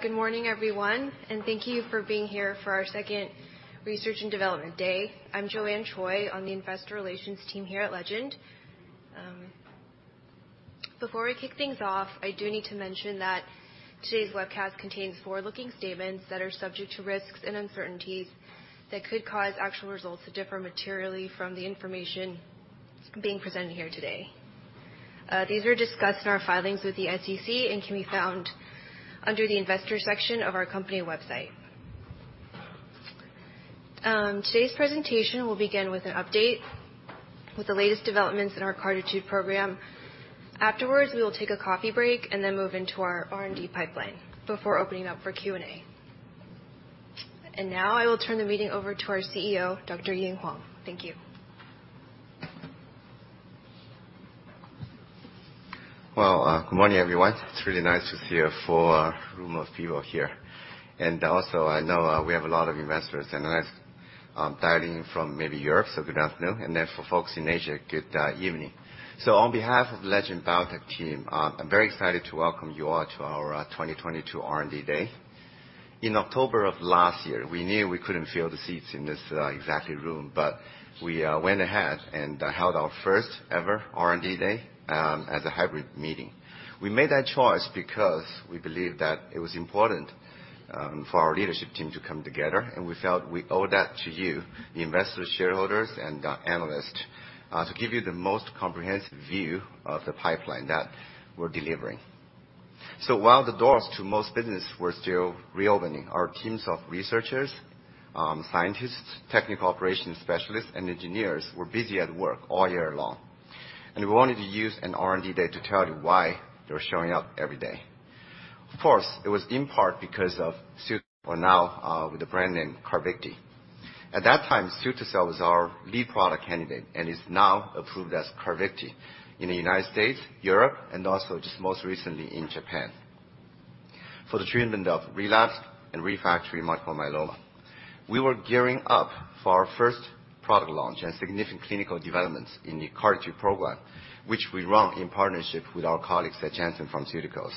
Good morning, everyone, and thank you for being here for our second research and development day. I'm Joanne Choi on the investor relations team here at Legend. Before we kick things off, I do need to mention that today's webcast contains forward-looking statements that are subject to risks and uncertainties that could cause actual results to differ materially from the information being presented here today. These are discussed in our filings with the SEC and can be found under the investor section of our company website. Today's presentation will begin with an update with the latest developments in our CAR T program. Afterwards, we will take a coffee break and then move into our R&D pipeline before opening up for Q&A. Now I will turn the meeting over to our CEO, Dr. Ying Huang. Thank you. Well, good morning, everyone. It's really nice to see a full room of people here. Also, I know we have a lot of investors and analysts dialing in from maybe Europe, so good afternoon. For folks in Asia, good evening. On behalf of Legend Biotech team, I'm very excited to welcome you all to our 2022 R&D Day. In October of last year, we knew we couldn't fill the seats in this exact room, but we went ahead and held our first ever R&D Day as a hybrid meeting. We made that choice because we believed that it was important for our leadership team to come together, and we felt we owed that to you, the investors, shareholders, and analysts, to give you the most comprehensive view of the pipeline that we're delivering. While the doors to most businesses were still reopening, our teams of researchers, scientists, technical operations specialists, and engineers were busy at work all year long. We wanted to use an R&D Day to tell you why they were showing up every day. Of course, it was in part now with the brand name CARVYKTI. At that time, cilta-cel was our lead product candidate and is now approved as CARVYKTI in the United States, Europe, and also just most recently in Japan for the treatment of relapsed and refractory multiple myeloma. We were gearing up for our first product launch and significant clinical developments in the CAR T program, which we run in partnership with our colleagues at Janssen Pharmaceuticals.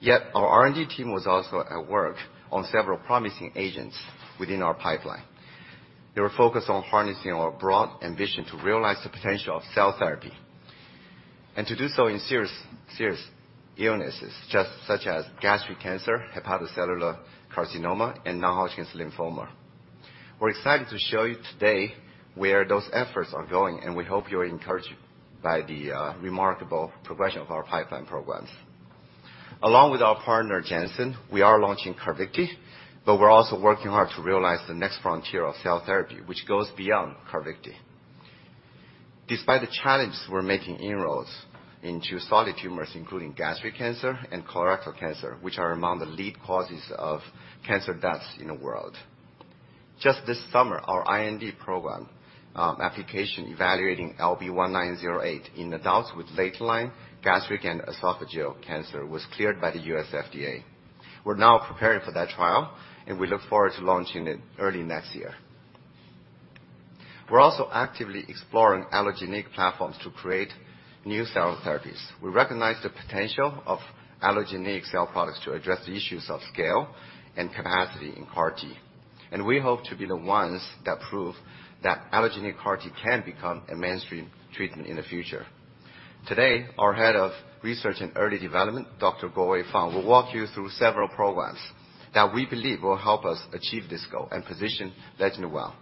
Yet our R&D team was also at work on several promising agents within our pipeline. They were focused on harnessing our broad ambition to realize the potential of cell therapy and to do so in serious illnesses just such as gastric cancer, hepatocellular carcinoma, and non-Hodgkin's lymphoma. We're excited to show you today where those efforts are going, and we hope you're encouraged by the remarkable progression of our pipeline programs. Along with our partner, Janssen, we are launching CARVYKTI, but we're also working hard to realize the next frontier of cell therapy, which goes beyond CARVYKTI. Despite the challenges, we're making inroads into solid tumors, including gastric cancer and colorectal cancer, which are among the leading causes of cancer deaths in the world. Just this summer, our IND program, application evaluating LB1908 in adults with late-line gastric and esophageal cancer was cleared by the US FDA. We're now preparing for that trial, and we look forward to launching it early next year. We're also actively exploring allogeneic platforms to create new cell therapies. We recognize the potential of allogeneic cell products to address the issues of scale and capacity in CAR T, and we hope to be the ones that prove that allogeneic CAR T can become a mainstream treatment in the future. Today, our head of research and early development, Dr. Guowei Fang, will walk you through several programs that we believe will help us achieve this goal and position Legend well.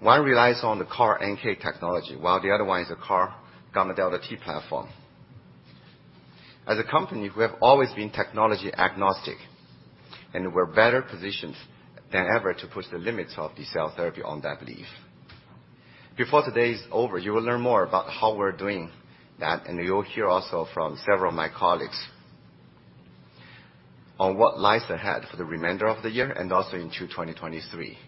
One relies on the CAR-NK technology, while the other one is a CAR gamma delta T platform. As a company, we have always been technology agnostic, and we're better positioned than ever to push the limits of the cell therapy on that belief. Before the day is over, you will learn more about how we're doing that, and you'll hear also from several of my colleagues on what lies ahead for the remainder of the year and also into 2023.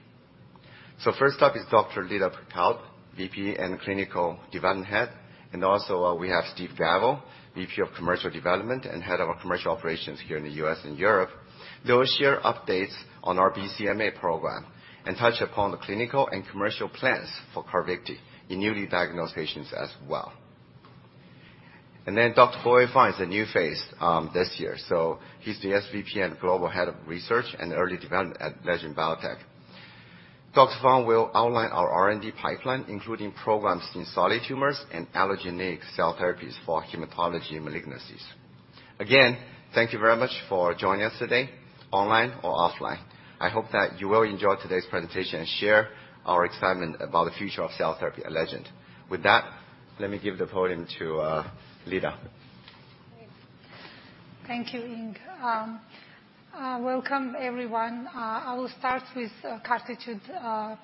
First up is Dr. Lida Pacaud, VP and Clinical Development Head, and also, we have Steve Gavel, VP of Commercial Development and head of our commercial operations here in the U.S. and Europe. They will share updates on our BCMA program and touch upon the clinical and commercial plans for CARVYKTI in newly diagnosed patients as well. Dr. Guowei Fang is a new face, this year. He's the SVP and Global Head of Research and Early Development at Legend Biotech. Dr. Fang will outline our R&D pipeline, including programs in solid tumors and allogeneic cell therapies for hematologic malignancies. Again, thank you very much for joining us today, online or offline. I hope that you will enjoy today's presentation and share our excitement about the future of cell therapy at Legend. With that, let me give the podium to Lida. Great. Thank you, Ying. Welcome everyone. I will start with CAR T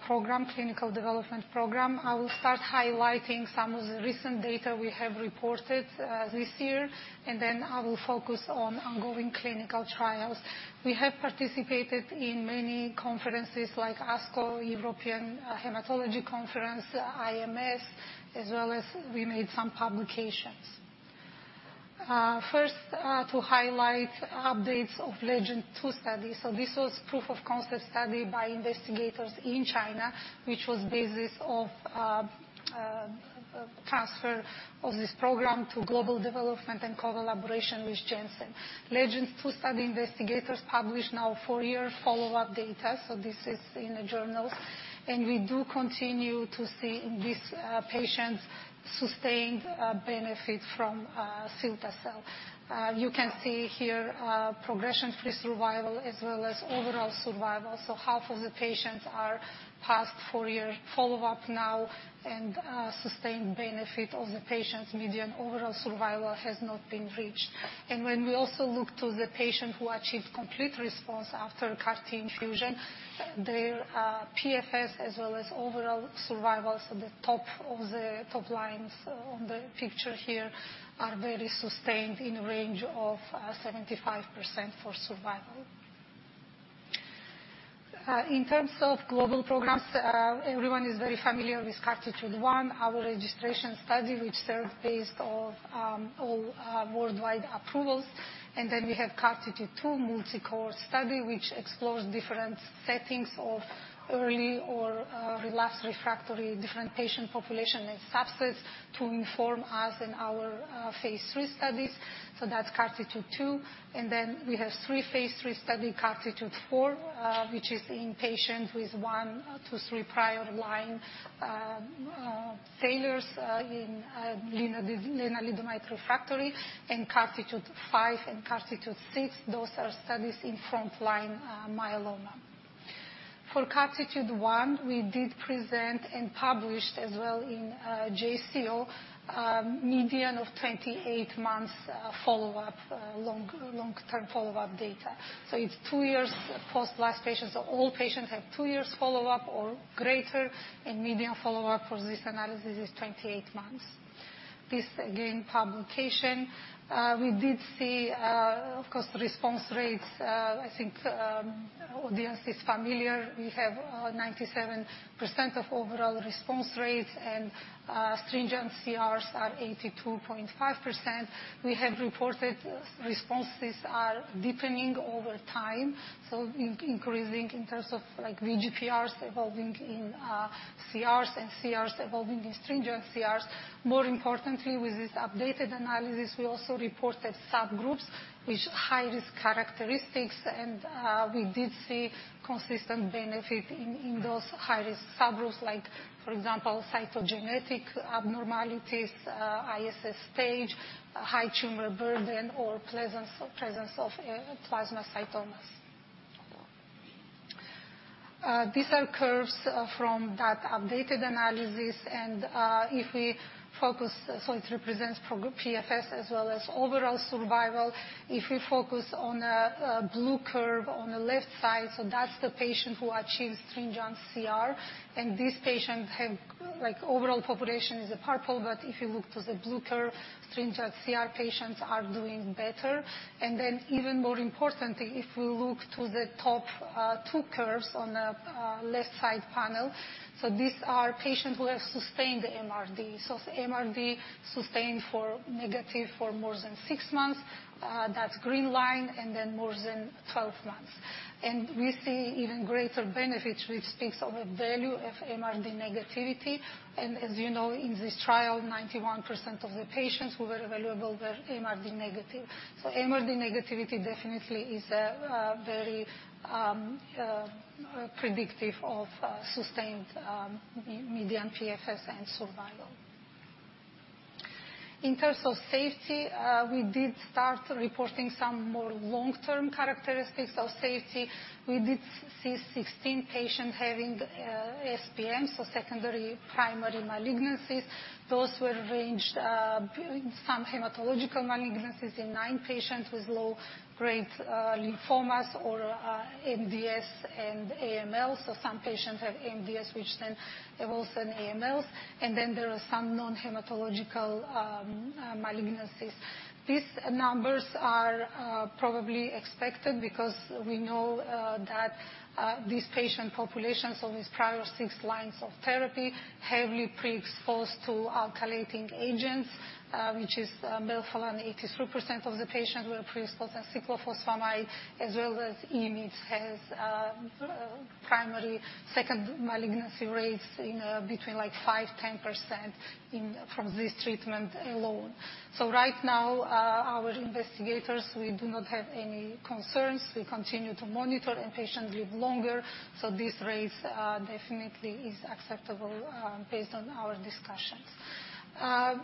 program, clinical development program. I will start highlighting some of the recent data we have reported this year, and then I will focus on ongoing clinical trials. We have participated in many conferences like ASCO, European Hematology Conference, IMS, as well as we made some publications. First, to highlight updates of LEGEND-2 study. This was proof of concept study by investigators in China, which was basis of transfer of this program to global development and collaboration with Janssen. LEGEND-2 study investigators published now four-year follow-up data, so this is in the journals. We do continue to see in these patients sustained benefit from cilta-cel. You can see here progression-free survival as well as overall survival. Half of the patients are past four-year follow-up now and sustained benefit of the patients. Median overall survival has not been reached. When we also look to the patient who achieved complete response after CAR-T infusion, their PFS as well as overall survival, the top of the top lines on the picture here are very sustained in a range of 75% for survival. In terms of global programs, everyone is very familiar with CARTITUDE-1, our registration study, which served as the basis for all worldwide approvals. We have CARTITUDE-2 multi-cohort study, which explores different settings of early or relapsed/refractory different patient population and subsets to inform us in our phase III studies. That's CARTITUDE-2. We have three phase III studies CARTITUDE-4, which is in patients with 1-3 prior line failures in lenalidomide refractory and CARTITUDE-5 and CARTITUDE-6. Those are studies in frontline myeloma. For CARTITUDE-1, we did present and published as well in JCO, median of 28 months follow-up, long-term follow-up data. It's two years post last patient. All patients have two years follow-up or greater, and median follow-up for this analysis is 28 months. This, again, publication, we did see, of course, the response rates, I think, audience is familiar. We have 97% overall response rates and stringent CRs are 82.5%. We have reported responses are deepening over time, increasing in terms of like VGPRs evolving in CRs and CRs evolving in stringent CRs. More importantly, with this updated analysis, we also reported subgroups with high risk characteristics, and we did see consistent benefit in those high-risk subgroups like, for example, cytogenetic abnormalities, ISS stage, high tumor burden, or presence of plasmacytomas. These are curves from that updated analysis, and if we focus. It represents PFS as well as overall survival. If we focus on a blue curve on the left side, so that's the patient who achieved stringent CR, and these patients have like overall population is a purple, but if you look to the blue curve, stringent CR patients are doing better. Then even more importantly, if we look to the top two curves on the left side panel, so these are patients who have sustained MRD. MRD negativity sustained for more than six months, that's green line, and then more than 12 months. We see even greater benefit, which speaks of a value of MRD negativity. As you know, in this trial, 91% of the patients who were available were MRD negative. MRD negativity definitely is a very predictive of sustained median PFS and survival. In terms of safety, we did start reporting some more long-term characteristics of safety. We did see 16 patients having SPMs, so secondary primary malignancies. Those ranged some hematological malignancies in 9 patients with low-grade lymphomas or MDS and AML. Some patients have MDS which then evolves in AMLs, and then there are some non-hematological malignancies. These numbers are probably expected because we know that these patient populations on these prior six lines of therapy heavily pre-exposed to alkylating agents, which is melphalan. 83% of the patients were pre-exposed to cyclophosphamide as well as IMiDs has primary second malignancy rates in between like 5%-10% in from this treatment alone. Right now, our investigators, we do not have any concerns. We continue to monitor, and patients live longer, so these rates definitely is acceptable based on our discussions.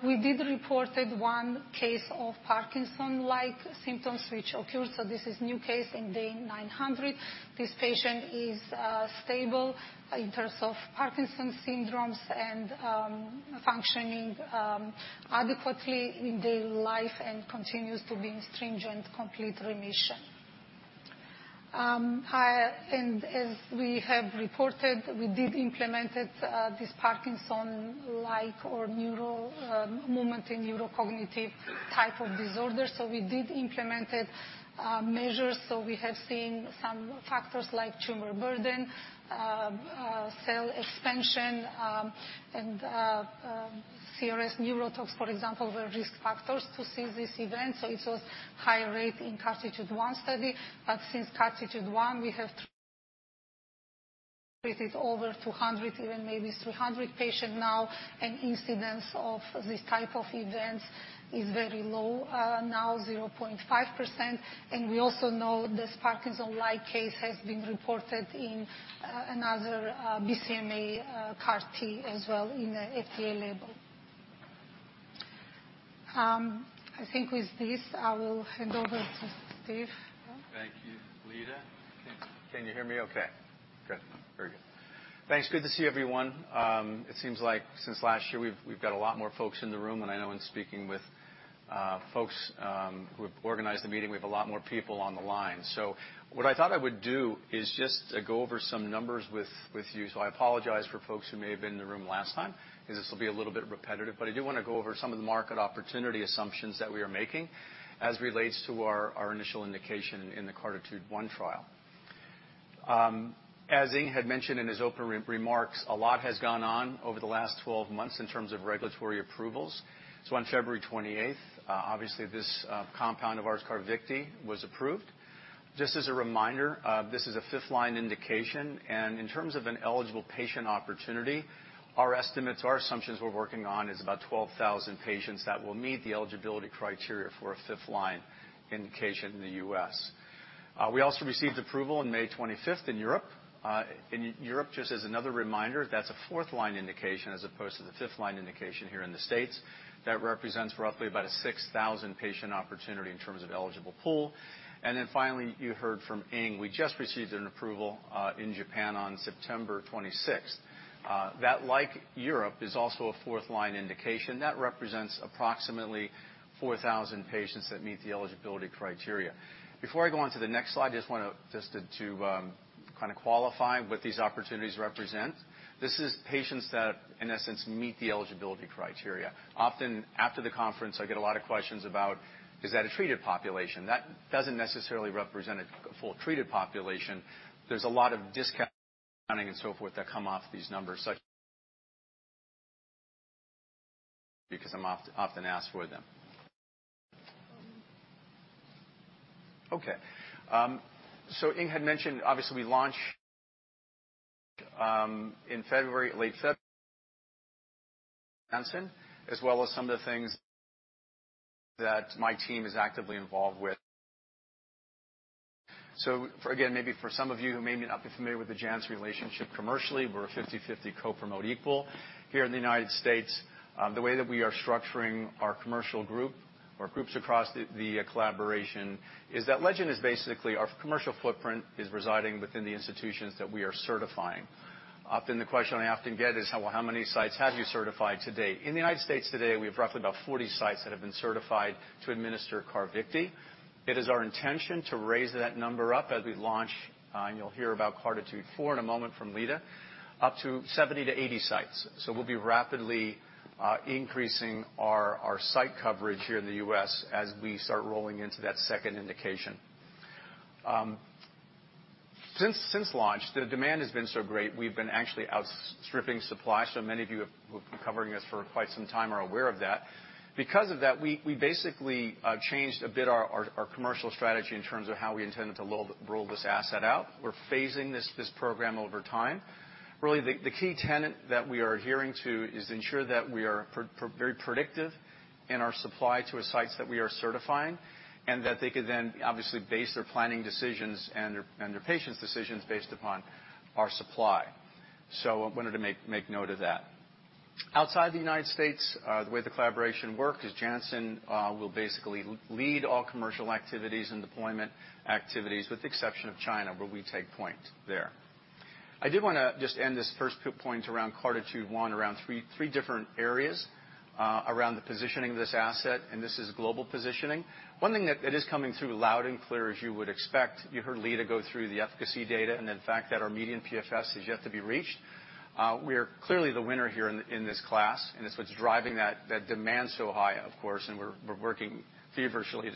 We reported one case of Parkinson-like symptoms which occurred, so this is new case in day 900. This patient is stable in terms of Parkinson's syndromes and functioning adequately in their life and continues to be in stringent complete remission. As we have reported, we did implemented this Parkinson-like or neuro moment in neurocognitive type of disorder. We did implemented measures. We have seen some factors like tumor burden, cell expansion, and CRS neurotox, for example, were risk factors to see this event, so it's a high rate in CARTITUDE-1 study. Since CARTITUDE-1, we have treated over 200, even maybe 300 patient now, and incidence of this type of events is very low, now 0.5%. We also know this Parkinson-like case has been reported in another BCMA CAR T as well in the FDA label. I think with this, I will hand over to Steve. Thank you, Lida. Can you hear me okay? Good. Very good. Thanks. Good to see everyone. It seems like since last year, we've got a lot more folks in the room, and I know in speaking with folks who've organized the meeting, we have a lot more people on the line. What I thought I would do is just go over some numbers with you. I apologize for folks who may have been in the room last time, because this will be a little bit repetitive, but I do wanna go over some of the market opportunity assumptions that we are making as relates to our initial indication in the CARTITUDE-1 trial. As Ying Huang had mentioned in his opening remarks, a lot has gone on over the last 12 months in terms of regulatory approvals. On February 28th, obviously this compound of ours, CARVYKTI, was approved. Just as a reminder, this is a fifth-line indication, and in terms of an eligible patient opportunity, our estimates, our assumptions we're working on is about 12,000 patients that will meet the eligibility criteria for a fifth-line indication in the U.S. We also received approval in 25th May in Europe. In Europe, just as another reminder, that's a fourth-line indication as opposed to the fifth-line indication here in the States. That represents roughly about a 6,000 patient opportunity in terms of eligible pool. Then finally, you heard from Inge, we just received an approval in Japan on 26th September. That, like Europe, is also a fourth-line indication. That represents approximately 4,000 patients that meet the eligibility criteria. Before I go on to the next slide, just wanna kinda qualify what these opportunities represent. This is patients that, in essence, meet the eligibility criteria. Often, after the conference, I get a lot of questions about, "Is that a treated population?" That doesn't necessarily represent a full treated population. There's a lot of discounting and so forth that come off these numbers. Because I'm often asked for them. Okay. Ying Huang had mentioned, obviously, we launched in late February Janssen, as well as some of the things that my team is actively involved with. Again, maybe for some of you who may not be familiar with the Janssen relationship commercially, we're a 50/50 co-promote equal. Here in the United States, the way that we are structuring our commercial group or groups across the collaboration is that Legend is basically our commercial footprint is residing within the institutions that we are certifying. Often, the question I often get is, "Well, how many sites have you certified to date?" In the United States today, we have roughly about 40 sites that have been certified to administer CARVYKTI. It is our intention to raise that number up as we launch, and you'll hear about CARTITUDE-4 in a moment from Lida, up to 70-80 sites. We'll be rapidly increasing our site coverage here in the U.S. as we start rolling into that second indication. Since launch, the demand has been so great, we've been actually outstripping supply, so many of you who've been covering this for quite some time are aware of that. Because of that, we basically changed a bit our commercial strategy in terms of how we intended to roll this asset out. We're phasing this program over time. Really, the key tenet that we are adhering to is ensure that we are very predictive in our supply to our sites that we are certifying, and that they could then obviously base their planning decisions and their patients' decisions based upon our supply. I wanted to make note of that. Outside the United States, the way the collaboration works is Janssen will basically lead all commercial activities and deployment activities, with the exception of China, where we take point there. I did wanna just end this first point around three different areas around the positioning of this asset, and this is global positioning. One thing that is coming through loud and clear, as you would expect, you heard Lida go through the efficacy data and the fact that our median PFS is yet to be reached. We're clearly the winner here in this class, and it's what's driving that demand so high, of course, and we're working feverishly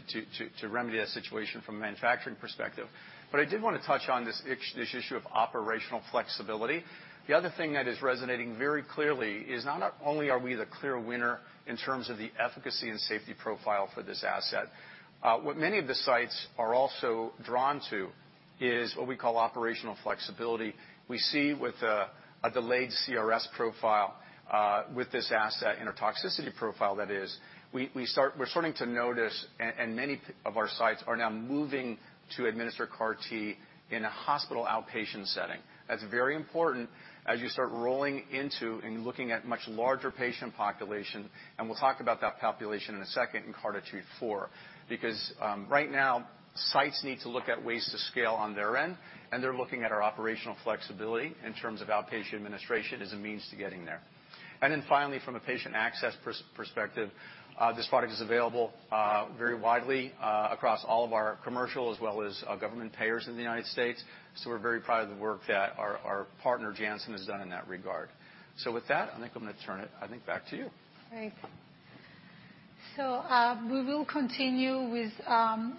to remedy that situation from a manufacturing perspective. I did wanna touch on this issue of operational flexibility. The other thing that is resonating very clearly is not only are we the clear winner in terms of the efficacy and safety profile for this asset, what many of the sites are also drawn to is what we call operational flexibility. We see with a delayed CRS profile with this asset. In our toxicity profile, we're starting to notice and many of our sites are now moving to administer CAR T in a hospital outpatient setting. That's very important as you start rolling into and looking at much larger patient population, and we'll talk about that population in a second in CARTITUDE-4. Because right now, sites need to look at ways to scale on their end, and they're looking at our operational flexibility in terms of outpatient administration as a means to getting there. From a patient access perspective, this product is available very widely across all of our commercial as well as government payers in the United States, so we're very proud of the work that our partner, Janssen, has done in that regard. With that, I think I'm gonna turn it back to you. Thanks. We will continue with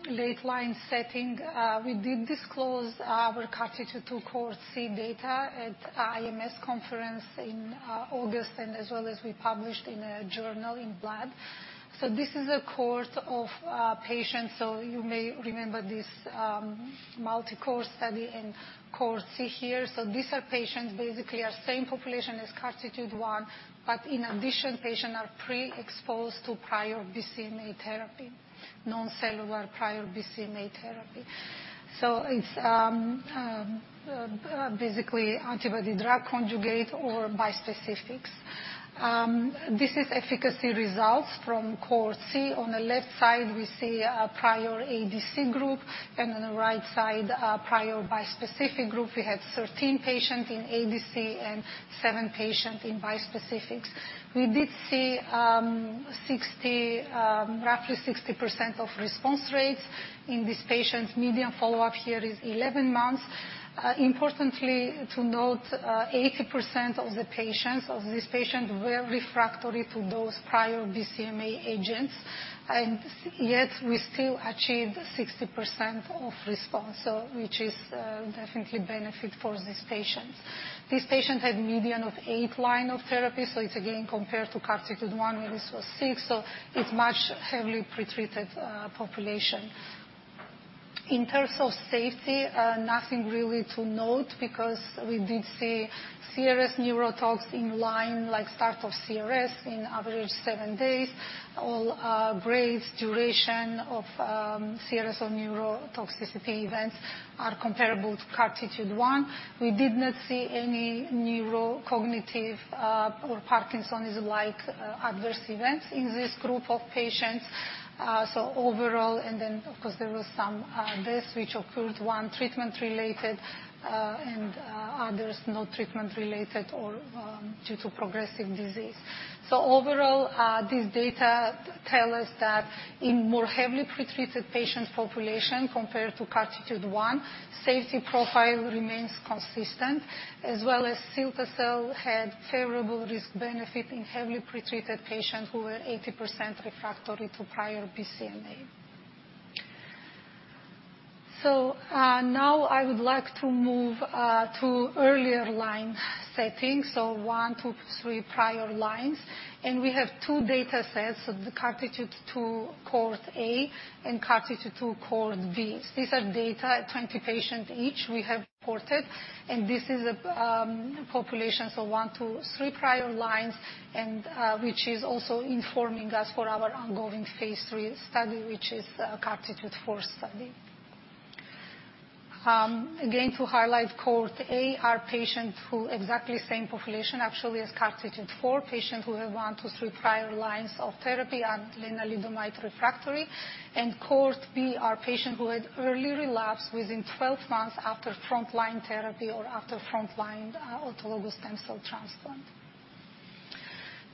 late line setting. We did disclose our CARTITUDE-2 Cohort C data at IMS conference in August, and as well as we published in a journal in Blood. This is a cohort of patients. You may remember this multi-cohort study in Cohort C here. These are patients, basically are same population as CARTITUDE-1, but in addition, patients are pre-exposed to prior BCMA therapy, non-cellular prior BCMA therapy. It's basically antibody drug conjugate or bispecifics. This is efficacy results from Cohort C. On the left side, we see a prior ADC group, and on the right side, a prior bispecific group. We had 13 patients in ADC and 7 patients in bispecifics. We did see roughly 60% of response rates in these patients. Median follow-up here is 11 months. Importantly to note, 80% of the patients, of these patients were refractory to those prior BCMA agents, yet we still achieved 60% of response. Which is definitely benefit for these patients. These patients had median of 8 lines of therapy, so it's again, compared to CARTITUDE-1 where this was six, so it's much heavily pre-treated population. In terms of safety, nothing really to note because we did see CRS neurotox in line, like start of CRS in average seven days. All grades, duration of CRS or neurotoxicity events are comparable to CARTITUDE-1. We did not see any neurocognitive or Parkinson's-like adverse events in this group of patients. Overall, and then of course, there was some deaths which occurred, one treatment-related, and others not treatment-related or due to progressive disease. Overall, these data tell us that in more heavily pre-treated patient population compared to CARTITUDE-1, safety profile remains consistent, as well as cilta-cel had favorable risk-benefit in heavily pre-treated patients who were 80% refractory to prior BCMA. Now I would like to move to earlier line settings, so 1-3 prior lines. We have two data sets, so the CARTITUDE-2 Cohort A and CARTITUDE-2 Cohort B. These are data at 20 patients each we have reported, and this is a population, so 1-3 prior lines and which is also informing us for our ongoing phase III study, which is CARTITUDE-4 study. Again, to highlight Cohort A, our patients who exactly same population actually as CARTITUDE-4, patients who have one to three prior lines of therapy and lenalidomide refractory. Cohort B are patients who had early relapse within 12 months after frontline therapy or after frontline autologous stem cell transplant.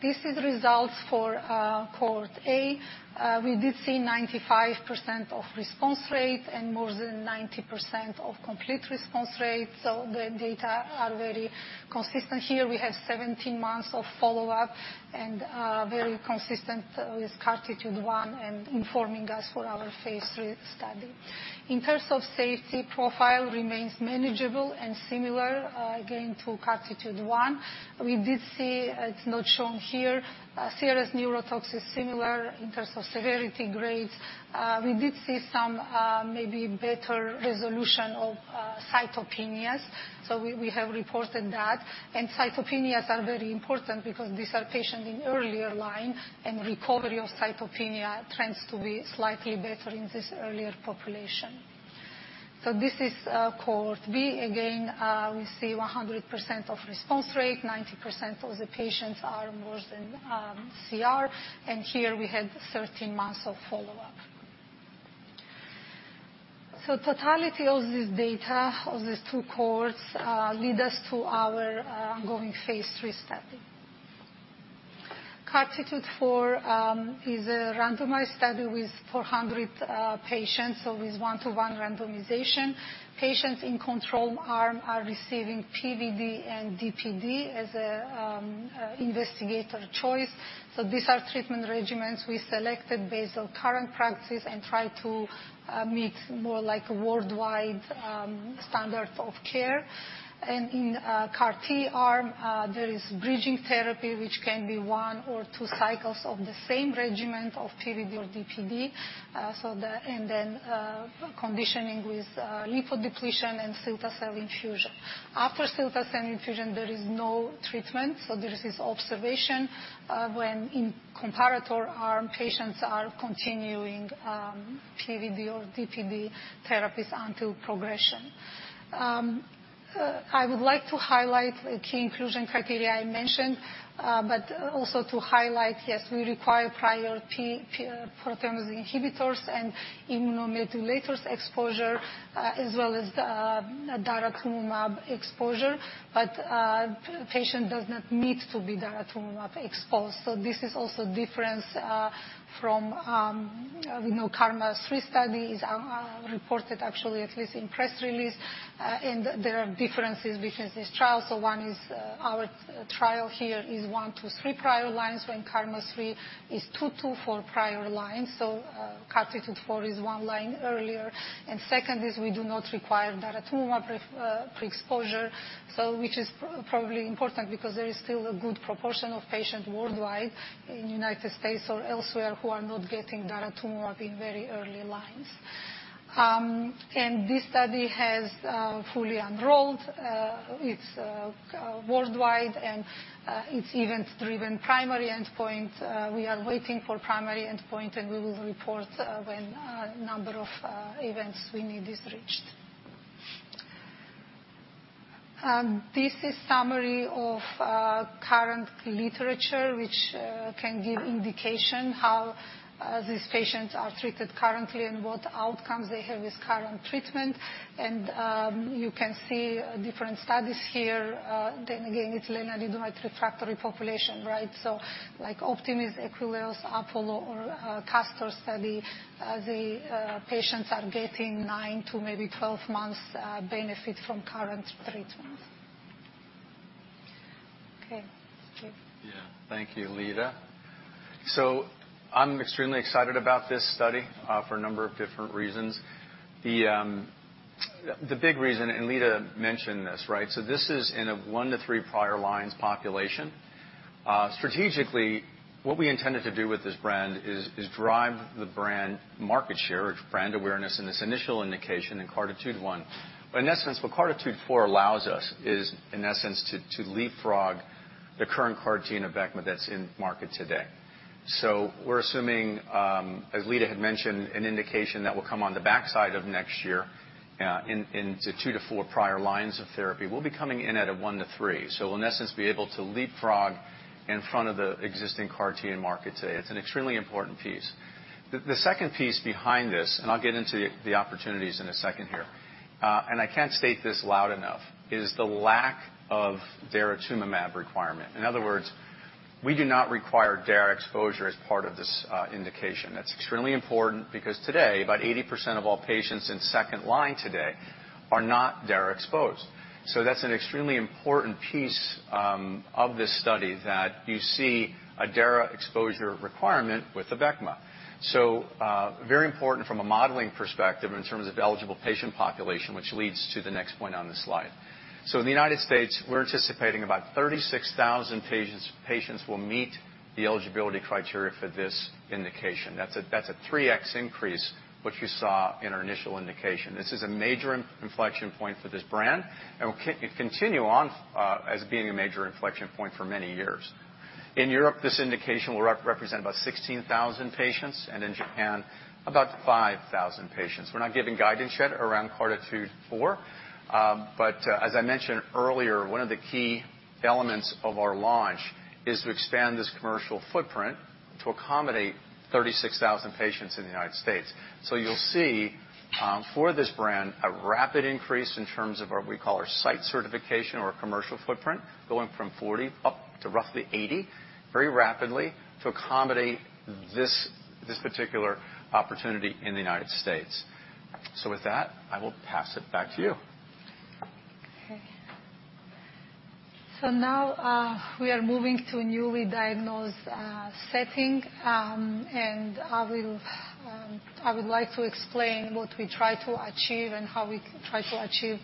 This is results for Cohort A. We did see 95% response rate and more than 90% complete response rate, so the data are very consistent here. We have 17 months of follow-up and very consistent with CARTITUDE-1 and informing us for our phase III study. In terms of safety profile remains manageable and similar, again, to CARTITUDE-1. We did see, it's not shown here, CRS neurotox is similar in terms of severity grades. We did see some maybe better resolution of cytopenias, so we have reported that. Cytopenias are very important because these are patients in earlier line, and recovery of cytopenia tends to be slightly better in this earlier population. This is Cohort B. Again, we see 100% response rate, 90% of the patients are more than CR, and here we had 13 months of follow-up. Totality of this data, of these two cohorts, lead us to our ongoing phase III study. CARTITUDE-4 is a randomized study with 400 patients, with one-to-one randomization. Patients in control arm are receiving PVd and DPd as an investigator choice. These are treatment regimens we selected based on current practice and try to meet more like worldwide standard of care. In CAR-T arm, there is bridging therapy, which can be one or two cycles of the same regimen of PVD or DPD. Conditioning with lymphodepletion and cilta-cel infusion. After cilta-cel infusion, there is no treatment, so this is observation when in comparator arm patients are continuing PVD or DPD therapies until progression. I would like to highlight a key inclusion criteria I mentioned, but also to highlight, yes, we require prior proteasome inhibitors and immunomodulators exposure, as well as daratumumab exposure, but patient does not need to be daratumumab exposed. This is also difference from we know KarMMa-3 study is reported actually at least in press release. There are differences between these trials. One is, our trial here is one to three prior lines, when KarMMa-3 is two for prior lines. CARTITUDE-4 is one line earlier. Second is we do not require daratumumab pre-exposure. Which is probably important because there is still a good proportion of patients worldwide in United States or elsewhere who are not getting daratumumab in very early lines. This study has fully enrolled. It's worldwide, and it's event-driven primary endpoint. We are waiting for primary endpoint, and we will report when number of events we need is reached. This is summary of current literature, which can give indication how these patients are treated currently and what outcomes they have with current treatment. You can see different studies here. Then again, it's lenalidomide refractory population, right? Like OPTIMISMM, IKEMA, APOLLO or CASTOR study, the patients are getting nine to maybe 12 months benefit from current treatment. Okay. Dave? Yeah. Thank you, Lida. I'm extremely excited about this study for a number of different reasons. The big reason, and Lida mentioned this, right? This is in a 1-3 prior lines population. Strategically, what we intended to do with this brand is drive the brand market share, brand awareness in this initial indication in CARTITUDE-1. In essence, what CARTITUDE-4 allows us is, in essence, to leapfrog the current CAR T of Abecma that's in market today. We're assuming, as Lida had mentioned, an indication that will come on the back half of next year into 2-4 prior lines of therapy. We'll be coming in at a 1-3. In essence, we'll be able to leapfrog in front of the existing CAR T in market today. It's an extremely important piece. The second piece behind this, and I'll get into the opportunities in a second here, and I can't state this loud enough, is the lack of daratumumab requirement. In other words, we do not require dara exposure as part of this indication. That's extremely important because today, about 80% of all patients in second line today are not dara exposed. That's an extremely important piece of this study that you see a dara exposure requirement with Abecma. Very important from a modeling perspective in terms of eligible patient population, which leads to the next point on this slide. In the United States, we're anticipating about 36,000 patients will meet the eligibility criteria for this indication. That's a 3x increase what you saw in our initial indication. This is a major inflection point for this brand, and it will continue on as being a major inflection point for many years. In Europe, this indication will represent about 16,000 patients, and in Japan, about 5,000 patients. We're not giving guidance yet around CARTITUDE-4, but as I mentioned earlier, one of the key elements of our launch is to expand this commercial footprint to accommodate 36,000 patients in the United States. You'll see, for this brand, a rapid increase in terms of what we call our site certification or commercial footprint, going from 40 up to roughly 80 very rapidly to accommodate this particular opportunity in the United States. With that, I will pass it back to you. Okay. Now we are moving to a newly diagnosed setting, and I would like to explain what we try to achieve and how we try to achieve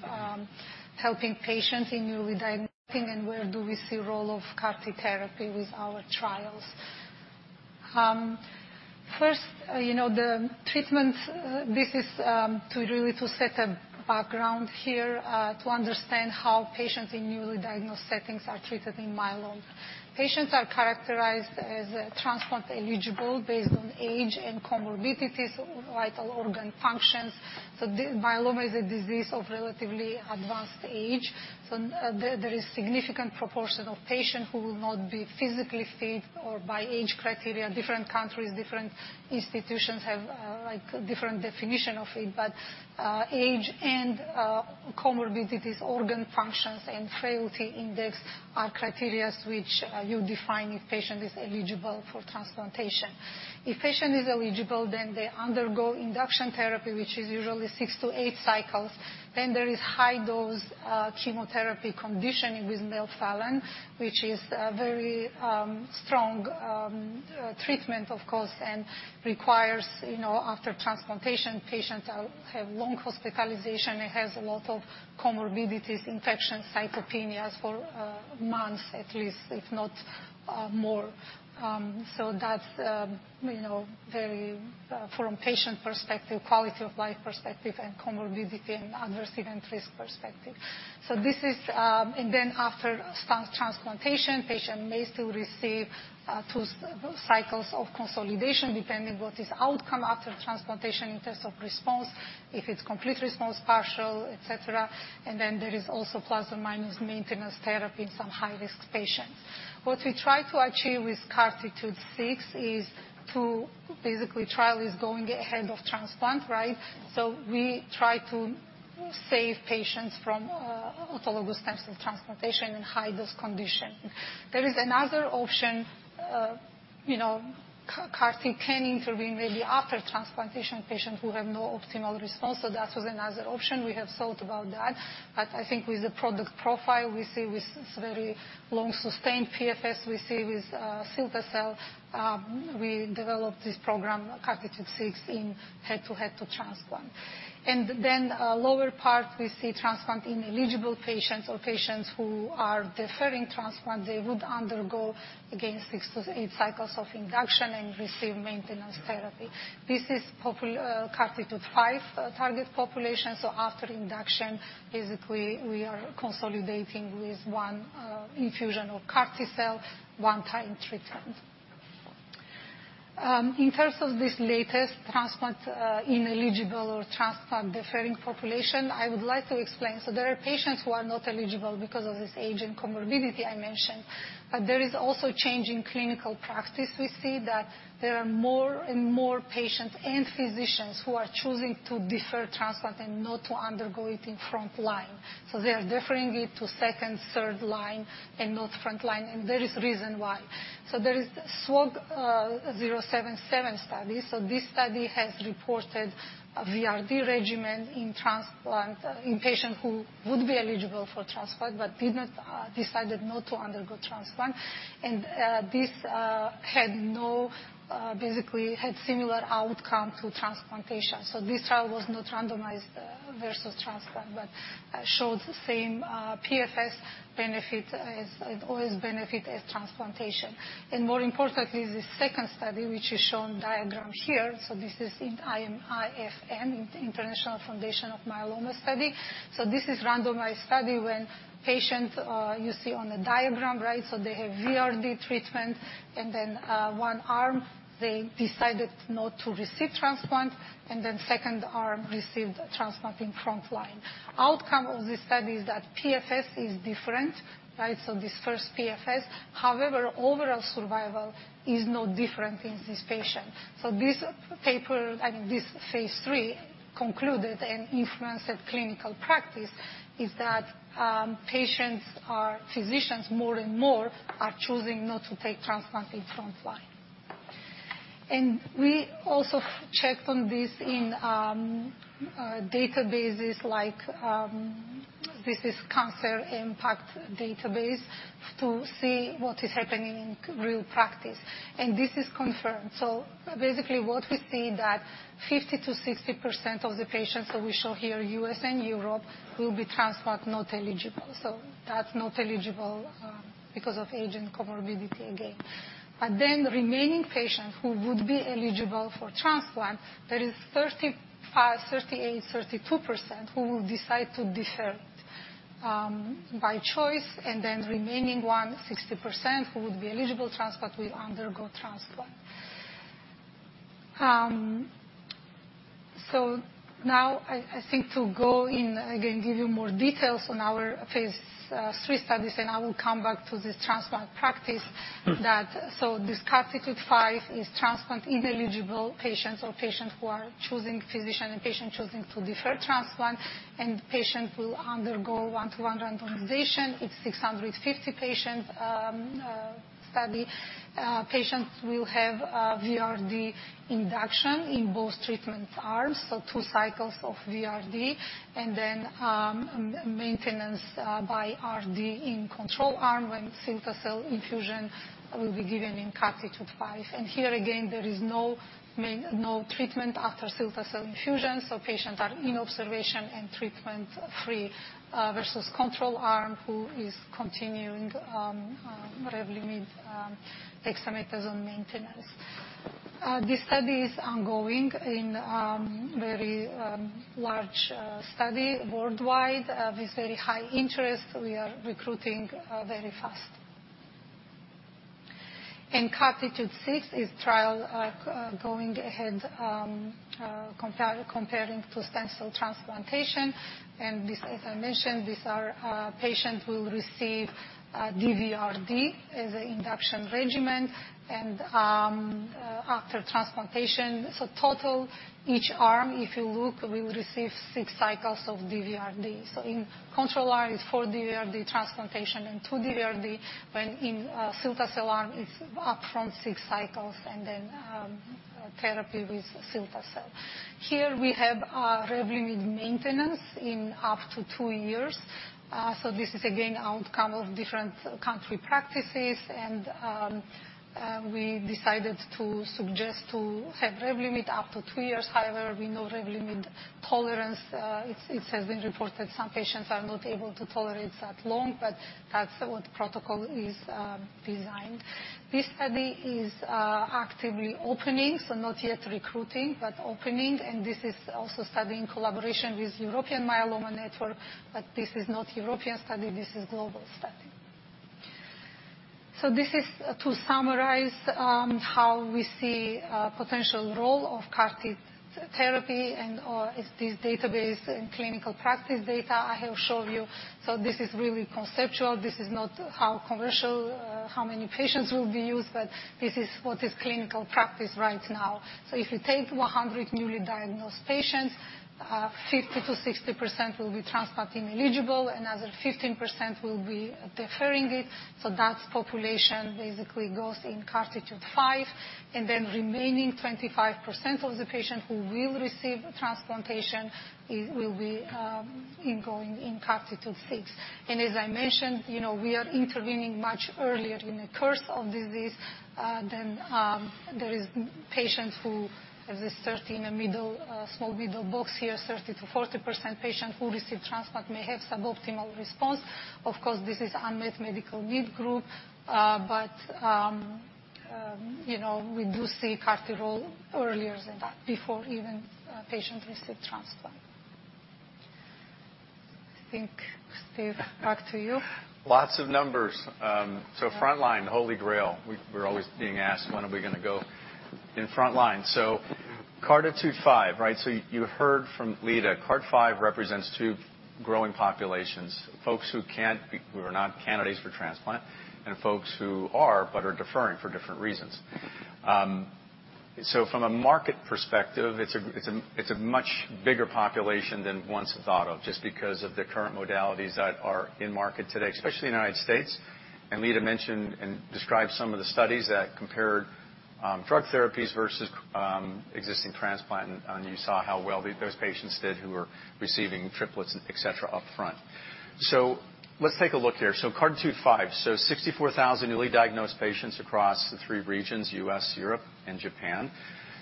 helping patients in newly diagnosed and where do we see role of CAR T therapy with our trials. First, you know, the treatment, this is to really set a background here, to understand how patients in newly diagnosed settings are treated in myeloma. Patients are characterized as transplant-eligible based on age and comorbidities, vital organ functions. Myeloma is a disease of relatively advanced age. There is significant proportion of patients who will not be physically fit or by age criteria. Different countries, different institutions have like different definition of it, but age and comorbidities, organ functions, and frailty index are criteria which you define if patient is eligible for transplantation. If patient is eligible, they undergo induction therapy, which is usually 6-8 cycles. There is high-dose chemotherapy conditioning with melphalan, which is a very strong treatment, of course, and requires, you know, after transplantation, patients have long hospitalization. It has a lot of comorbidities, infections, cytopenias for months at least, if not more. That's, you know, very from patient perspective, quality of life perspective, and comorbidity and adverse event risk perspective. This is, and then after transplantation, patient may still receive two cycles of consolidation, depending what is outcome after transplantation in terms of response, if it's complete response, partial, et cetera. Then there is also plus or minus maintenance therapy in some high-risk patients. What we try to achieve with CARTITUDE-6 is to basically trial is going ahead of transplant, right? We try to save patients from autologous stem cell transplantation and high-dose conditioning. There is another option, you know, CAR T can intervene maybe after transplantation patients who have no optimal response. That was another option. We have thought about that. I think with the product profile we see with this very long-sustained PFS we see with cilta-cel, we developed this program, CARTITUDE-6, in head-to-head with transplant. Lower part, we see transplant-ineligible patients or patients who are deferring transplant. They would undergo, again, six to eight cycles of induction and receive maintenance therapy. This is CARTITUDE-5 target population. After induction, basically, we are consolidating with one infusion of CAR T cell, one-time treatment. In terms of this latest transplant ineligible or transplant deferring population, I would like to explain. There are patients who are not eligible because of this age and comorbidity I mentioned, but there is also change in clinical practice. We see that there are more and more patients and physicians who are choosing to defer transplant and not to undergo it in front line. They are deferring it to second, third line and not front line. There is reason why. There is SWOG S0777 study. This study has reported a VRd regimen in transplant-ineligible patient who would be eligible for transplant but did not decided not to undergo transplant. This had similar outcome to transplantation. This trial was not randomized versus transplant, but showed same PFS benefit as transplantation. More importantly is the second study, which is shown diagram here. This is in IFM, Intergroupe Francophone du Myélome study. This is randomized study when patients you see on the diagram, right? They have VRd treatment, and then one arm they decided not to receive transplant, and then second arm received transplant in front line. Outcome of this study is that PFS is different, right? This first PFS, however, overall survival is no different in this patient. This paper and this phase III concluded and influenced that clinical practice is that, patients or physicians more and more are choosing not to take transplant in front line. We also checked on this in, databases like, this is CancerLinQ, to see what is happening in real practice. This is confirmed. Basically what we see that 50%-60% of the patients that we show here, U.S. and Europe, will be transplant not eligible. That's not eligible, because of age and comorbidity again. Remaining patients who would be eligible for transplant, there is 35%, 38%, 32% who will decide to defer, by choice. Remaining 16% who would be eligible transplant will undergo transplant. I think to go in again give you more details on our phase III studies, and I will come back to this transplant practice. This CARTITUDE-5 is transplant-ineligible patients or patients who choose to defer transplant, and patients will undergo 1:1 randomization. It's 650 patients study. Patients will have VRd induction in both treatment arms, so two cycles of VRd, and then maintenance by Rd in control arm when cilta-cel infusion will be given in CARTITUDE-5. Here again, there is no treatment after cilta-cel infusion, so patients are in observation and treatment-free versus control arm who is continuing Revlimid dexamethasone maintenance. This study is ongoing in very large study worldwide with very high interest. We are recruiting very fast. In CARTITUDE-6 trial going ahead, comparing to stem cell transplantation. This, as I mentioned, these are patient who receive DVRd as a induction regimen and after transplantation. Total each arm, if you look, we will receive six cycles of DVRd. In control arm is 4 DVRd transplantation and 2 DVRd when in cilta-cel arm is upfront six cycles and then therapy with cilta-cel. Here we have Revlimid maintenance in up to two years. This is again outcome of different country practices. We decided to suggest to have Revlimid up to two years. However, we know Revlimid tolerance, it has been reported some patients are not able to tolerate that long, but that's what protocol is designed. This study is actively opening, so not yet recruiting, but opening. This is also study in collaboration with European Myeloma Network, but this is not European study, this is global study. This is to summarize how we see potential role of CAR-T therapy and all is this database and clinical practice data I have showed you. This is really conceptual. This is not how commercial, how many patients will be used, but this is what is clinical practice right now. If you take 100 newly diagnosed patients, 50%-60% will be transplant ineligible, another 15% will be deferring it. That population basically goes in CARTITUDE-5, and then remaining 25% of the patient who will receive transplantation will be in going in CARTITUDE-6. As I mentioned, you know, we are intervening much earlier in the course of disease than there is patients who this 30 in the middle, small middle box here, 30%-40% patient who receive transplant may have suboptimal response. Of course, this is unmet medical need group. But you know, we do see CAR-T role earlier than that, before even patient receive transplant. I think, Steve, back to you. Lots of numbers. Frontline, the holy grail. We're always being asked when are we gonna go in frontline. CARTITUDE-5, right? You heard from Lida, CARTITUDE-5 represents two growing populations, folks who are not candidates for transplant, and folks who are, but are deferring for different reasons. From a market perspective, it's a much bigger population than once thought of just because of the current modalities that are in market today, especially United States. Lida mentioned and described some of the studies that compared drug therapies versus existing transplant, and you saw how well those patients did who were receiving triplets, et cetera, up front. Let's take a look here. CARTITUDE-5. 64,000 newly diagnosed patients across the three regions, US, Europe, and Japan.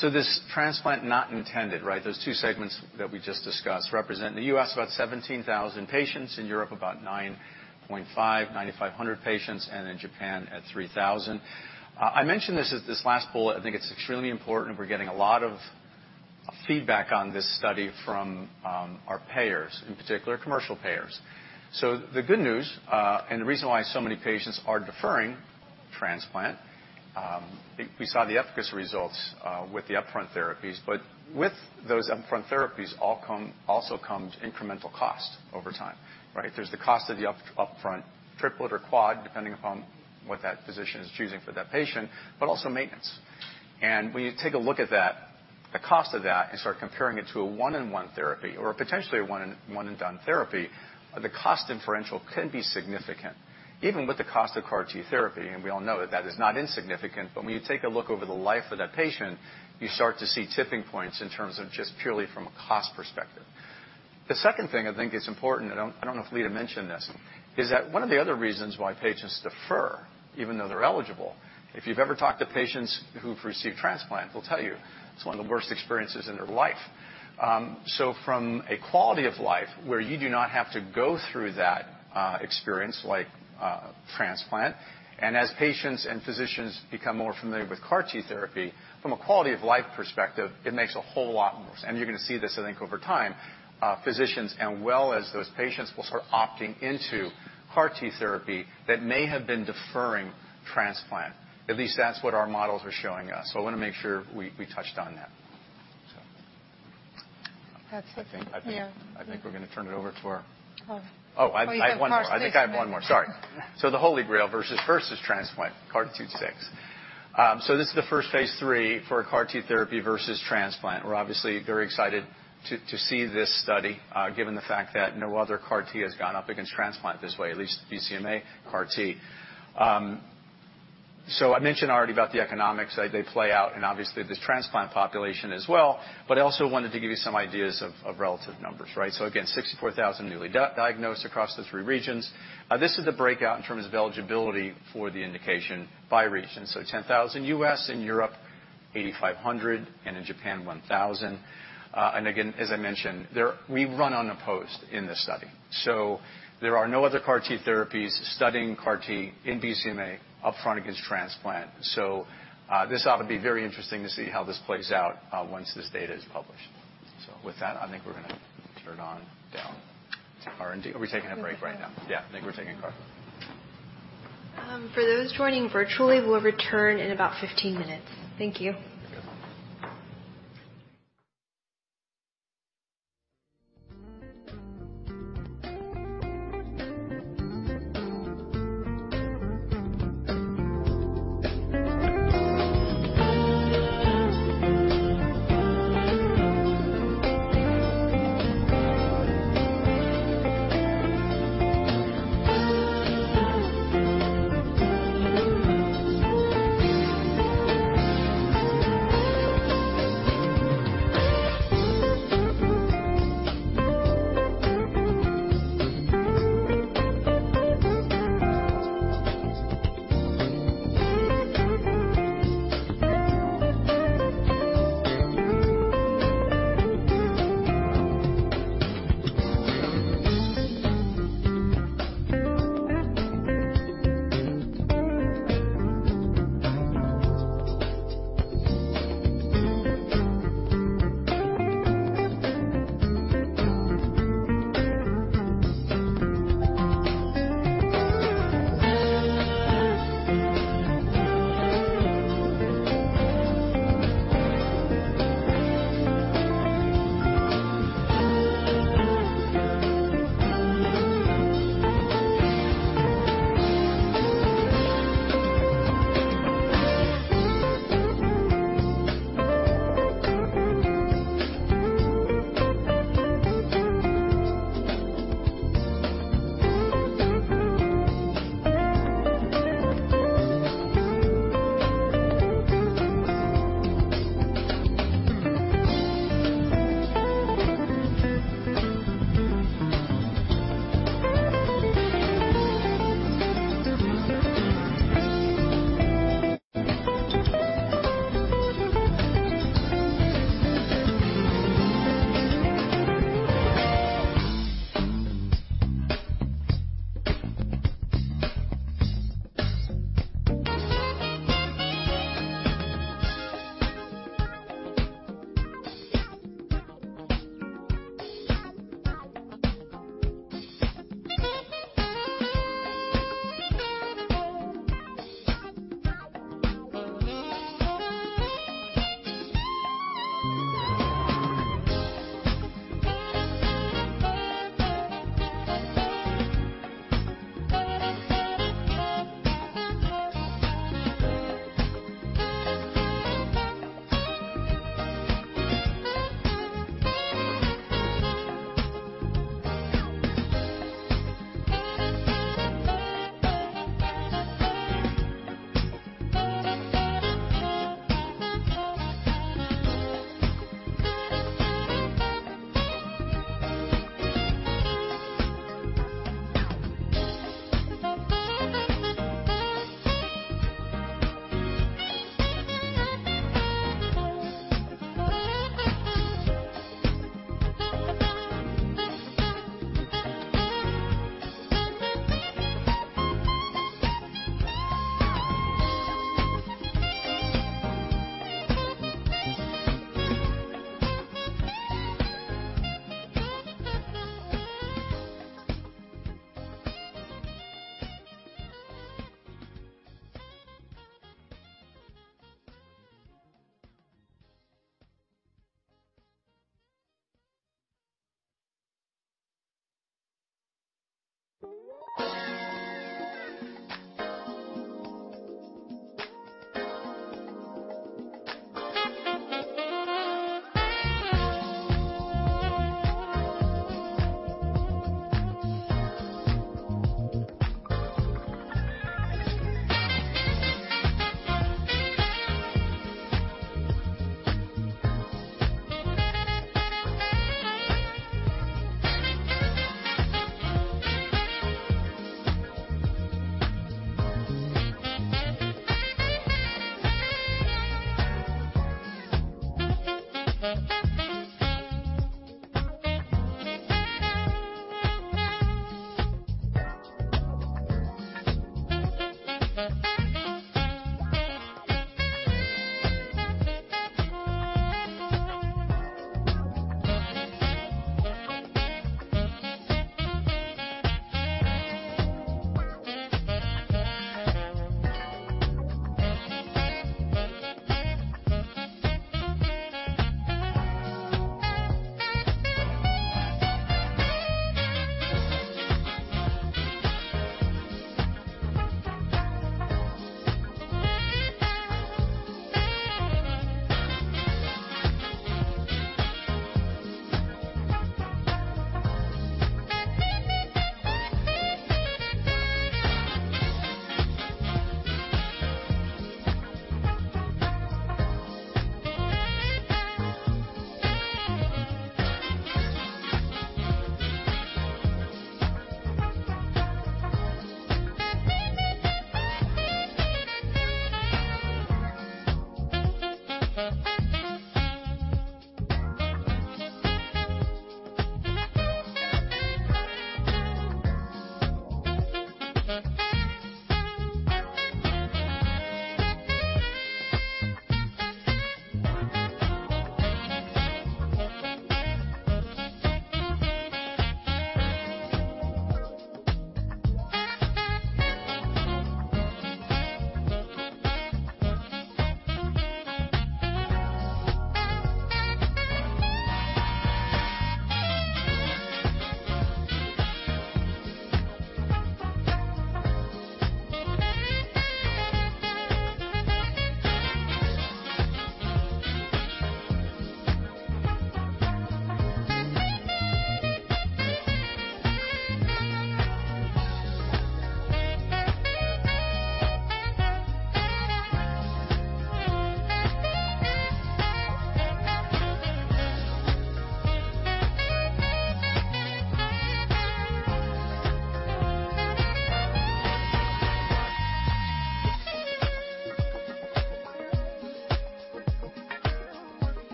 This transplant not intended, right? Those two segments that we just discussed represent the U.S., about 17,000 patients, in Europe, about 9.5, 9,500 patients, and in Japan at 3,000. I mentioned this at this last bullet. I think it's extremely important. We're getting a lot of feedback on this study from our payers, in particular, commercial payers. The good news, and the reason why so many patients are deferring transplant, we saw the efficacy results with the upfront therapies. But with those upfront therapies all come also comes incremental cost over time, right? There's the cost of the upfront triplet or quad, depending upon what that physician is choosing for that patient, but also maintenance. When you take a look at that, the cost of that, and start comparing it to a one-and-done therapy or potentially a one-and-done therapy, the cost differential can be significant. Even with the cost of CAR T therapy, and we all know that that is not insignificant, but when you take a look over the life of that patient, you start to see tipping points in terms of just purely from a cost perspective. The second thing I think is important, I don't know if Lida mentioned this, is that one of the other reasons why patients defer, even though they're eligible, if you've ever talked to patients who've received transplant, they'll tell you it's one of the worst experiences in their life. From a quality of life where you do not have to go through that experience like transplant, and as patients and physicians become more familiar with CAR T therapy, from a quality-of-life perspective, it makes a whole lot more. You're gonna see this, I think, over time, physicians as well as those patients will start opting into CAR T therapy that may have been deferring transplant. At least that's what our models are showing us. I wanna make sure we touched on that. That's it. Yeah. I think we're gonna turn it over to our. I have one more. You have CARTITUDE-6. I think I have one more. Sorry. The holy grail versus transplant, CARTITUDE-6. This is the first phase III for a CAR T therapy versus transplant. We're obviously very excited to see this study, given the fact that no other CAR T has gone up against transplant this way, at least BCMA CAR T. I mentioned already about the economics. They play out and obviously this transplant population as well, but I also wanted to give you some ideas of relative numbers, right? Again, 64,000 newly diagnosed across the three regions. This is the breakout in terms of eligibility for the indication by region. 10,000 U.S., in Europe 8,500, and in Japan 1,000. And again, as I mentioned, we run unopposed in this study. There are no other CAR T therapies studying CAR T in BCMA upfront against transplant. This ought to be very interesting to see how this plays out once this data is published. With that, I think we're gonna turn on down to R&D. Are we taking a break right now? Yeah. Yeah. I think we're taking a break. For those joining virtually, we'll return in about 15 minutes. Thank you.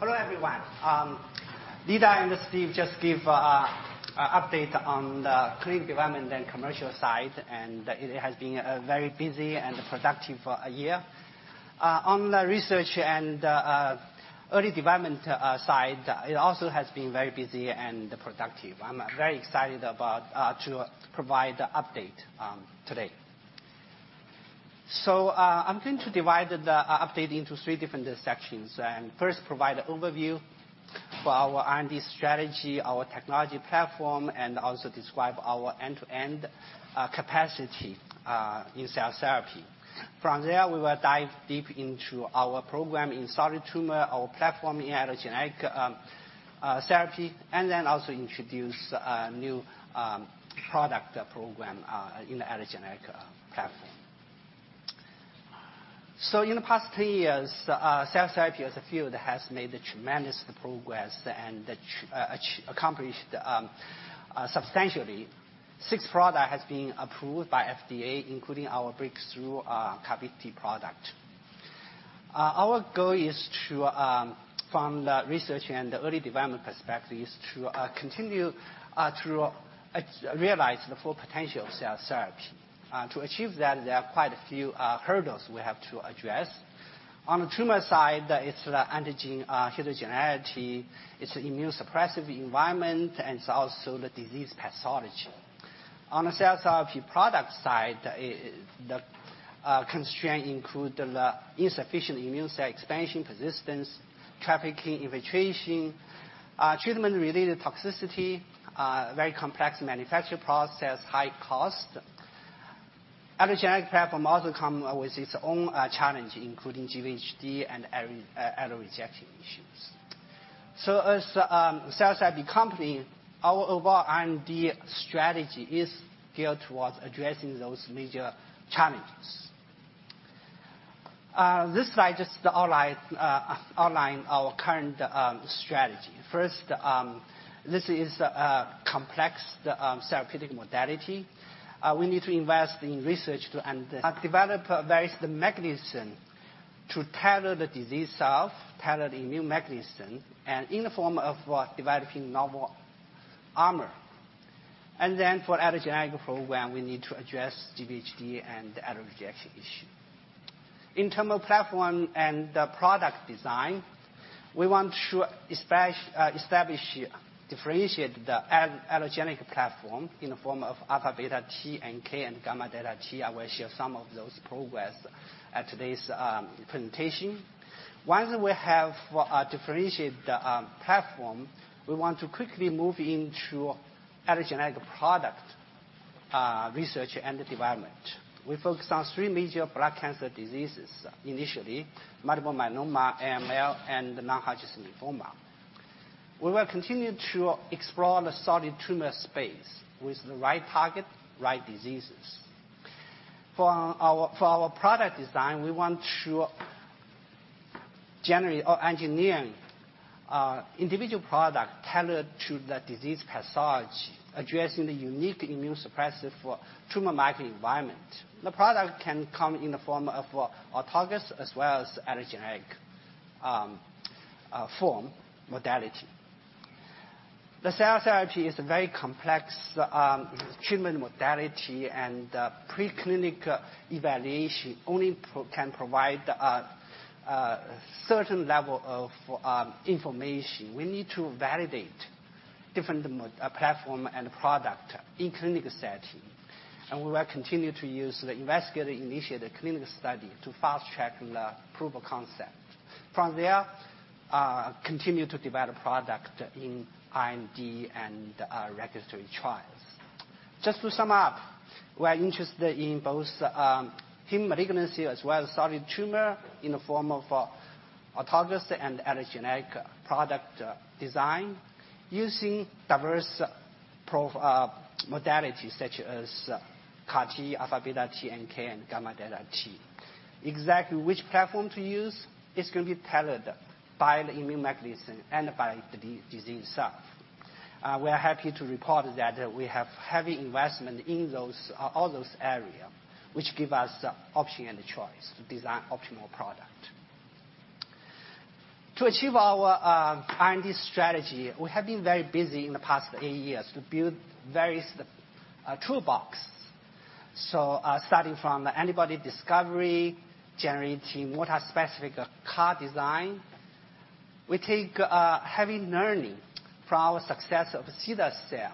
You're welcome. Hello, everyone. Lida and Steve just gave an update on the clinical development and commercial side, and it has been a very busy and productive year. On the research and early development side, it also has been very busy and productive. I'm very excited to provide the update today. I'm going to divide the update into three different sections and first provide an overview for our R&D strategy, our technology platform, and also describe our end-to-end capacity in cell therapy. From there, we will dive deep into our program in solid tumor, our platform in allogeneic therapy, and then also introduce a new product program in the allogeneic platform. In the past three years, cell therapy as a field has made tremendous progress and accomplished substantially. Cilta-cel product has been approved by FDA, including our breakthrough CARVYKTI product. Our goal is to, from the research and early development perspective, realize the full potential of cell therapy. To achieve that, there are quite a few hurdles we have to address. On the tumor side, it's the antigen heterogeneity, it's immunosuppressive environment, and it's also the disease pathology. On the cell therapy product side, the constraint include the insufficient immune cell expansion, persistence, trafficking, infiltration, treatment-related toxicity, very complex manufacture process, high cost. Allogeneic platform also come with its own challenge, including GvHD and allo allo rejection issues. As a cell therapy company, our overall R&D strategy is geared towards addressing those major challenges. This slide just outlines our current strategy. First, this is a complex therapeutic modality. We need to invest in research to develop various mechanism to tailor the disease itself, tailor the immune mechanism, and in the form of developing novel armor. Then for allogeneic program, we need to address GvHD and the allorejection issue. In term of platform and the product design, we want to establish, differentiate the allogeneic platform in the form of alpha beta T and NK and gamma delta T. I will share some of those progress at today's presentation. Once we have differentiate the platform, we want to quickly move into allogeneic product research and development. We focus on three major blood cancer diseases initially, multiple myeloma, AML and non-Hodgkin's lymphoma. We will continue to explore the solid tumor space with the right target, right diseases. For our product design, we want to engineer individual product tailored to the disease pathology, addressing the unique immunosuppressive tumor microenvironment. The product can come in the form of autologous as well as allogeneic modality. The cell therapy is a very complex treatment modality and preclinical evaluation only can provide a certain level of information. We need to validate different mode platform and product in clinical setting, and we will continue to use the investigator-initiated clinical study to fast-track the approval concept. From there, continue to develop product in R&D and regulatory trials. Just to sum up, we are interested in both hematologic malignancies as well as solid tumors in the form of autologous and allogeneic product design using diverse modalities such as CAR T, alpha beta T, NK, and gamma delta T. Exactly which platform to use is gonna be tailored by the immune mechanism and by the disease itself. We are happy to report that we have heavy investment in all those areas, which give us option and choice to design optimal product. To achieve our R&D strategy, we have been very busy in the past eight years to build various toolboxes. Starting from the antibody discovery, generating multi-specific CAR design. We take heavy learning from our success of cilta-cel,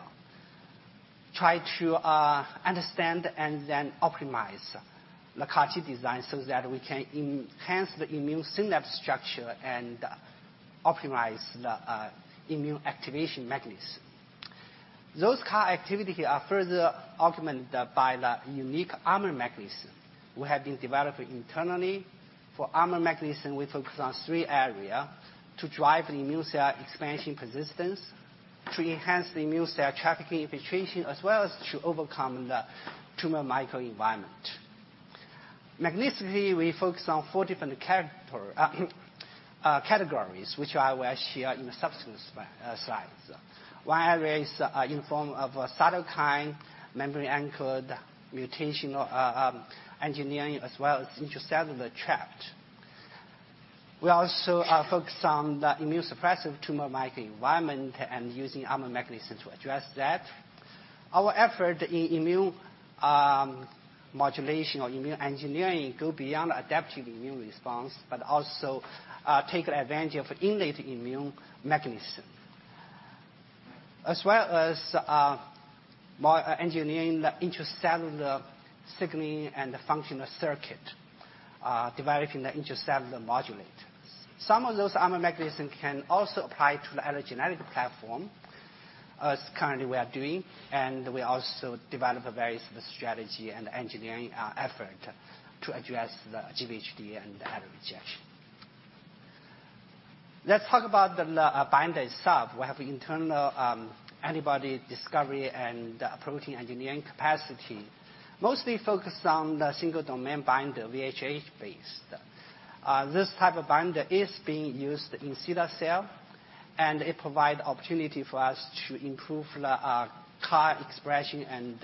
try to understand and then optimize the CAR T design so that we can enhance the immune synapse structure and optimize the immune activation mechanism. Those CAR activity are further augmented by the unique armor mechanism we have been developing internally. For armor mechanism, we focus on three area: to drive the immune cell expansion persistence, to enhance the immune cell trafficking infiltration, as well as to overcome the tumor microenvironment. Mechanistically, we focus on four different characteristics, categories, which I will share in the subsequent slides. One area is in form of cytokine, membrane anchored, mutational engineering as well as intracellular trapped. We also focus on the immunosuppressive tumor microenvironment and using armor mechanism to address that. Our effort in immune modulation or immune engineering go beyond adaptive immune response, but also take advantage of innate immune mechanism, as well as engineering the intracellular signaling and the functional circuit, developing the intracellular modulate. Some of those armoring mechanisms can also apply to the allogeneic platform as currently we are doing, and we also develop a various strategy and engineering effort to address the GvHD and allorejection. Let's talk about the binder itself. We have internal antibody discovery and protein engineering capacity, mostly focused on the single domain binder VHH-based. This type of binder is being used in cilta-cel, and it provide opportunity for us to improve the CAR expression and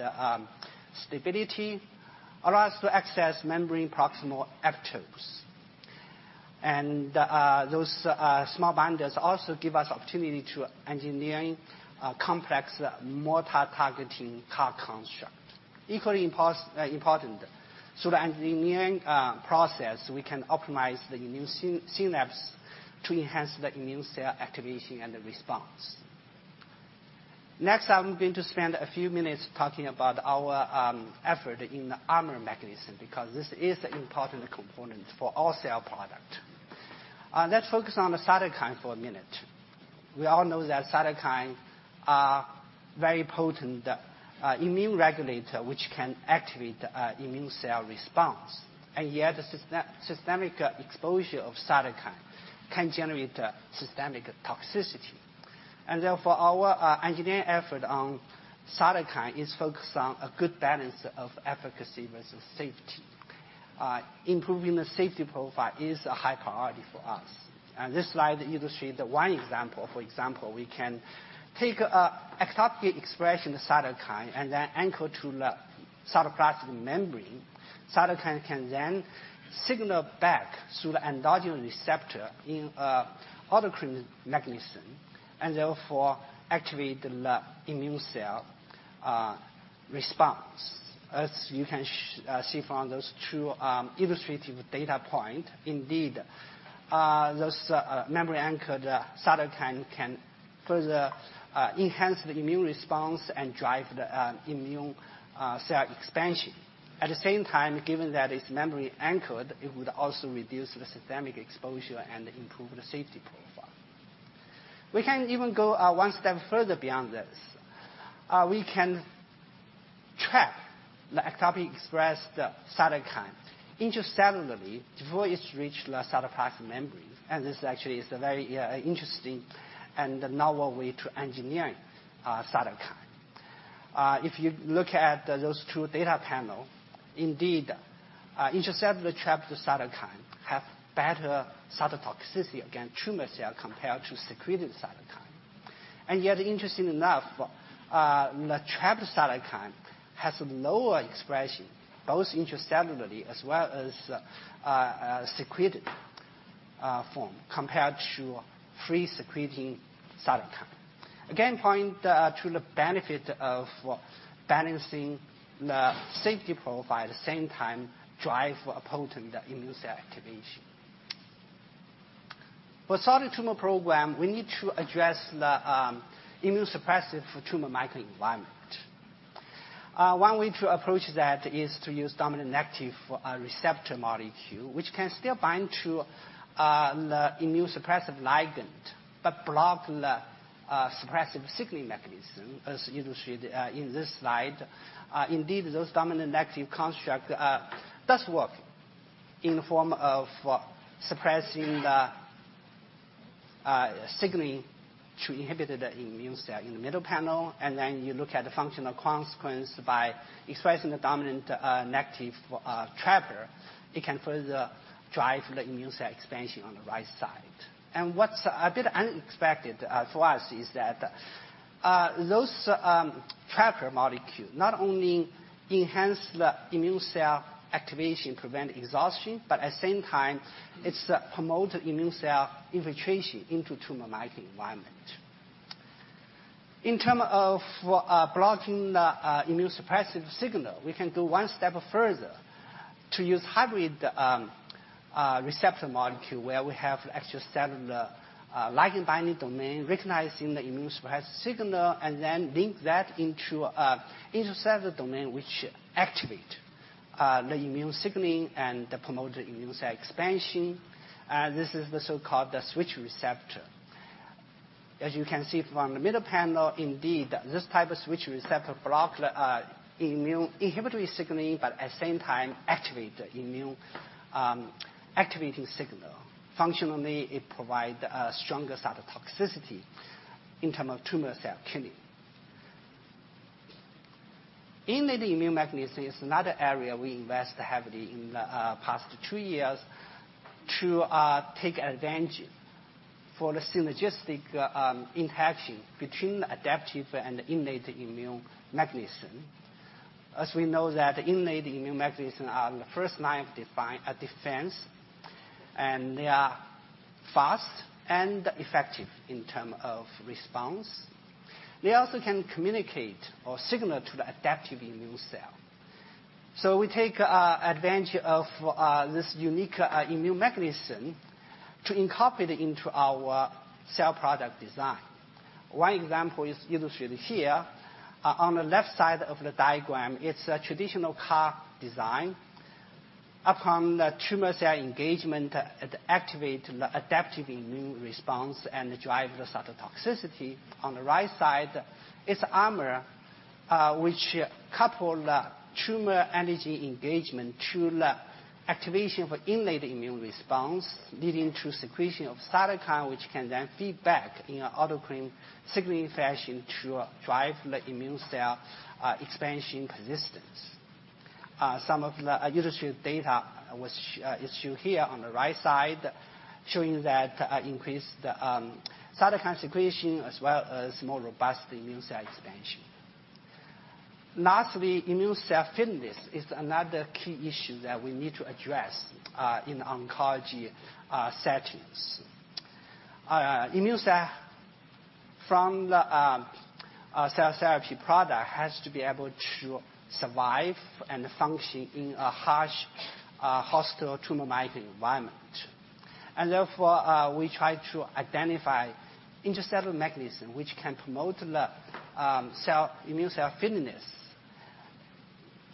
stability, allows to access membrane proximal epitopes. Those small binders also give us opportunity to engineering a complex, multi-targeting CAR construct. Equally important, through the engineering process, we can optimize the immune synapse to enhance the immune cell activation and the response. Next, I'm going to spend a few minutes talking about our effort in the armoring mechanism because this is important component for all cell product. Let's focus on the cytokine for a minute. We all know that cytokines are very potent immune regulator which can activate the immune cell response, and yet the systemic exposure of cytokines can generate a systemic toxicity. Therefore our engineering effort on cytokines is focused on a good balance of efficacy versus safety. Improving the safety profile is a high priority for us. This slide illustrates one example. For example, we can take an ectopically expressed cytokine and then anchor to the cytoplasmic membrane. Cytokine can then signal back through the endogenous receptor in an autocrine mechanism, and therefore activate the immune cell response. As you can see from those two illustrative data point, indeed, those membrane-anchored cytokine can further enhance the immune response and drive the immune cell expansion. At the same time, given that it's membrane-anchored, it would also reduce the systemic exposure and improve the safety profile. We can even go one step further beyond this. We can trap the ectopically expressed cytokine intracellularly before it's reached the cytoplasmic membrane, and this actually is a very interesting and novel way to engineering a cytokine. If you look at those two data panel, indeed, intracellular trapped cytokine have better cytotoxicity against tumor cell compared to secreted cytokine. Yet, interesting enough, the trapped cytokine has lower expression, both intracellularly as well as secreted form, compared to free-secreting cytokine. Again, point to the benefit of balancing the safety profile, at the same time, drive a potent immune cell activation. For solid tumor program, we need to address the immunosuppressive tumor microenvironment. One way to approach that is to use dominant-negative receptor molecule, which can still bind to the immunosuppressive ligand but block the suppressive signaling mechanism, as illustrated in this slide. Indeed, those dominant-negative construct does work in the form of suppressing the signaling to inhibit the immune cell in the middle panel, and then you look at the functional consequence by expressing the dominant negative trapper. It can further drive the immune cell expansion on the right side. What's a bit unexpected for us is that those trapper molecule not only enhance the immune cell activation, prevent exhaustion, but at the same time, it's promote immune cell infiltration into tumor microenvironment. In terms of blocking the immunosuppressive signal, we can go one step further to use hybrid receptor molecule where we have extracellular ligand binding domain recognizing the immunosuppressive signal and then link that into a intracellular domain which activate the immune signaling and promote the immune cell expansion. This is the so-called switch receptor. As you can see from the middle panel, indeed, this type of switch receptor block the immune inhibitory signaling, but at same time activate the immune activating signal. Functionally, it provide a stronger cytotoxicity in terms of tumor cell killing. Innate immune mechanism is another area we invest heavily in the past two years to take advantage of the synergistic interaction between adaptive and innate immune mechanism. As we know that innate immune mechanism are the first line of defense, and they are fast and effective in terms of response. They also can communicate or signal to the adaptive immune cell. We take advantage of this unique immune mechanism to incorporate into our cell product design. One example is illustrated here. On the left side of the diagram, it's a traditional CAR design. Upon the tumor cell engagement, it activate the adaptive immune response and drive the cytotoxicity. On the right side is armor, which couple the tumor antigen engagement to the activation of innate immune response, leading to secretion of cytokine, which can then feed back in an autocrine signaling fashion to drive the immune cell expansion persistence. Some of the illustrated data was used here on the right side, showing that increased cytokine secretion as well as more robust immune cell expansion. Lastly, immune cell fitness is another key issue that we need to address in oncology settings. Immune cell from the cell therapy product has to be able to survive and function in a harsh, hostile tumor microenvironment. Therefore, we try to identify intracellular mechanism which can promote the immune cell fitness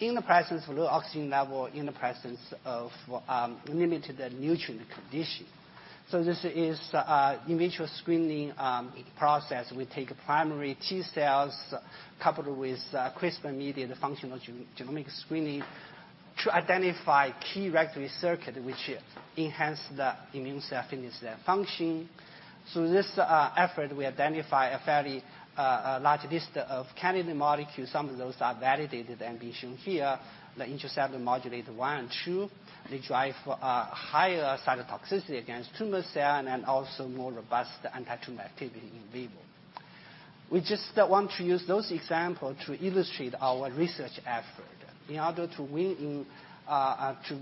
in the presence of low oxygen level, in the presence of limited nutrient condition. This is in vitro screening process. We take primary T cells coupled with CRISPR-mediated, the functional genomic screening, to identify key regulatory circuit which enhance the immune cell fitness, function. Through this effort, we identify a fairly large list of candidate molecules. Some of those are validated and been shown here. The intracellular modulator one and two, they drive higher cytotoxicity against tumor cell and then also more robust anti-tumor activity in vivo. We just want to use those example to illustrate our research effort. In order to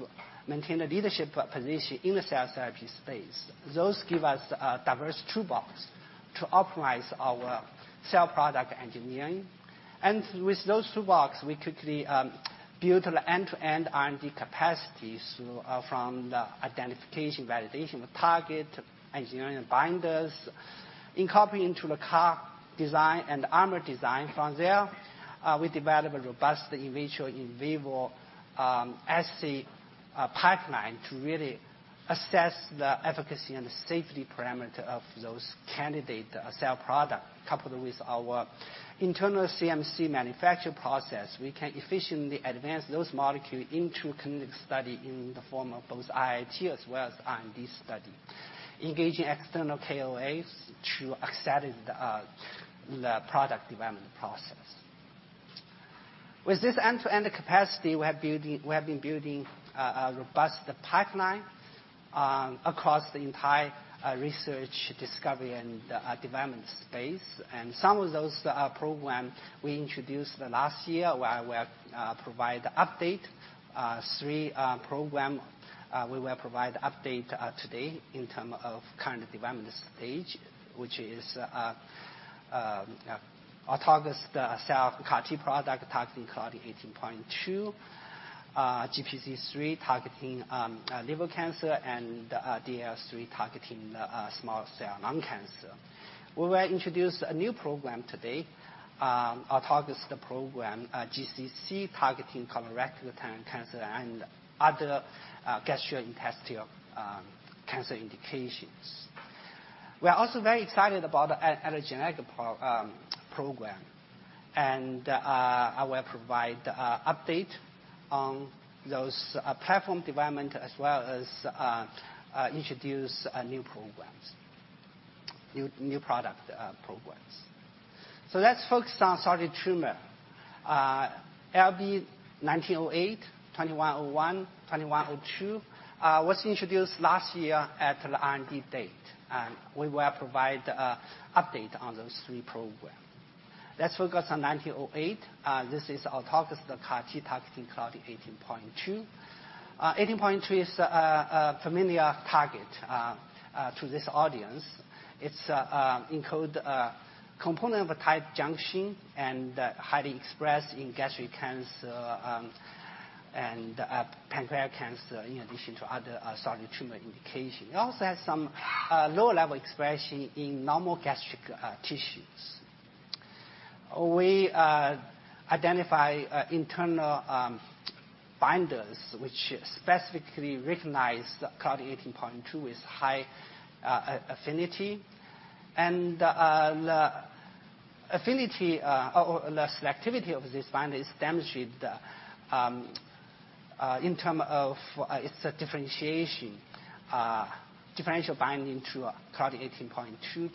maintain a leadership position in the cell therapy space, those give us a diverse toolbox to optimize our cell product engineering. With those toolbox, we quickly build an end-to-end R&D capacities from the identification, validation of target, engineering binders, incorporating to the CAR design and armor design. From there, we develop a robust in vitro, in vivo, in silico pipeline to really assess the efficacy and the safety parameter of those candidate cell product. Coupled with our internal CMC manufacture process, we can efficiently advance those molecule into clinical study in the form of both IIT as well as R&D study, engaging external KOLs to accelerate the product development process. With this end-to-end capacity we have been building a robust pipeline across the entire research, discovery, and development space. Some of those program we introduced the last year where we provide update. Three programs we will provide update today in terms of current development stage, which is autologous CAR T product targeting CLDN18.2, GPC3 targeting liver cancer, and DLL3 targeting small cell lung cancer. We will introduce a new program today, autologous program, GCC targeting colorectal cancer and other gastrointestinal cancer indications. We are also very excited about an allogeneic program, and I will provide update on those platform development as well as introduce new programs, new product programs. Let's focus on solid tumor. LB1908, LB2101, LB2102 was introduced last year at the R&D Day, and we will provide update on those three programs. Let's focus on LB1908. This is autologous CAR T targeting CLDN18.2. 18.2 is a familiar target to this audience. It's a component of a tight junction and highly expressed in gastric cancer and pancreatic cancer, in addition to other solid tumor indication. It also has some lower level expression in normal gastric tissues. We identify internal binders which specifically recognize the CLDN18.2 with high affinity. The selectivity of this binder is demonstrated in terms of its differential binding to CLDN18.2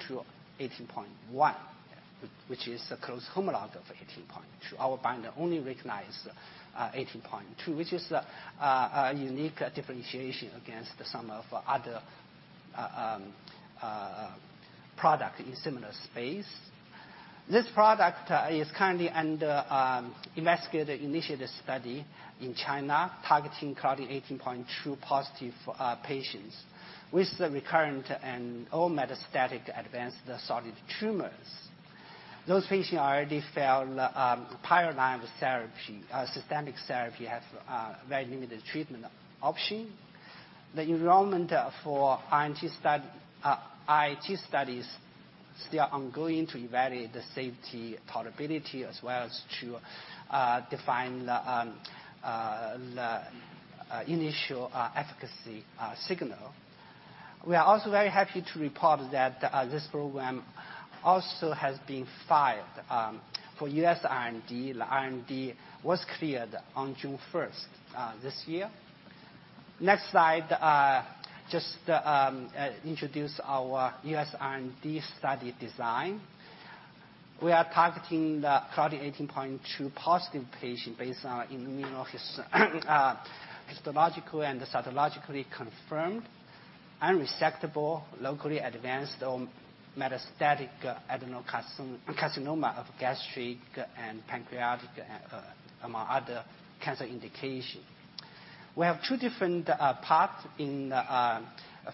to CLDN18.1, which is a close homologue of 18.2. Our binder only recognizes 18.2, which is a unique differentiation against some of other product in similar space. This product is currently under investigator-initiated study in China, targeting CLDN18.2 positive patients with the recurrent and/or metastatic advanced solid tumors. Those patients already failed prior line of therapy. Systemic therapies have very limited treatment options. The enrollment for IIT studies still ongoing to evaluate the safety tolerability as well as to define the initial efficacy signal. We are also very happy to report that this program also has been filed for US IND. The IND was cleared on June first this year. Next slide just introduce our US IND study design. We are targeting the CLDN18.2 positive patient based on immunohistological and cytologically confirmed, unresectable, locally advanced or metastatic adenocarcinoma of gastric and pancreatic among other cancer indication. We have two different parts in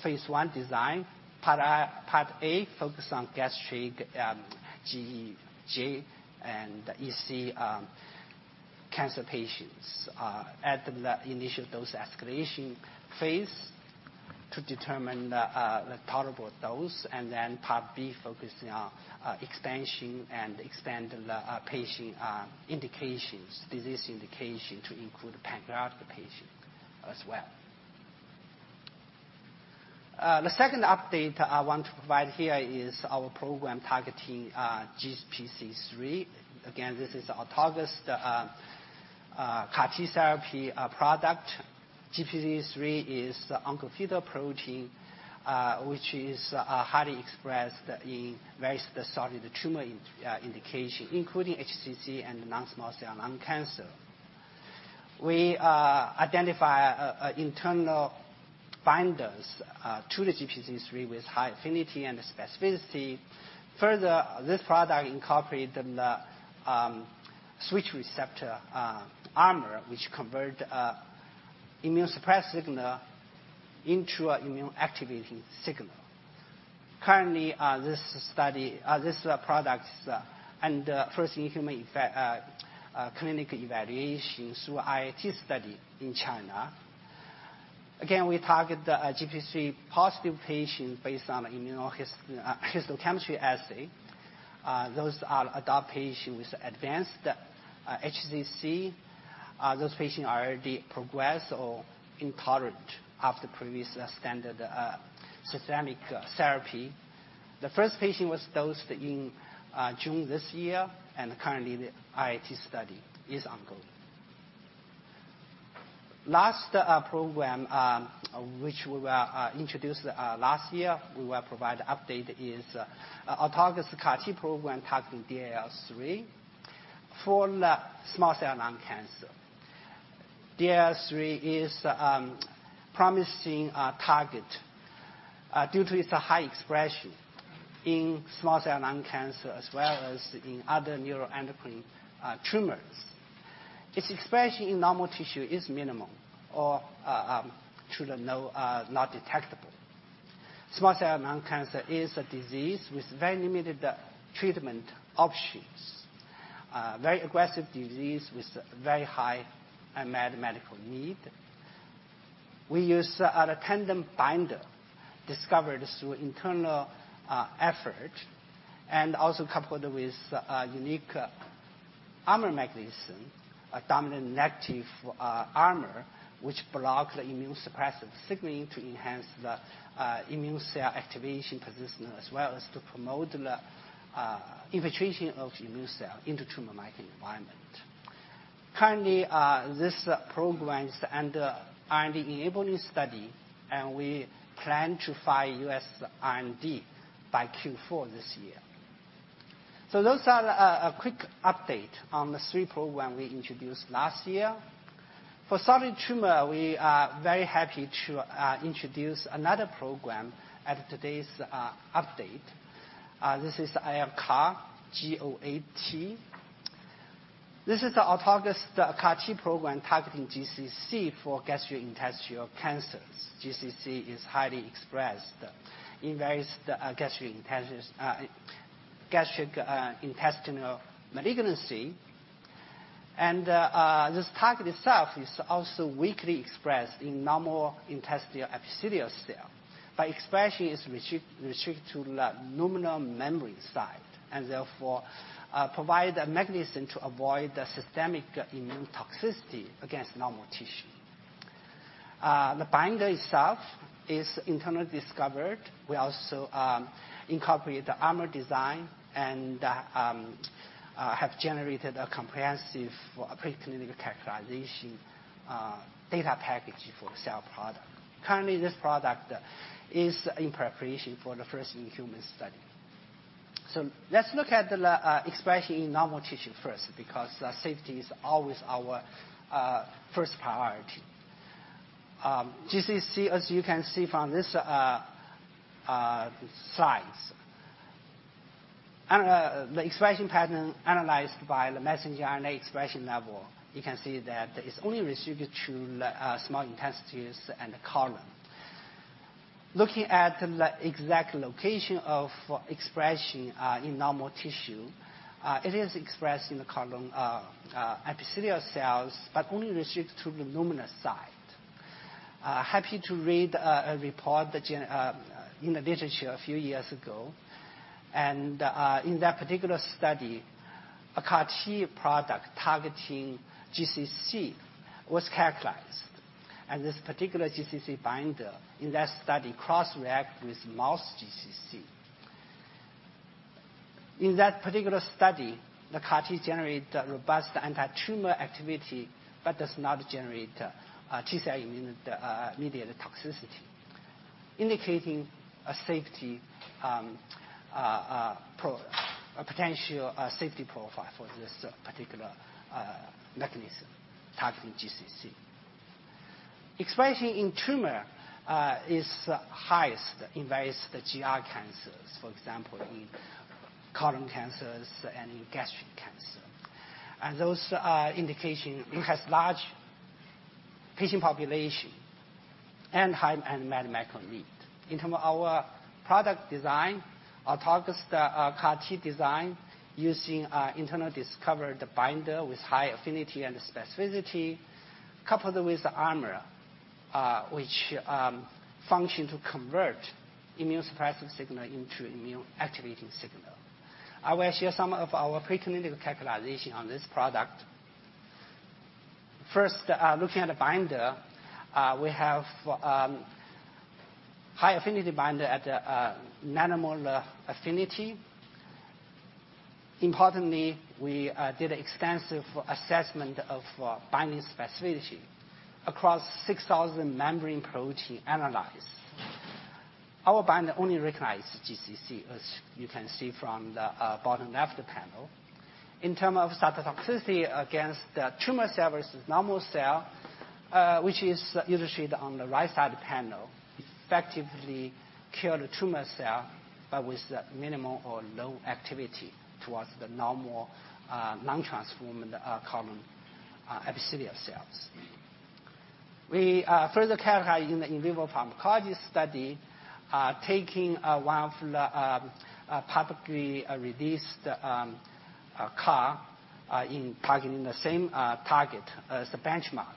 phase one design. Part A focus on gastric, GEJ and EC cancer patients at the initial dose escalation phase. To determine the tolerable dose and then part B, focusing on expansion and expand the patient indications, disease indication to include pancreatic patient as well. The second update I want to provide here is our program targeting GPC3. Again, this is autologous CAR-T therapy product. GPC3 is the oncofetal protein which is highly expressed in very specific tumor indication, including HCC and non-small cell lung cancer. We identify internal binders to the GPC3 with high affinity and specificity. Further, this product incorporate the switch receptor armor which convert immunosuppressed signal into a immunoactivation signal. Currently, this product is under first in human clinical evaluation through IIT study in China. Again, we target the GPC3 positive patients based on immunohistochemistry assay. Those are adult patient with advanced HCC. Those patients are already progressed or intolerant after previous standard systemic therapy. The first patient was dosed in June this year and currently the IIT study is ongoing. Last program, which we will introduce, last year we will provide update is Autologous CAR-T program targeting DLL3 for the small cell lung cancer. DLL3 is promising target due to its high expression in small cell lung cancer as well as in other neuroendocrine tumors. Its expression in normal tissue is minimum or not detectable. Small cell lung cancer is a disease with very limited treatment options, very aggressive disease with very high unmet medical need. We use a tandem binder discovered through internal effort and also coupled with a unique armor mechanism, a dominant negative armor, which blocks the immune suppressive signaling to enhance the immune cell activation potential as well as to promote the infiltration of immune cells into tumor microenvironment. Currently, this program is under IND-enabling study, and we plan to file US IND by Q4 this year. Those are a quick update on the three programs we introduced last year. For solid tumor, we are very happy to introduce another program at today's update. This is ILCAR08T. This is the autologous CAR-T program targeting GCC for gastrointestinal cancers. GCC is highly expressed in various gastrointestinal malignancy. This target itself is also weakly expressed in normal intestinal epithelial cell, but expression is restricted to the luminal membrane side, and therefore provide a mechanism to avoid the systemic immune toxicity against normal tissue. The binder itself is internally discovered. We also incorporate the armoring design and have generated a comprehensive preclinical characterization data package for cell product. Currently, this product is in preparation for the first in human study. Let's look at the expression in normal tissue first because safety is always our first priority. GCC, as you can see from this slides. The expression pattern analyzed by the messenger RNA expression level, you can see that it's only restricted to the small intestine and the colon. Looking at the exact location of expression in normal tissue, it is expressed in the colon epithelial cells, but only restricted to the luminal side. Happy to read a report that in the literature a few years ago, in that particular study, a CAR-T product targeting GCC was characterized. This particular GCC binder in that study cross-react with mouse GCC. In that particular study, the CAR-T generate a robust anti-tumor activity, but does not generate T cell immune mediated toxicity, indicating a safety a potential safety profile for this particular mechanism targeting GCC. Expression in tumor is highest in various GI cancers, for example, in colon cancers and in gastric cancer. Those indication enhance large patient population and high unmet medical need. In term of our product design, our targeted CAR T design using our internal discovered binder with high affinity and specificity, coupled with the armor which function to convert immunosuppressive signal into immune activating signal. I will share some of our preclinical characterization on this product. First, looking at the binder, we have high affinity binder at a nanomolar affinity. Importantly, we did extensive assessment of binding specificity across 6,000 membrane protein analyzed. Our binder only recognize GCC, as you can see from the bottom left panel. In terms of cytotoxicity against the tumor cell versus normal cell, which is illustrated on the right side panel, effectively kill the tumor cell, but with minimal or no activity towards the normal non-transformed common epithelial cells. We further characterize in the in vivo pharmacology study, taking one of the publicly released CAR in targeting the same target as the benchmark.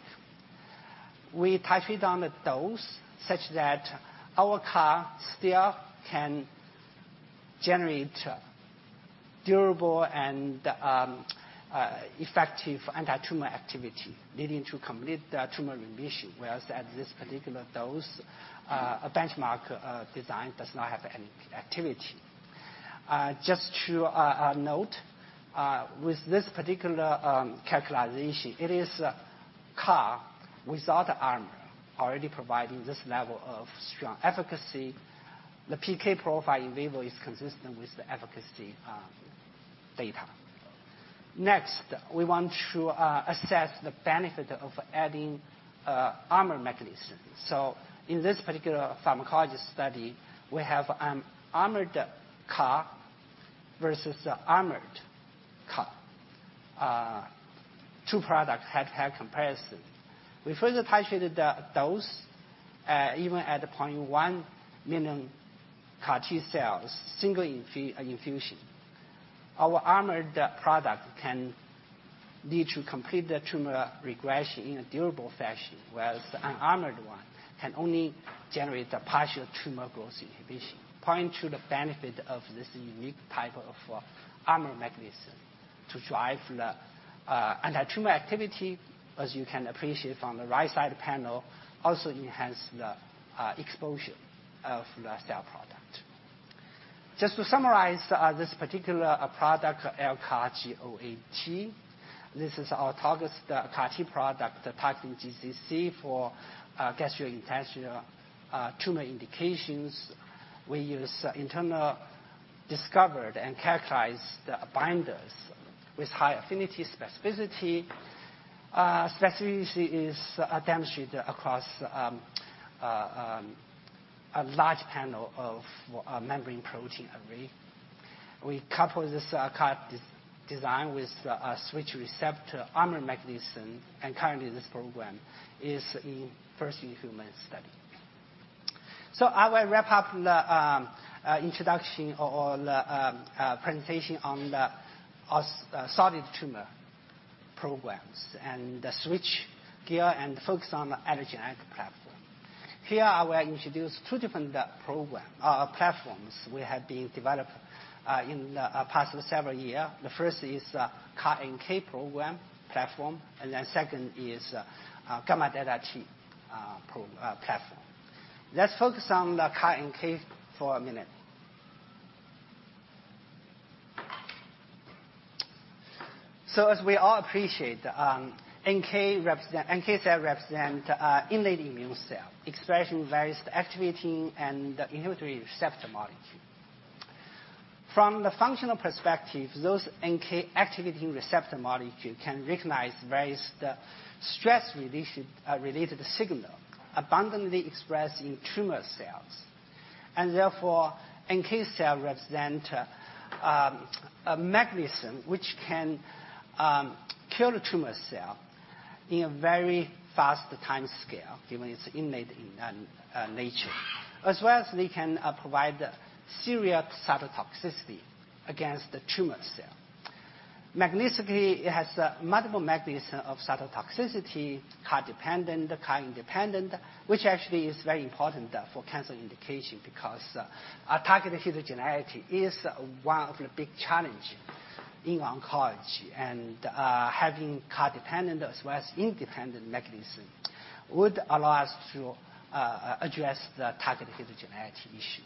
We titrate on the dose such that our CAR still can generate durable and effective antitumor activity, leading to complete tumor remission, whereas at this particular dose, a benchmark design does not have any activity. Just to note, with this particular characterization, it is a CAR without armor already providing this level of strong efficacy. The PK profile in vivo is consistent with the efficacy data. Next, we want to assess the benefit of adding an armored mechanism. In this particular pharmacology study, we have an armored CAR versus unarmored CAR. Two products head-to-head comparison. We first titrated the dose, even at 0.1 million CAR T cells, single infusion. Our armored product can lead to complete tumor regression in a durable fashion, whereas the unarmored one can only generate a partial tumor growth inhibition, pointing to the benefit of this unique type of armored mechanism to drive the antitumor activity, as you can appreciate from the right side panel, also enhancing the exposure of the cell product. Just to summarize, this particular product, LCAR08T, this is our targeted CAR T product targeting GCC for gastrointestinal tumor indications. We use internally discovered and characterized binders with high affinity and specificity. Specificity is demonstrated across a large panel of membrane protein array. We couple this CAR design with a switch receptor armor mechanism, and currently this program is in first-in-human study. I will wrap up the introduction or the presentation on the solid tumor programs and switch gears and focus on the allogeneic platform. Here, I will introduce two different platforms we have been developing in the past several years. The first is CAR-NK program platform, and then second is gamma delta T platform. Let's focus on the CAR-NK for a minute. As we all appreciate, NK cell represent innate immune cell expressing various activating and inhibitory receptor molecule. From the functional perspective, those NK activating receptor molecule can recognize various the stress-related related signal abundantly expressed in tumor cells. Therefore, NK cell represent a mechanism which can kill the tumor cell in a very fast timescale, given its innate nature, as well as they can provide serious cytotoxicity against the tumor cell. Mechanistically, it has multiple mechanism of cytotoxicity, CAR-dependent, CAR-independent, which actually is very important for cancer indication because target heterogeneity is one of the big challenge in oncology. Having CAR-dependent as well as independent mechanism would allow us to address the target heterogeneity issue.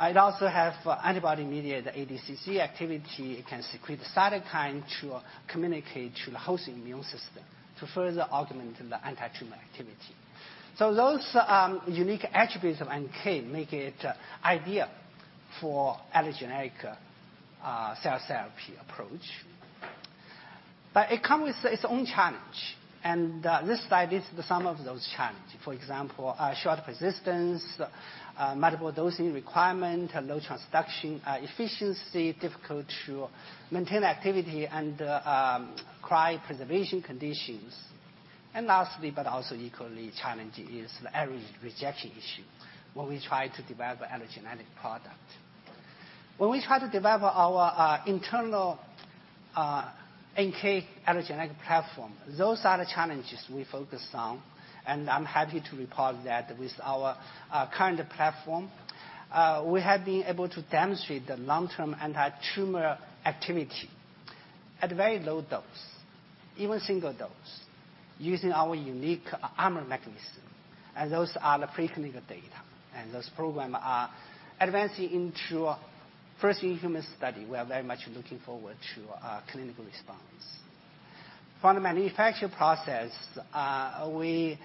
It also have antibody-mediated ADCC activity. It can secrete cytokine to communicate to the host immune system to further augment the antitumor activity. Those unique attributes of NK make it ideal for allogeneic cell therapy approach. It comes with its own challenges, and this slide is some of those challenges. For example, short persistence, multiple dosing requirement, low transduction efficiency, difficult to maintain activity and cryopreservation conditions. Lastly, but also equally challenging is the allorejection issue when we try to develop allogeneic product. When we try to develop our internal NK allogeneic platform, those are the challenges we focus on. I'm happy to report that with our current platform, we have been able to demonstrate the long-term anti-tumor activity at very low dose, even single dose, using our unique armored mechanism, and those are the preclinical data. Those programs are advancing into first-in-human study. We are very much looking forward to clinical response. From the manufacturing process, we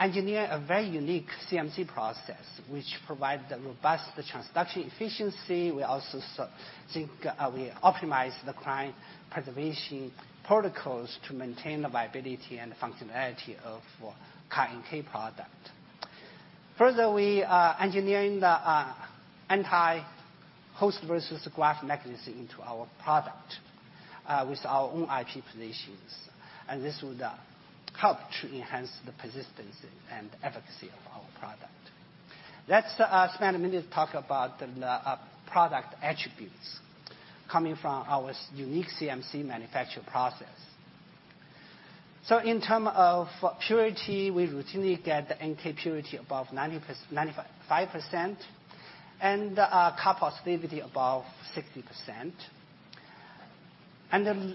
engineer a very unique CMC process which provides the robust transduction efficiency. We also optimize the cryopreservation protocols to maintain the viability and functionality of CAR-NK product. Further, we are engineering the anti-graft-versus-host mechanism into our product with our own IP positions, and this would help to enhance the persistence and efficacy of our product. Let's spend a minute to talk about the product attributes coming from our unique CMC manufacturing process. In terms of purity, we routinely get the NK purity above 95% and CAR positivity above 60%.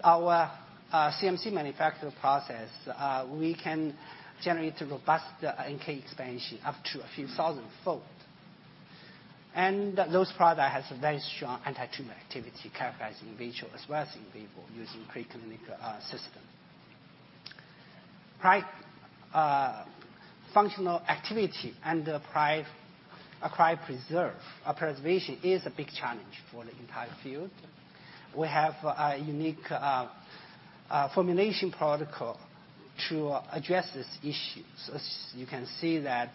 Our CMC manufacturing process, we can generate a robust NK expansion up to a few thousandfold. Those product has a very strong anti-tumor activity characterized in vitro as well as in vivo using preclinical system. Functional activity and the cryopreservation is a big challenge for the entire field. We have a unique formulation protocol to address this issue. As you can see that,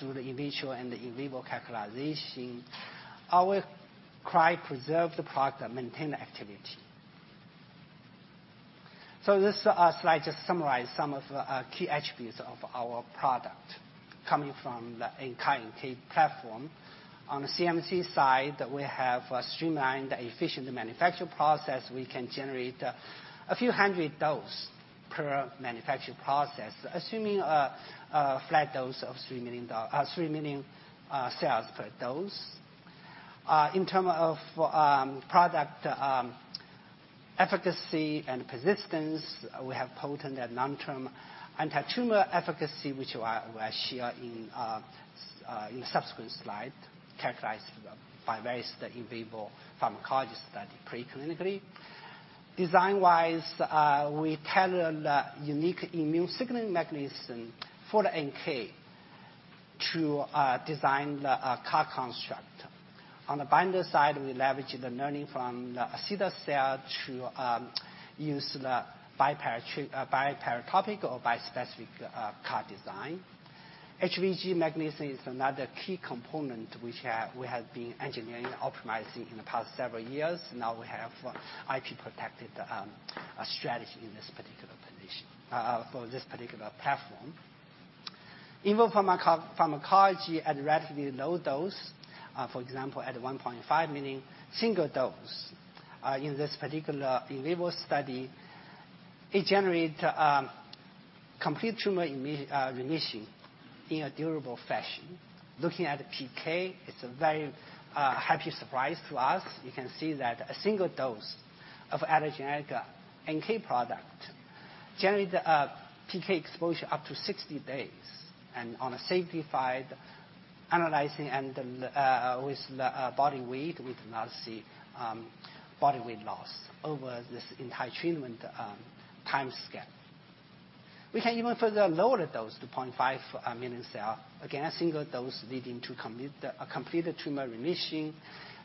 through the in vitro and in vivo characterization, our cryopreserved product maintain the activity. This slide just summarize some of the key attributes of our product coming from the CAR-NK platform. On the CMC side, we have streamlined efficient manufacturing process. We can generate a few hundred doses per manufacturing process, assuming a flat dose of 3 million cells per dose. In terms of product efficacy and persistence, we have potent and long-term anti-tumor efficacy, which I will share in subsequent slide, characterized by various in vivo pharmacology study preclinically. Design-wise, we tailor the unique immune signaling mechanism for the NK to design the CAR construct. On the binder side, we leverage the learning from the ACETIOS cell to use the biparatopic or bispecific CAR design. HVG mechanism is another key component which we have been engineering, optimizing in the past several years. Now we have IP protected strategy in this particular position for this particular platform. In vivo pharmacology at relatively low dose, for example, at 1.5 million single dose, in this particular in vivo study, it generate complete tumor remission in a durable fashion. Looking at PK, it's a very happy surprise to us. You can see that a single dose of allogeneic NK product generate PK exposure up to 60 days. On a safety front, analyzing with body weight, we do not see body weight loss over this entire treatment timescale. We can even further lower dose to 0.5 million cell. Again, a single dose leading to a complete tumor remission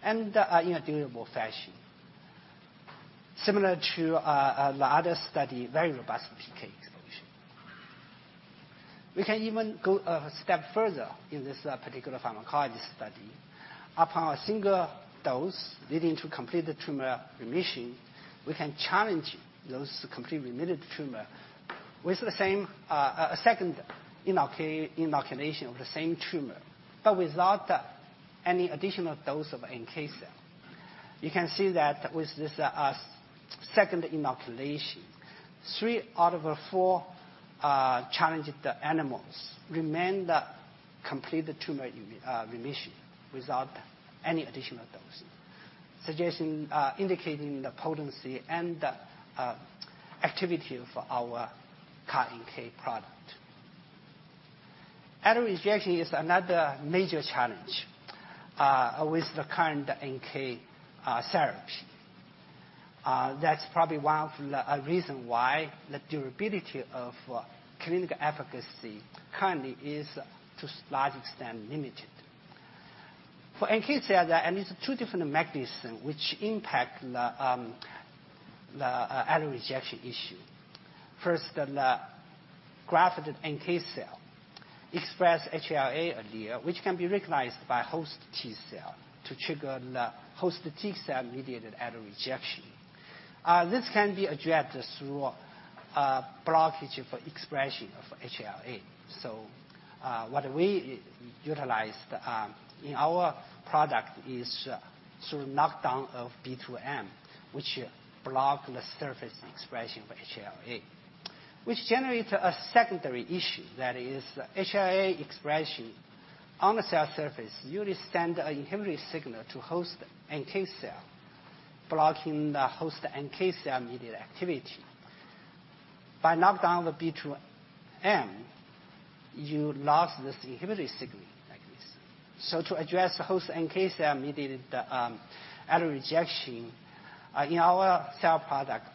and in a durable fashion. Similar to the other study, very robust PK exposure. We can even go a step further in this particular pharmacology study. Upon a single dose leading to complete tumor remission, we can challenge those complete remitted tumor with the same a second inoculation of the same tumor, but without any additional dose of NK cell. You can see that with this second inoculation, three out of four challenged animals remain in complete tumor remission without any additional dosing, suggesting indicating the potency and activity of our CAR-NK product. Allorejection is another major challenge with the current NK therapy. That's probably one of the reasons why the durability of clinical efficacy currently is to a large extent limited. For NK cells, there are at least two different mechanisms which impact the allorejection issue. First, the grafted NK cells express HLA alleles, which can be recognized by host T cells to trigger the host T cell-mediated allorejection. This can be addressed through a blockade of expression of HLA. What we utilized in our product is sort of knockdown of B2M, which blocks the surface expression of HLA. Which generates a secondary issue, that is HLA expression on the cell surface. You send an inhibitory signal to host NK cell, blocking the host NK cell-mediated activity. By knocking down the B2M, you lost this inhibitory signal like this. To address the host NK cell-mediated allorejection, in our cell product,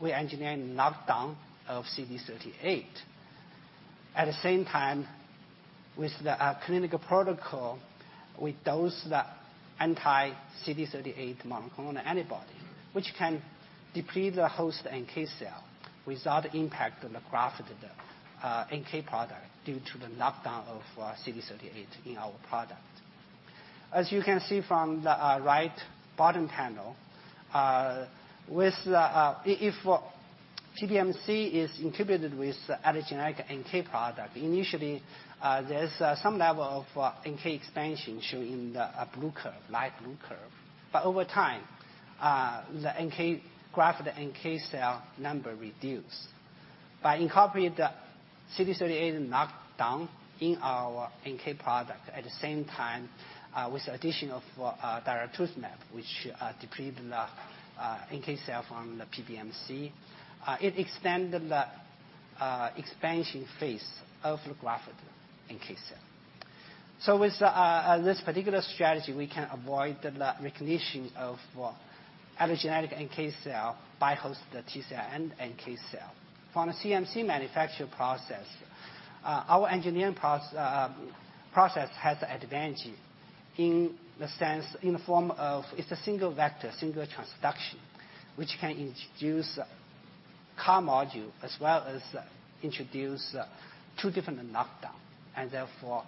we engineering knockdown of CD38. At the same time, with the clinical protocol, we dose the anti-CD38 monoclonal antibody, which can deplete the host NK cell without impact on the grafted NK product due to the knockdown of CD38 in our product. As you can see from the right bottom panel, if PBMC is incubated with allogeneic NK product, initially, there's some level of NK expansion shown in the blue curve, light blue curve. But over time, the grafted NK cell number reduce. By incorporating the CD38 knockdown in our NK product at the same time, with addition of, daratumumab, which, deplete the NK cell from the PBMC, it extended the expansion phase of the grafted NK cell. With this particular strategy, we can avoid the recognition of, allogeneic NK cell by host T cell and NK cell. From a CMC manufacturing process, our engineering process has advantage in the sense, in the form of it's a single vector, single transduction, which can introduce CAR module as well as introduce two different knockdown, and therefore,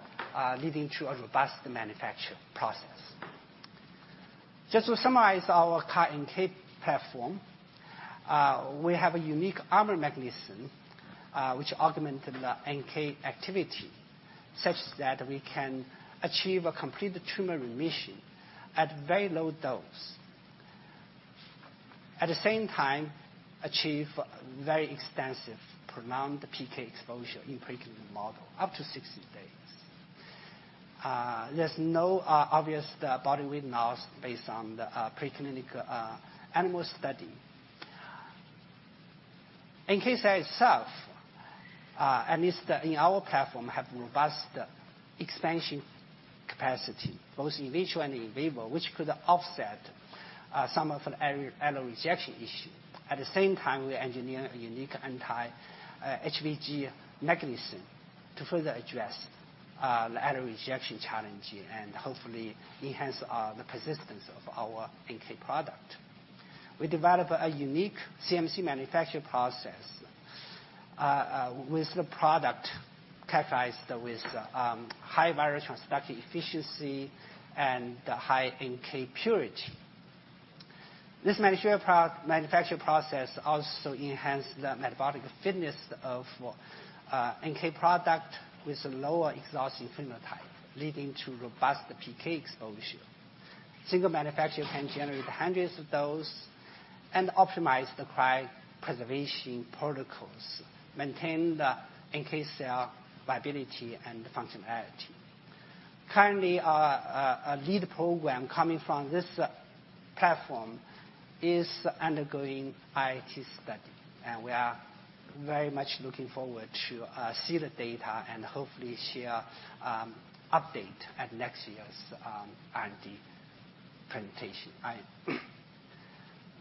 leading to a robust manufacture process. Just to summarize our CAR-NK platform, we have a unique armor mechanism, which augment the NK activity such that we can achieve a complete tumor remission at very low dose. At the same time, achieve very extensive prolonged PK exposure in preclinical model, up to 60 days. There's no obvious body weight loss based on the preclinical animal study. NK cell itself, at least in our platform, have robust expansion capacity, both in vitro and in vivo, which could offset some of an allorejection issue. At the same time, we engineer a unique anti-HBG mechanism to further address the allorejection challenge and hopefully enhance the persistence of our NK product. We develop a unique CMC manufacture process with the product characterized with high viral transduction efficiency and high NK purity. This manufacture process also enhance the metabolic fitness of NK product with lower exhaustion phenotype, leading to robust PK exposure. Single manufacture can generate hundreds of dose and optimize the cryopreservation protocols, maintain the NK cell viability and functionality. Currently, a lead program coming from this platform is undergoing IIT study, and we are very much looking forward to see the data and hopefully share update at next year's IRD presentation.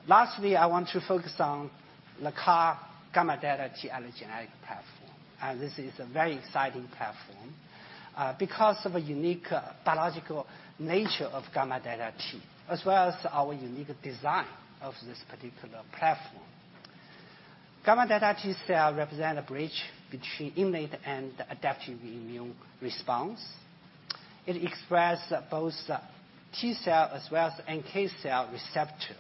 Lastly, I want to focus on the CAR gamma delta T allogeneic platform. This is a very exciting platform, because of a unique biological nature of gamma delta T, as well as our unique design of this particular platform. Gamma delta T cell represent a bridge between innate and adaptive immune response. It express both T cell as well as NK cell receptor,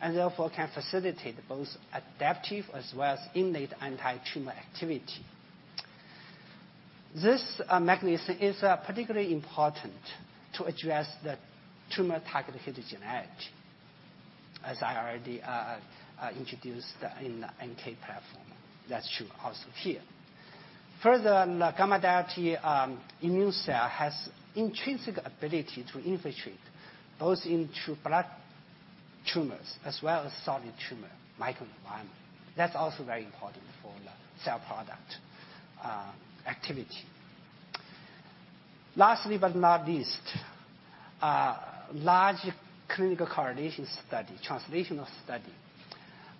and therefore can facilitate both adaptive as well as innate antitumor activity. This mechanism is particularly important to address the tumor target heterogeneity, as I already introduced in NK platform. That's true also here. Further, gamma delta T immune cell has intrinsic ability to infiltrate both into blood tumors as well as solid tumor microenvironment. That's also very important for the cell product activity. Lastly, but not least, large clinical correlation study, translational study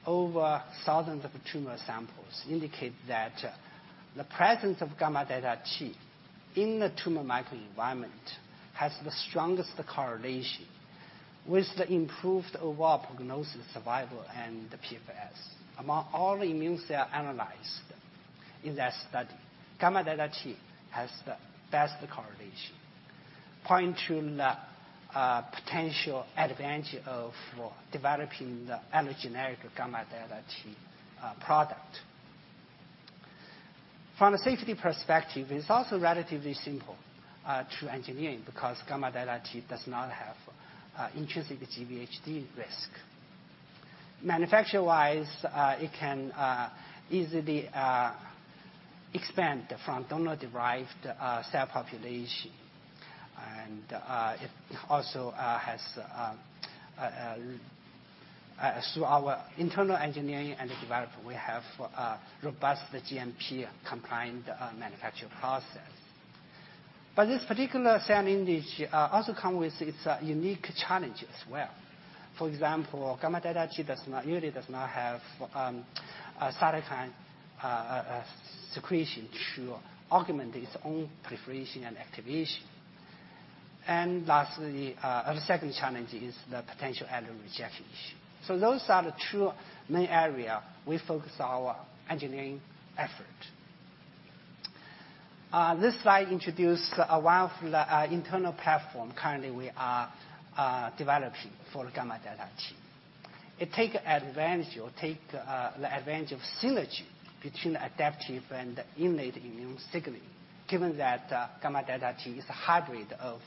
over thousands of tumor samples indicate that the presence of gamma delta T in the tumor microenvironment has the strongest correlation with the improved overall prognosis survival and the PFS. Among all immune cell analyzed in that study, gamma delta T has the best correlation, pointing to the potential advantage of developing the allogeneic gamma delta T product. From a safety perspective, it's also relatively simple to engineer because gamma delta T does not have intrinsic GVHD risk. Manufacture-wise, it can easily expand from donor-derived cell population. Through our internal engineering and development, we have a robust GMP-compliant manufacture process. This particular cell lineage also come with its unique challenge as well. For example, gamma delta T really does not have a cytokine secretion to augment its own proliferation and activation. Lastly, the second challenge is the potential allorejection issue. Those are the two main area we focus our engineering effort. This slide introduce one of the internal platform currently we are developing for gamma delta T. It takes advantage of the synergy between adaptive and innate immune signaling, given that gamma delta T is a hybrid of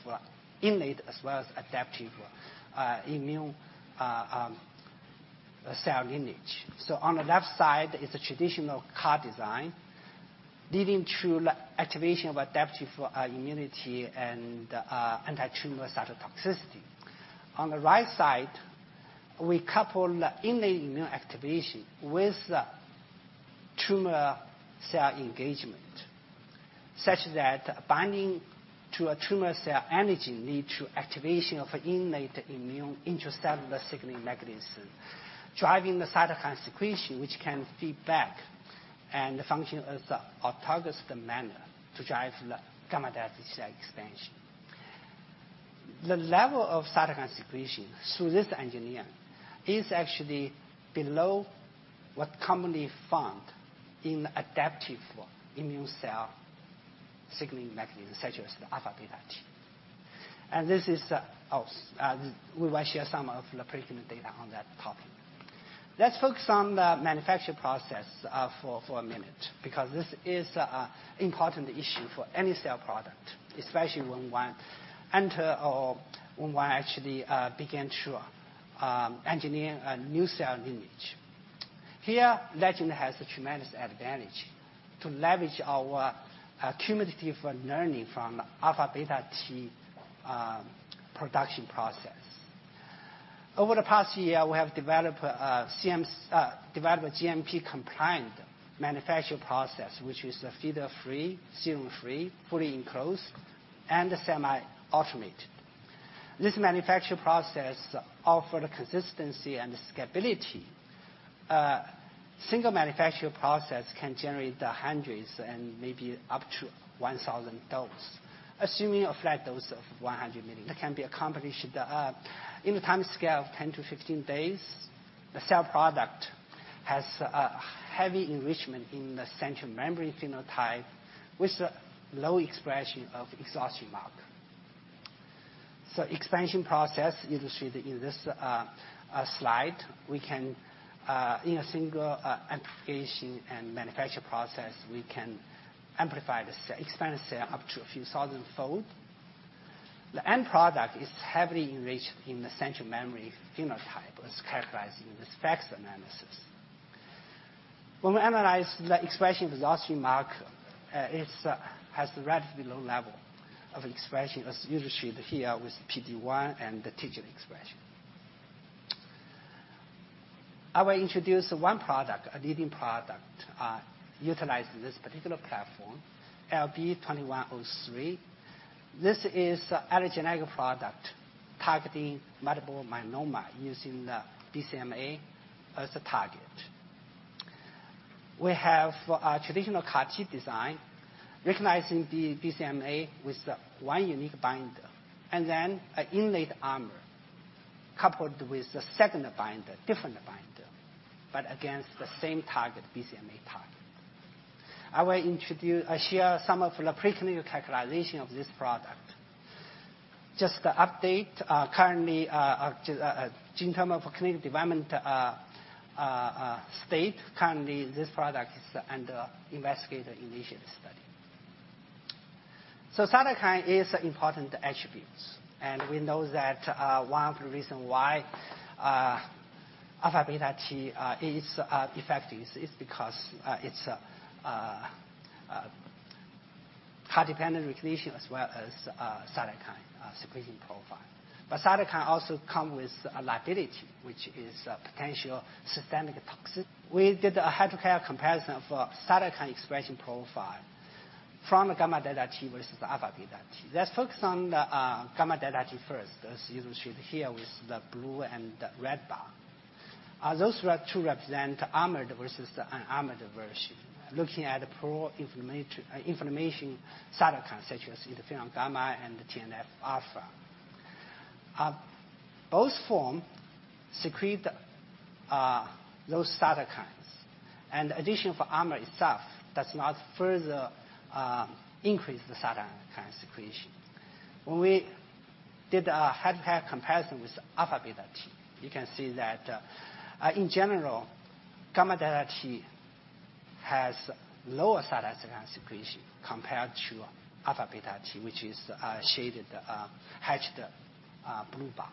innate as well as adaptive immune cell lineage. On the left side is a traditional CAR design leading to the activation of adaptive immunity and antitumor cytotoxicity. On the right side, we couple the innate immune activation with tumor cell engagement, such that binding to a tumor cell antigen leads to activation of innate immune intracellular signaling mechanism, driving the cytokine secretion, which can feed back and function in an autologous manner to drive the gamma delta T cell expansion. The level of cytokine secretion through this engineering is actually below what is commonly found in adaptive immune cell signaling mechanism, such as the alpha beta T. This is also we will share some of the preclinical data on that topic. Let's focus on the manufacture process for a minute because this is important issue for any cell product, especially when one actually begin to engineer a new cell lineage. Here, Legend has a tremendous advantage to leverage our cumulative learning from alpha beta T production process. Over the past year, we have developed a GMP-compliant manufacture process, which is feeder-free, serum-free, fully enclosed, and semi-automated. This manufacture process offer the consistency and scalability. Single manufacture process can generate hundreds and maybe up to 1,000 dose, assuming a flat dose of 100 million. That can be accomplished in the timescale of 10-15 days. The cell product has a heavy enrichment in the central memory phenotype with low expression of exhaustion marker. Expansion process, illustrated in this slide, we can in a single amplification and manufacture process, we can amplify the cell, expand the cell up to a few thousand fold. The end product is heavily enriched in the central memory phenotype as characterized in the FACS analysis. When we analyze the expression of exhaustion marker, it has the relatively low level of expression, as illustrated here with PD-1 and the TIGIT expression. I will introduce one product, a leading product, utilized in this particular platform, LB2103. This is allogeneic product targeting multiple myeloma using the BCMA as a target. We have a traditional CAR-T design recognizing the BCMA with one unique binder and then an innate arm coupled with the second binder, different binder, but against the same target, BCMA target. I will share some of the preclinical characterization of this product. Just the update, currently, the timeline for clinical development status. Currently, this product is under investigator-initiated study. Cytokine is important attributes, and we know that, one of the reason why, alpha beta T, is effective because, it's, CAR-dependent recognition as well as, cytokine, secretion profile. But cytokine also come with a liability, which is a potential systemic toxicity. We did a head-to-head comparison of cytokine expression profile from gamma delta T versus the alpha beta T. Let's focus on the gamma delta T first, as you will see here with the blue and the red bar. Those were to represent armored versus the unarmored version. Looking at the pro-inflammation cytokine, such as interferon gamma and the TNF alpha. Both forms secrete those cytokines, and in addition the armor itself does not further increase the cytokine secretion. When we did a head-to-head comparison with alpha beta T, you can see that in general, gamma delta T has lower cytokine secretion compared to alpha beta T, which is shaded hatched blue bar.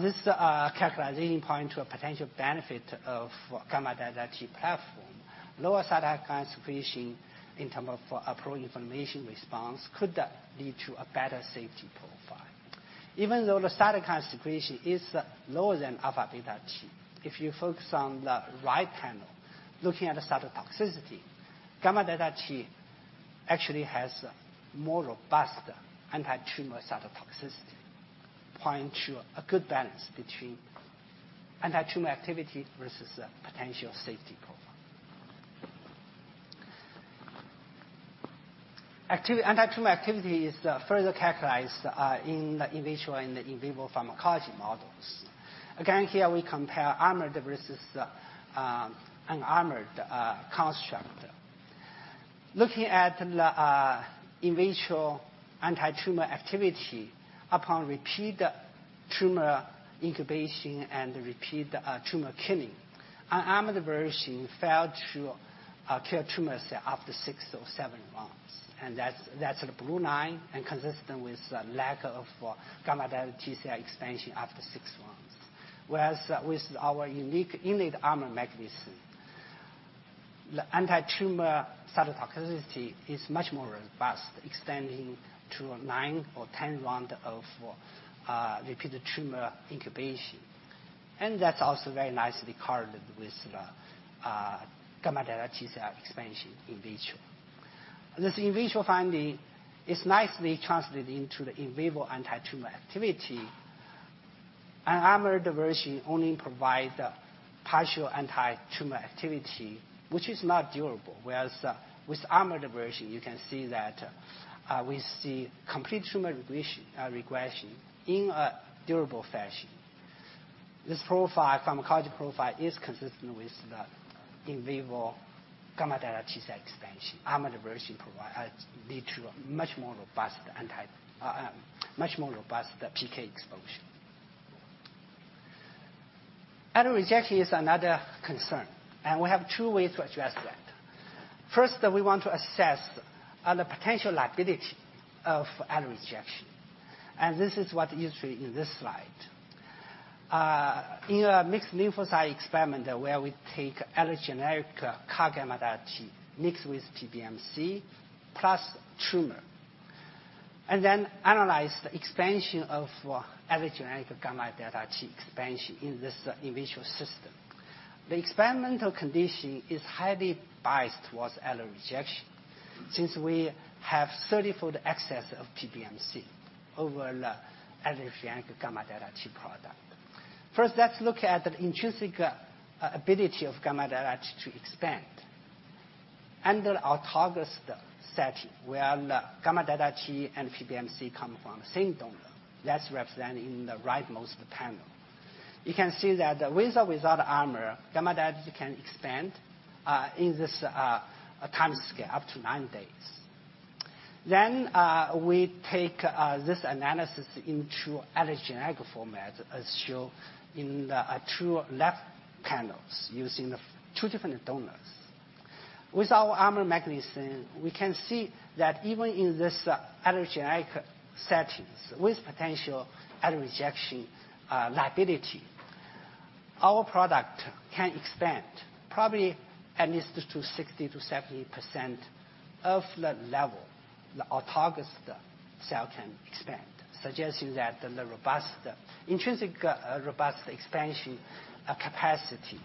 This calculation points to a potential benefit of gamma delta T platform, lower cytokine secretion in terms of a pro-inflammation response could lead to a better safety profile. Even though the cytokine secretion is lower than alpha/beta T, if you focus on the right panel, looking at the cytotoxicity, gamma delta T actually has more robust anti-tumor cytotoxicity, pointing to a good balance between anti-tumor activity versus the potential safety profile. Anti-tumor activity is further characterized in the in vitro and the in vivo pharmacology models. Again, here we compare armored versus the unarmored construct. Looking at the in vitro anti-tumor activity upon repeat tumor incubation and repeat tumor killing, unarmored version failed to kill tumors after six or seven rounds, and that's the blue line and consistent with lack of gamma delta T cell expansion after six rounds. Whereas with our unique innate armor mechanism, the anti-tumor cytotoxicity is much more robust, extending to nine or 10 round of repeated tumor incubation. That's also very nicely correlated with the gamma delta T cell expansion in vitro. This in vitro finding is nicely translated into the in vivo anti-tumor activity. Unarmored version only provides partial anti-tumor activity, which is not durable. Whereas with armored version, you can see that we see complete tumor regression in a durable fashion. This profile, pharmacology profile, is consistent with the in vivo gamma delta T cell expansion. Armored version provide lead to a much more robust PK exposure. Allorejection is another concern, and we have two ways to address that. First, we want to assess the potential liability of allorejection, and this is what you see in this slide. In a mixed lymphocyte experiment where we take allogeneic CAR gamma delta T mixed with PBMC plus tumor, and then analyze the expansion of allogeneic gamma delta T in this in vitro system. The experimental condition is highly biased towards allorejection, since we have 30-fold excess of PBMC over the allogeneic gamma delta T product. First, let's look at the intrinsic ability of gamma delta T to expand. Under autologous setting where the gamma delta T and PBMC come from the same donor, that's represented in the rightmost panel. You can see that with or without armor, gamma delta can expand in this timescale, up to 9 days. We take this analysis into allogeneic format as shown in the two left panels using the two different donors. With our armor mechanism, we can see that even in this allogeneic settings with potential allorejection liability, our product can expand probably at least to 60%-70% of the level the autologous cell can expand, suggesting that the robust, intrinsic expansion capacity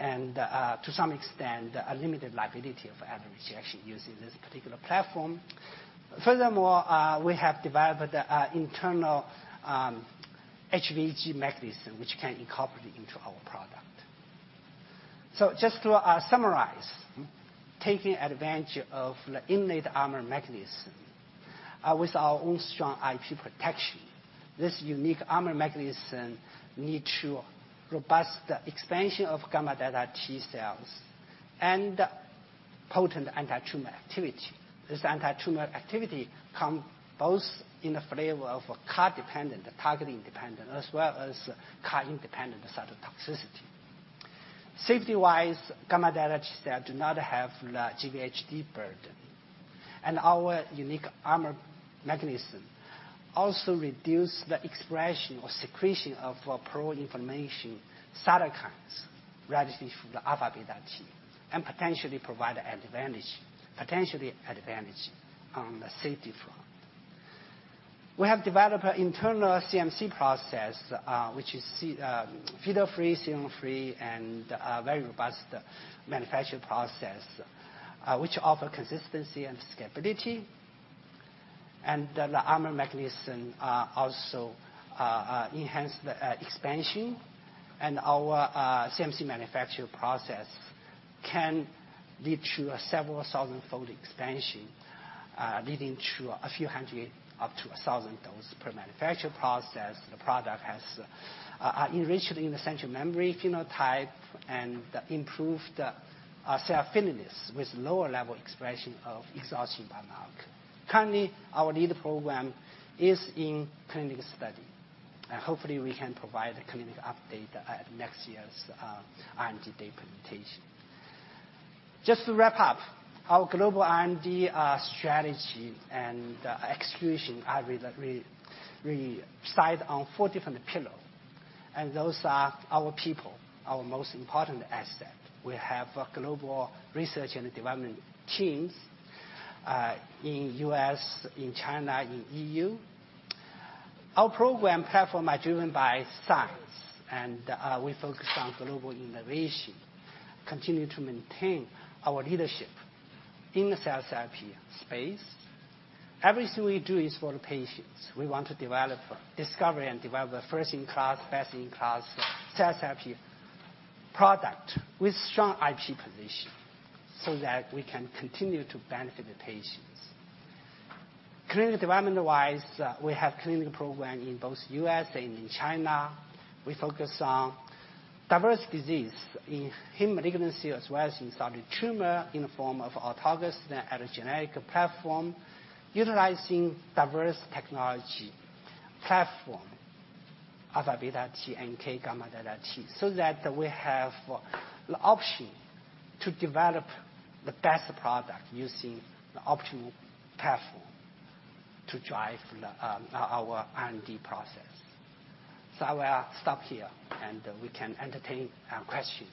and to some extent, a limited liability of allorejection using this particular platform. Furthermore, we have developed a internal HVG mechanism which can incorporate into our product. Just to summarize, taking advantage of the innate armor mechanism with our own strong IP protection, this unique armor mechanism lead to robust expansion of gamma delta T-cells and potent anti-tumor activity. This anti-tumor activity come both in the flavor of CAR-dependent, targeting-dependent, as well as CAR-independent cytotoxicity. Safety-wise, gamma delta T-cell do not have the GVHD burden, and our unique armor mechanism also reduce the expression or secretion of pro-inflammatory cytokines relative to the alpha/beta T, and potentially provide advantage on the safety front. We have developed internal CMC process, which is fetal-free, serum-free, and a very robust manufacturing process, which offer consistency and scalability. The armor mechanism also enhance the expansion. Our CMC manufacturing process can lead to a several thousandfold expansion, leading to a few hundred up to 1,000 doses per manufacturing process. The product has enriched in the central memory phenotype and improved self-affinities with lower level expression of exhaustion biomarker. Currently, our lead program is in clinical study. Hopefully we can provide a clinical update at next year's R&D day presentation. Just to wrap up, our global R&D strategy and execution are really. We decide on four different pillar, and those are our people, our most important asset. We have a global research and development teams in U.S., in China, in EU. Our program platform are driven by science and we focus on global innovation, continue to maintain our leadership in the cell therapy space. Everything we do is for the patients. We want to discover and develop a first-in-class, best-in-class cell therapy product with strong IP position so that we can continue to benefit the patients. Clinical development-wise, we have clinical program in both U.S. and in China. We focus on diverse disease in malignancy as well as in solid tumor in the form of autologous and allogeneic platform, utilizing diverse technology platform, alpha beta T and gamma delta T, so that we have the option to develop the best product using the optimal platform to drive our R&D process. I will stop here, and we can entertain questions.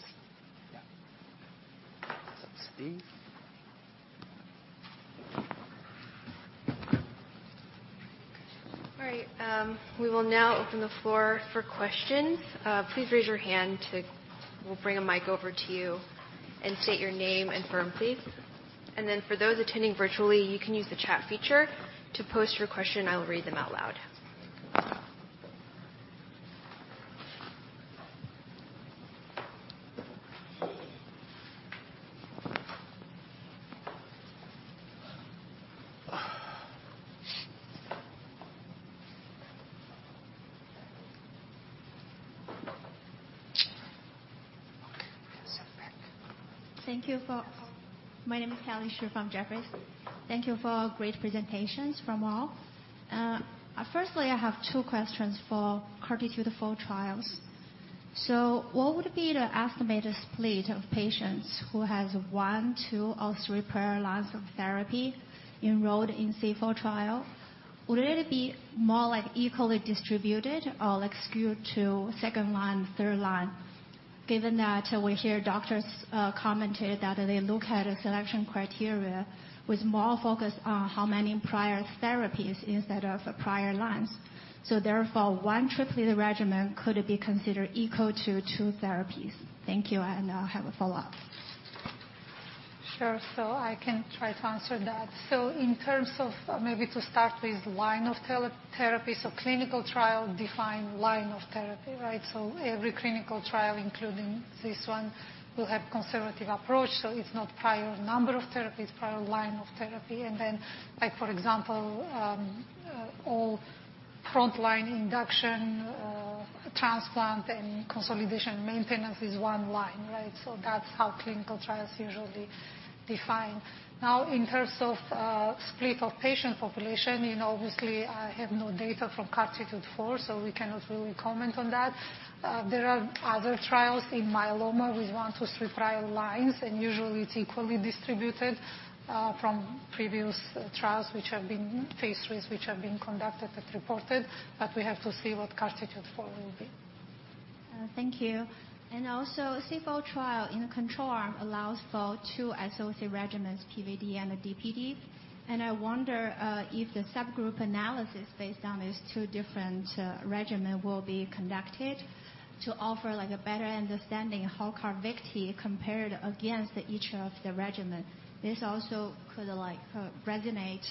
Yeah. Steve. All right. We will now open the floor for questions. Please raise your hand. We'll bring a mic over to you. State your name and firm, please. For those attending virtually, you can use the chat feature to post your question. I will read them out loud. Okay. You can sit back. My name is Kelly Shi from Jefferies. Thank you for great presentations from all. Firstly, I have two questions for CARTITUDE-4 trials. What would be the estimated split of patients who has one, two, or three prior lines of therapy enrolled in C-four trial? Would it be more like equally distributed or like skewed to second line, third line? Given that we hear doctors commented that they look at a selection criteria with more focus on how many prior therapies instead of prior lines. Therefore, one triplet regimen could be considered equal to two therapies. Thank you, and I have a follow-up. Sure. I can try to answer that. In terms of maybe to start with line of therapy, clinical trials define line of therapy, right? Every clinical trial, including this one, will have conservative approach. It's not prior number of therapies, prior line of therapy. Like, for example, all frontline induction, transplant and consolidation maintenance is 1 line, right? That's how clinical trials usually define. Now, in terms of split of patient population, you know, obviously I have no data from CARTITUDE-4, so we cannot really comment on that. There are other trials in myeloma with 1-3 prior lines, and usually it's equally distributed from previous trials which have been phase IIIs conducted and reported, but we have to see what CARTITUDE-4 will be. Thank you. Also, CARTITUDE-4 trial in the control arm allows for two standard regimens, PVd and DPd. I wonder if the subgroup analysis based on these two different regimens will be conducted to offer like a better understanding how CARVYKTI compared against each of the regimens. This also could like resonate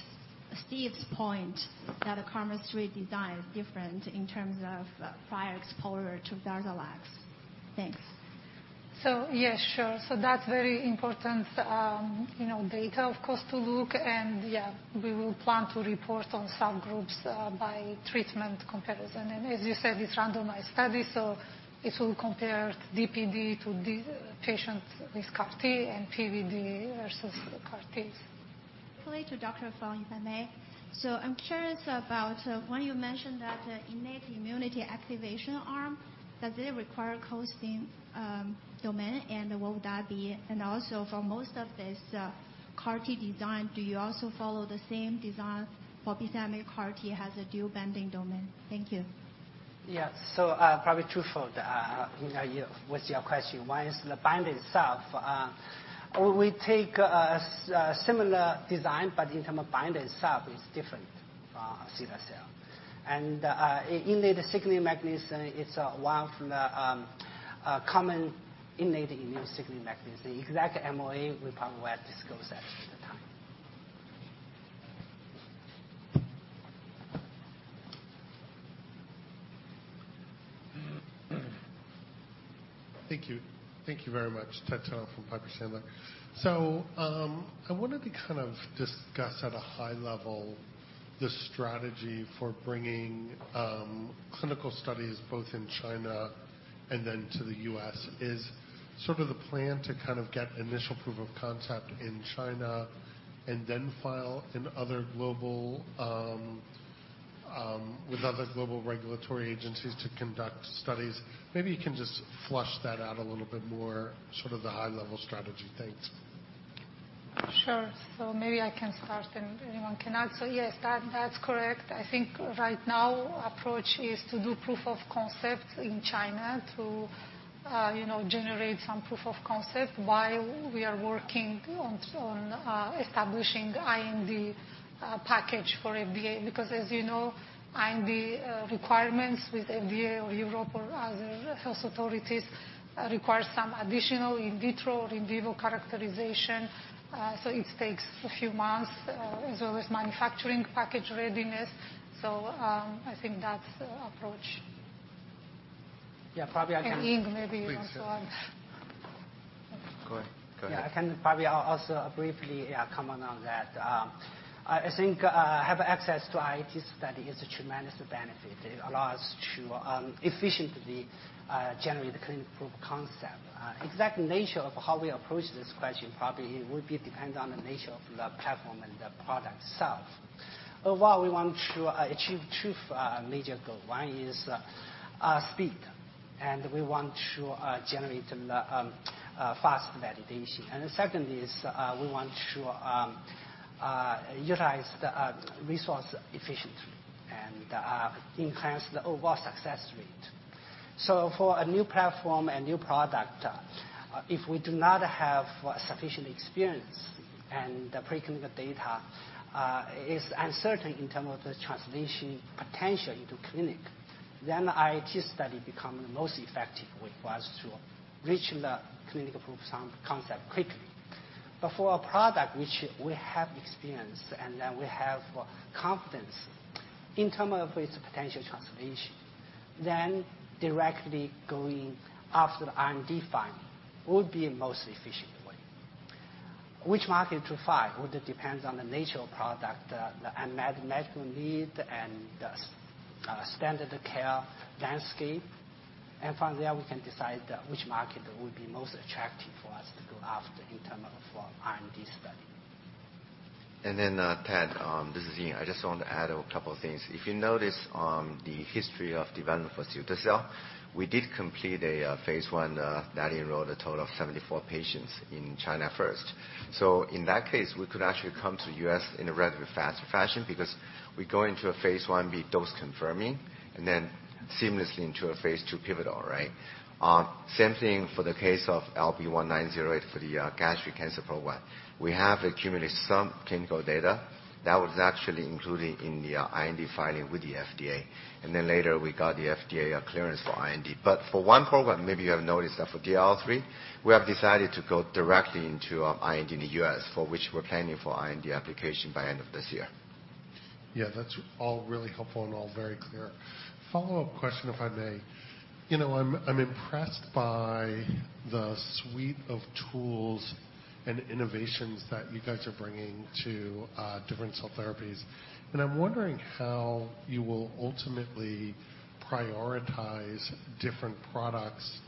Steve's point that the CAR chemistry design is different in terms of prior exposure to DARZALEX. Thanks. Yes, sure. That's very important, you know, data, of course, to look. Yeah, we will plan to report on subgroups by treatment comparison. As you said, it's randomized study, so it will compare DPD to the patients with CAR T and PVD versus the CAR Ts. Quickly to Dr. Fang in MA. I'm curious about when you mentioned that innate immunity activation arm, does it require co-stim domain and what would that be? And also for most of this, CAR T design, do you also follow the same design for bispecific CAR T has a dual binding domain? Thank you. Yeah. Probably twofold, you know, to your question. One is the binding itself. We take similar design, but in terms of binding itself it's different, CD19 cell and innate signaling mechanism, it's one from the common innate immune signaling mechanism. The exact MOA, we probably will disclose that in due time. Thank you. Thank you very much. Ted Tenthoff from Piper Sandler. I wanted to kind of discuss at a high level the strategy for bringing clinical studies both in China and then to the U.S. Is sort of the plan to kind of get initial proof of concept in China and then file in other global with other global regulatory agencies to conduct studies? Maybe you can just flesh that out a little bit more, sort of the high level strategy. Thanks. Sure. Maybe I can start, and anyone can add. Yes, that's correct. I think right now approach is to do proof of concept in China to generate some proof of concept while we are working on establishing IND package for FDA. Because as you know, IND requirements with FDA or Europe or other health authorities requires some additional in vitro or in vivo characterization. It takes a few months, as well as manufacturing package readiness. I think that's the approach. Yeah, probably I can. Ying, maybe you want to add. Please, go ahead. Go ahead. I can probably also briefly comment on that. I think having access to IIT study is a tremendous benefit. It allows to efficiently generate the clinical proof concept. Exact nature of how we approach this question probably would depend on the nature of the platform and the product itself. Overall, we want to achieve 2 major goal. 1 is speed, and we want to generate fast validation. The second is, we want to utilize the resource efficiently and enhance the overall success rate. For a new platform and new product, if we do not have sufficient experience and the preclinical data is uncertain in terms of the translation potential into clinic, then IIT study become the most effective way for us to reach the clinical proof of concept quickly. For a product which we have experience and that we have confidence in terms of its potential translation, then directly going after the IND filing would be a most efficient way. Which market to file would depends on the nature of product, the unmet medical need and the standard of care landscape. From there we can decide which market would be most attractive for us to go after in terms of R&D study. Ted, this is Ying. I just want to add a couple of things. If you notice on the history of development for cilta-cel, we did complete a phase I that enrolled a total of 74 patients in China first. In that case, we could actually come to U.S. in a rather fast fashion because we go into a phase I with dose confirming and then seamlessly into a phase II pivotal, right? Same thing for the case of LB1908 for the gastric cancer program. We have accumulated some clinical data. That was actually included in the IND filing with the FDA. Later we got the FDA clearance for IND. For one program, maybe you have noticed that for DLL3, we have decided to go directly into IND in the U.S., for which we're planning for IND application by end of this year. Yeah, that's all really helpful and all very clear. Follow-up question, if I may. You know, I'm impressed by the suite of tools and innovations that you guys are bringing to different cell therapies. I'm wondering how you will ultimately prioritize different products.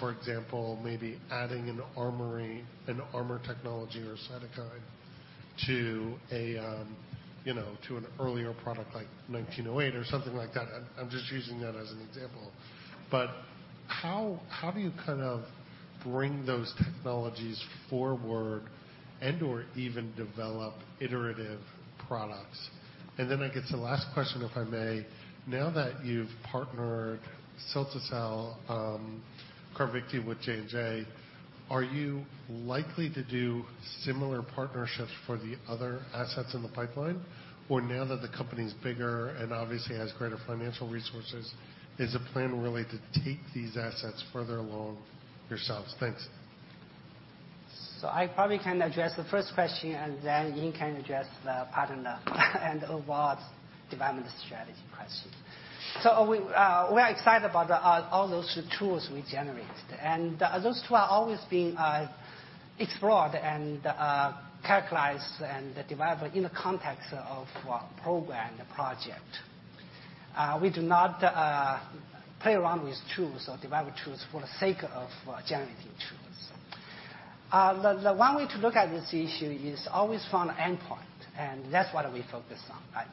For example, maybe adding an armored technology or cytokine to an earlier product like LB1908 or something like that. I'm just using that as an example. How do you kind of bring those technologies forward and/or even develop iterative products? Then I guess the last question, if I may. Now that you've partnered cilta-cel, CARVYKTI with J&J, are you likely to do similar partnerships for the other assets in the pipeline? Now that the company is bigger and obviously has greater financial resources, is the plan really to take these assets further along yourselves? Thanks. I probably can address the first question, and then Ying Huang can address the partner and our development strategy question. We are excited about all those tools we generated. Those tools are always being explored and characterized and developed in the context of a program, the project. We do not play around with tools or develop tools for the sake of generating tools. The one way to look at this issue is always from the endpoint, and that's what we focus on, right?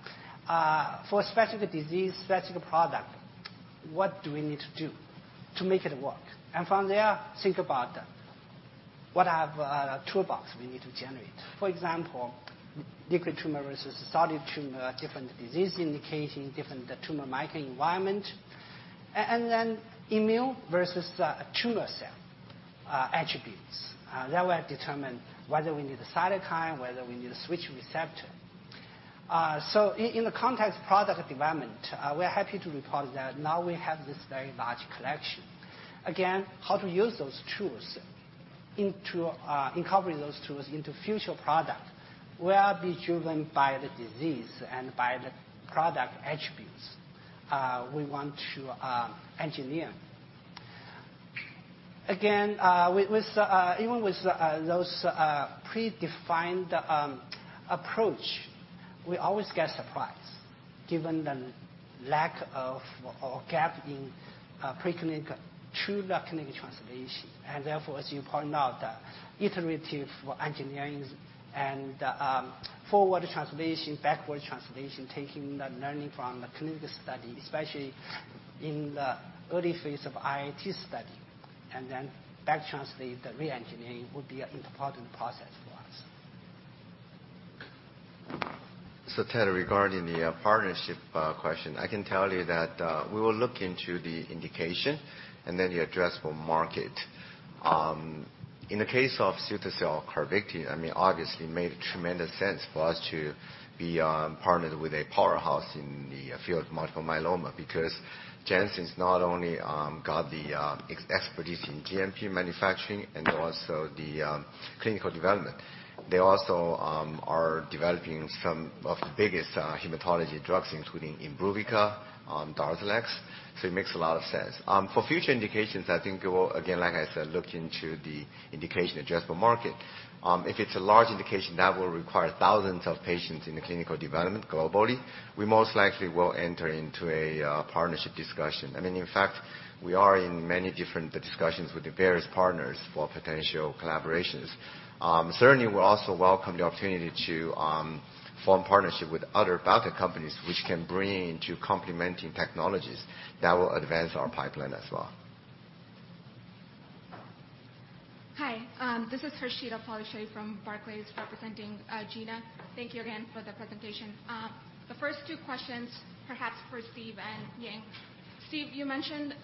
For a specific disease, specific product, what do we need to do to make it work? From there, think about what other toolbox we need to generate. For example, liquid tumor versus solid tumor, different disease indication, different tumor microenvironment. Then immune versus the tumor cell attributes. That will determine whether we need a cytokine, whether we need a switch receptor. In the context of product development, we're happy to report that now we have this very large collection. Again, how to use those tools into incorporating those tools into future product will be driven by the disease and by the product attributes we want to engineer. Again, with those predefined approach, we always get surprised given the lack of or gap in preclinical true clinical translation. Therefore, as you point out, iterative engineerings and forward translation, backward translation, taking the learning from the clinical study, especially in the early phase of IIT study, and then back translate the reengineering would be an important process for us. Ted, regarding the partnership question, I can tell you that we will look into the indication and then the addressable market. In the case of cilta-cel CARVYKTI, I mean, obviously it made tremendous sense for us to be partnered with a powerhouse in the field of multiple myeloma because Janssen's not only got the expertise in GMP manufacturing and also the clinical development, they also are developing some of the biggest hematology drugs, including IMBRUVICA, DARZALEX. It makes a lot of sense. For future indications, I think we will, again, like I said, look into the indication addressable market. If it's a large indication that will require thousands of patients in the clinical development globally, we most likely will enter into a partnership discussion. I mean, in fact, we are in many different discussions with the various partners for potential collaborations. Certainly, we also welcome the opportunity to form partnership with other biotech companies which can bring into complementing technologies that will advance our pipeline as well. Hi, this is Harshita Polishetty from Barclays, representing Gena Wang. Thank you again for the presentation. The first two questions perhaps for Steve Gavel and Ying Huang. Steve Gavel, you mentioned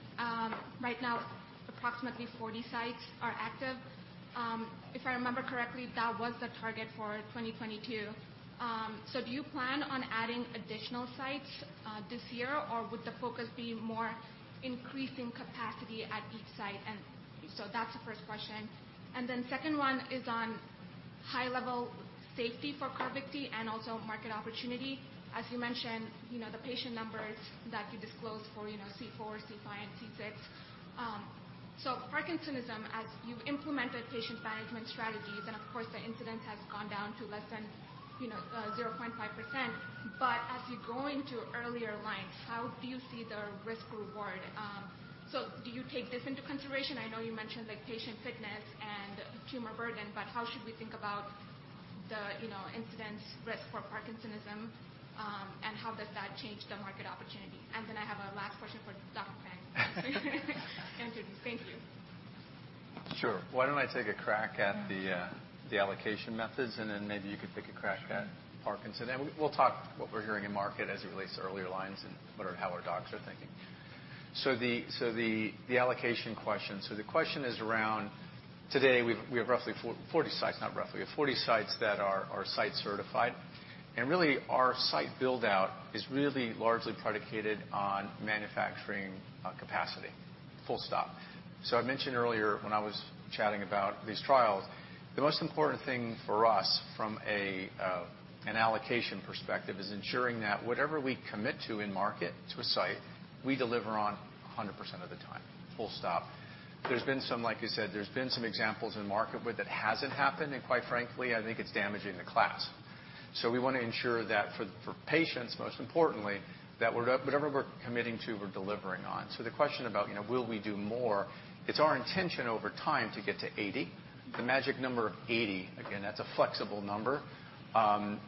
right now approximately 40 sites are active. If I remember correctly, that was the target for 2022. Do you plan on adding additional sites this year, or would the focus be more on increasing capacity at each site? That's the first question. Second one is on high-level safety for CARVYKTI and also market opportunity. As you mentioned, you know, the patient numbers that you disclosed for, you know, C four, C five, and C six. Parkinsonism, as you've implemented patient management strategies, and of course, the incidence has gone down to less than, you know, 0.5%. As you go into earlier lines, how do you see the risk reward? Do you take this into consideration? I know you mentioned like patient fitness and tumor burden, but how should we think about the, you know, incidence risk for parkinsonism, and how does that change the market opportunity? I have a last question for Dr. Guowei Fang. Thank you. Sure. Why don't I take a crack at the allocation methods, and then maybe you could take a crack at Parkinson. We'll talk what we're hearing in market as it relates to earlier lines and how our docs are thinking. The allocation question. The question is around today, we have 40 sites that are site certified. Really, our site build-out is really largely predicated on manufacturing capacity. Full stop. I mentioned earlier when I was chatting about these trials, the most important thing for us from an allocation perspective is ensuring that whatever we commit to in market to a site, we deliver on 100% of the time. Full stop. There's been some, like you said, examples in market where that hasn't happened, and quite frankly, I think it's damaging the class. We wanna ensure that for patients, most importantly, that whatever we're committing to, we're delivering on. The question about, you know, will we do more? It's our intention over time to get to 80. The magic number of 80, again, that's a flexible number,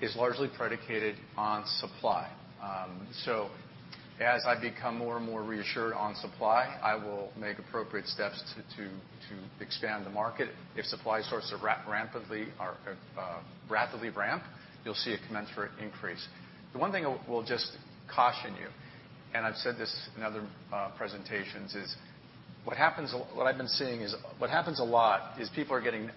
is largely predicated on supply. As I become more and more reassured on supply, I will make appropriate steps to expand the market. If supply sources rapidly ramp, you'll see a commensurate increase. The one thing I will just caution you, and I've said this in other presentations, is what I've been seeing is what happens a lot is people are getting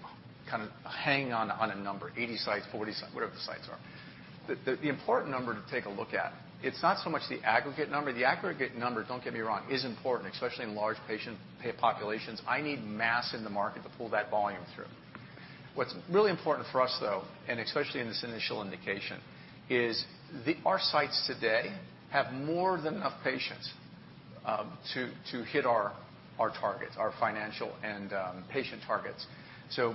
kind of hanging on a number, 80 sites, 40 sites, whatever the sites are. The important number to take a look at, it's not so much the aggregate number. The aggregate number, don't get me wrong, is important, especially in large patient populations. I need mass in the market to pull that volume through. What's really important for us, though, and especially in this initial indication, is our sites today have more than enough patients to hit our targets, our financial and patient targets.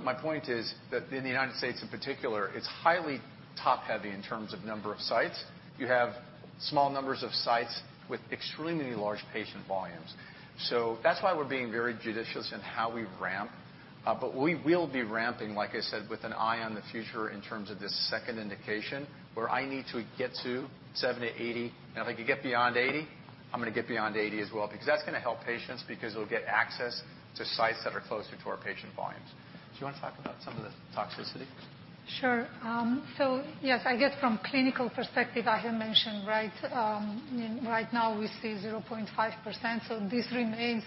My point is that in the United States, in particular, it's highly top-heavy in terms of number of sites. You have small numbers of sites with extremely large patient volumes. That's why we're being very judicious in how we ramp. We will be ramping, like I said, with an eye on the future in terms of this second indication, where I need to get to 70, 80. If I can get beyond 80, I'm gonna get beyond 80 as well, because that's gonna help patients because they'll get access to sites that are closer to our patient volumes. Do you want to talk about some of the toxicity? Sure. Yes, I guess from clinical perspective, I have mentioned, right now we see 0.5%, so this remains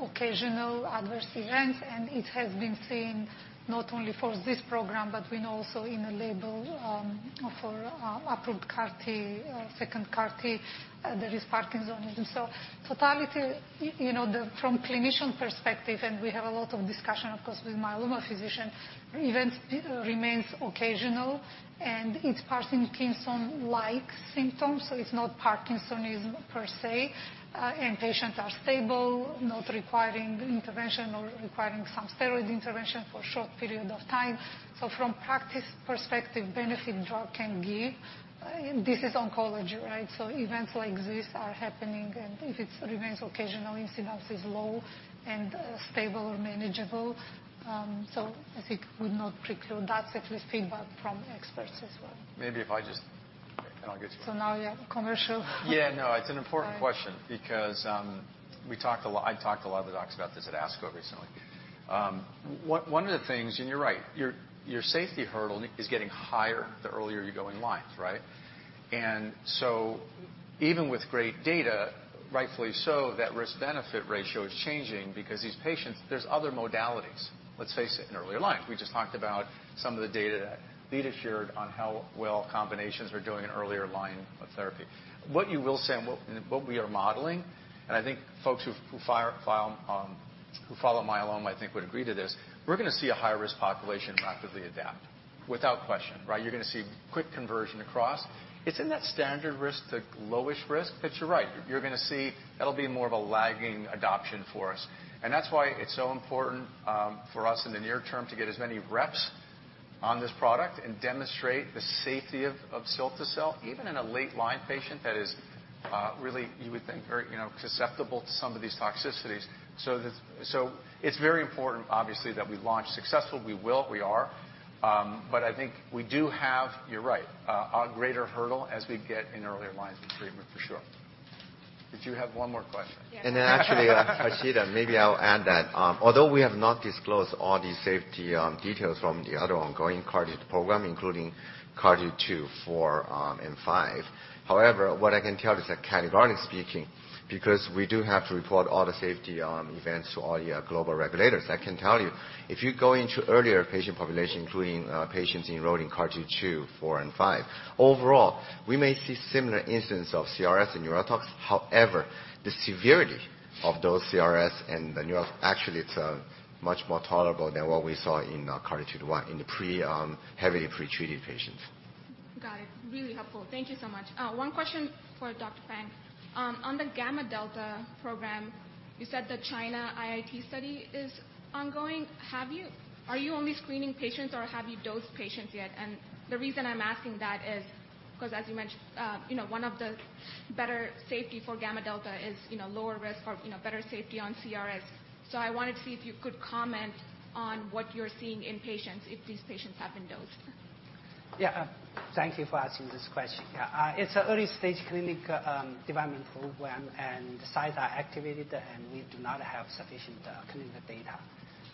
occasional adverse events, and it has been seen not only for this program, but we know also in a label for approved CAR T, second CAR T. There is parkinsonism. Totality, you know, from clinician perspective, and we have a lot of discussion, of course, with myeloma physicians, events remains occasional, and it's parkinsonism-like symptoms, so it's not parkinsonism per se. Patients are stable, not requiring intervention or requiring some steroid intervention for short period of time. From practice perspective, benefit drug can give, and this is oncology, right? Events like this are happening, and if it remains occasional, incidence is low and stable or manageable. I think would not preclude. That's at least feedback from experts as well. I'll get you. Now you're commercial. Yeah, no, it's an important question because we talked a lot. I talked to a lot of the docs about this at ASCO recently. One of the things, and you're right, your safety hurdle is getting higher the earlier you go in lines, right? Even with great data, rightfully so, that risk-benefit ratio is changing because these patients, there's other modalities, let's face it, in earlier lines. We just talked about some of the data that Lida shared on how well combinations are doing in earlier line of therapy. What you will see and what we are modeling, and I think folks who follow myeloma would agree to this, we're gonna see a high-risk population rapidly adapt, without question, right? You're gonna see quick conversion across. It's in that standard risk to lowish risk that you're right. You're gonna see that'll be more of a lagging adoption for us. That's why it's so important for us in the near term to get as many reps on this product and demonstrate the safety of cilta-cel, even in a late-line patient that is really, you would think very susceptible to some of these toxicities. It's very important, obviously, that we launch successful. We will. We are. But I think we do have, you're right, a greater hurdle as we get in earlier lines of treatment for sure. Did you have one more question? Yes. Actually, Harshita, maybe I'll add that, although we have not disclosed all the safety details from the other ongoing CAR-T program, including CAR-T 2, for, and five. However, what I can tell you is that categorically speaking, because we do have to report all the safety events to all the global regulators. I can tell you, if you go into earlier patient population, including patients enrolled in CAR-T 2, four, and five, overall, we may see similar incidence of CRS and neurotox. However, the severity of those CRS and actually it's much more tolerable than what we saw in CAR-T 21 in the heavily pre-treated patients. Got it. Really helpful. Thank you so much. One question for Dr. Fang. On the gamma delta program, you said the China IIT study is ongoing. Are you only screening patients or have you dosed patients yet? The reason I'm asking that is 'cause as you mentioned, you know, one of the better safety for gamma delta is, you know, lower risk for, you know, better safety on CRS. I wanted to see if you could comment on what you're seeing in patients if these patients have been dosed. Yeah. Thank you for asking this question. Yeah. It's an early stage clinical development program, and the sites are activated, and we do not have sufficient clinical data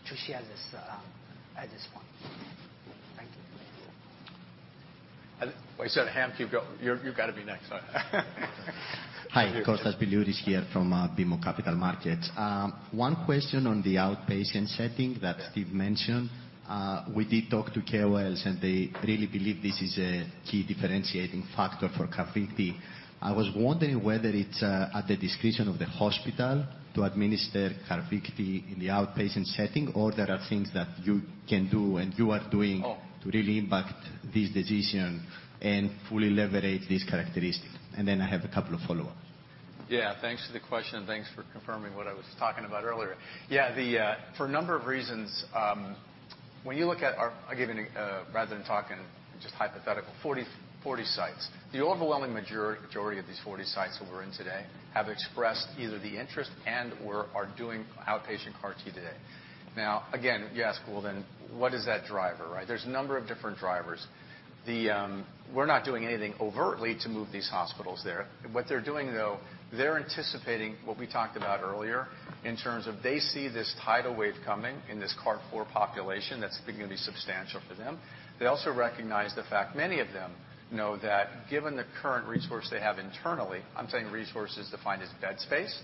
to share this at this point. Thank you. You've got to be next. Hi. Kostas Biliouris here from BMO Capital Markets. One question on the outpatient setting that Steve mentioned. We did talk to CareWell, and they really believe this is a key differentiating factor for CARVYKTI. I was wondering whether it's at the discretion of the hospital to administer CARVYKTI in the outpatient setting or there are things that you can do and you are doing to really impact this decision and fully leverage this characteristic. I have a couple of follow-ups. Yeah. Thanks for the question, and thanks for confirming what I was talking about earlier. Yeah. For a number of reasons, when you look at our 40 sites. I'll give you rather than talking just hypothetical, 40 sites. The overwhelming majority of these 40 sites that we're in today have expressed either the interest and/or are doing outpatient CAR T today. Now, again, you ask, "Well, then what is that driver?" Right? There's a number of different drivers. We're not doing anything overtly to move these hospitals there. What they're doing, though, they're anticipating what we talked about earlier in terms of they see this tidal wave coming in this CAR T for population that's gonna be substantial for them. They also recognize the fact many of them know that given the current resources they have internally, I'm saying resources defined as bed space,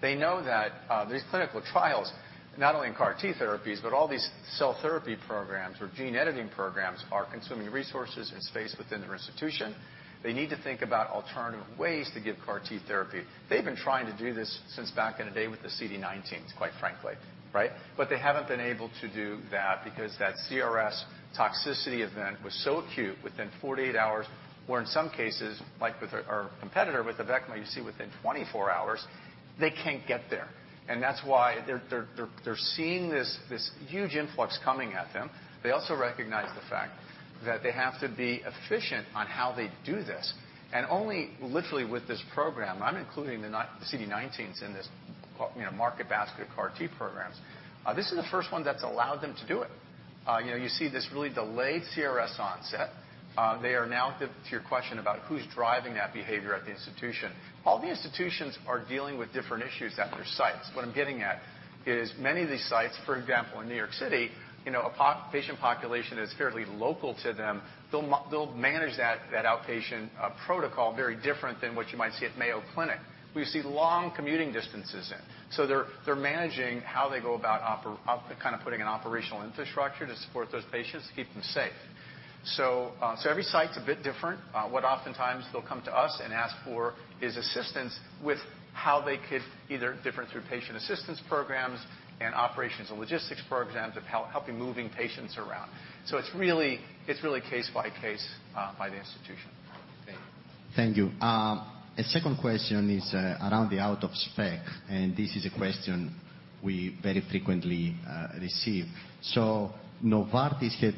they know that these clinical trials, not only in CAR T therapies, but all these cell therapy programs or gene editing programs are consuming resources and space within their institution. They need to think about alternative ways to give CAR T therapy. They've been trying to do this since back in the day with the CD19s, quite frankly, right? They haven't been able to do that because that CRS toxicity event was so acute within 48 hours, or in some cases, like with our competitor, with the Abecma you see within 24 hours, they can't get there. That's why they're seeing this huge influx coming at them. They also recognize the fact that they have to be efficient on how they do this. Only literally with this program, I'm including the non-CD19s in this, you know, market basket of CAR T programs. This is the first one that's allowed them to do it. You know, you see this really delayed CRS onset. To your question about who's driving that behavior at the institution, all the institutions are dealing with different issues at their sites. What I'm getting at is many of these sites, for example, in New York City, you know, a patient population is fairly local to them. They'll manage that outpatient protocol very different than what you might see at Mayo Clinic. We see long commuting distances in. They're managing how they go about kind of putting an operational infrastructure to support those patients to keep them safe. Every site's a bit different. What oftentimes they'll come to us and ask for is assistance with how they could either different through patient assistance programs and operations and logistics programs of helping moving patients around. It's really case by case by the institution. Thank you. A second question is around the out of spec, and this is a question we very frequently receive. Novartis had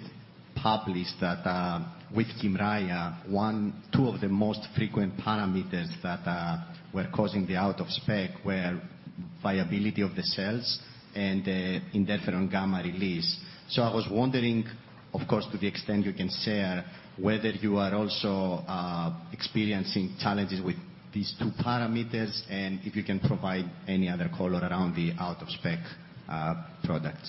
published that with Kymriah, one, two of the most frequent parameters that were causing the out of spec were viability of the cells and the interferon gamma release. I was wondering, of course, to the extent you can share, whether you are also experiencing challenges with these two parameters, and if you can provide any other color around the out of spec product.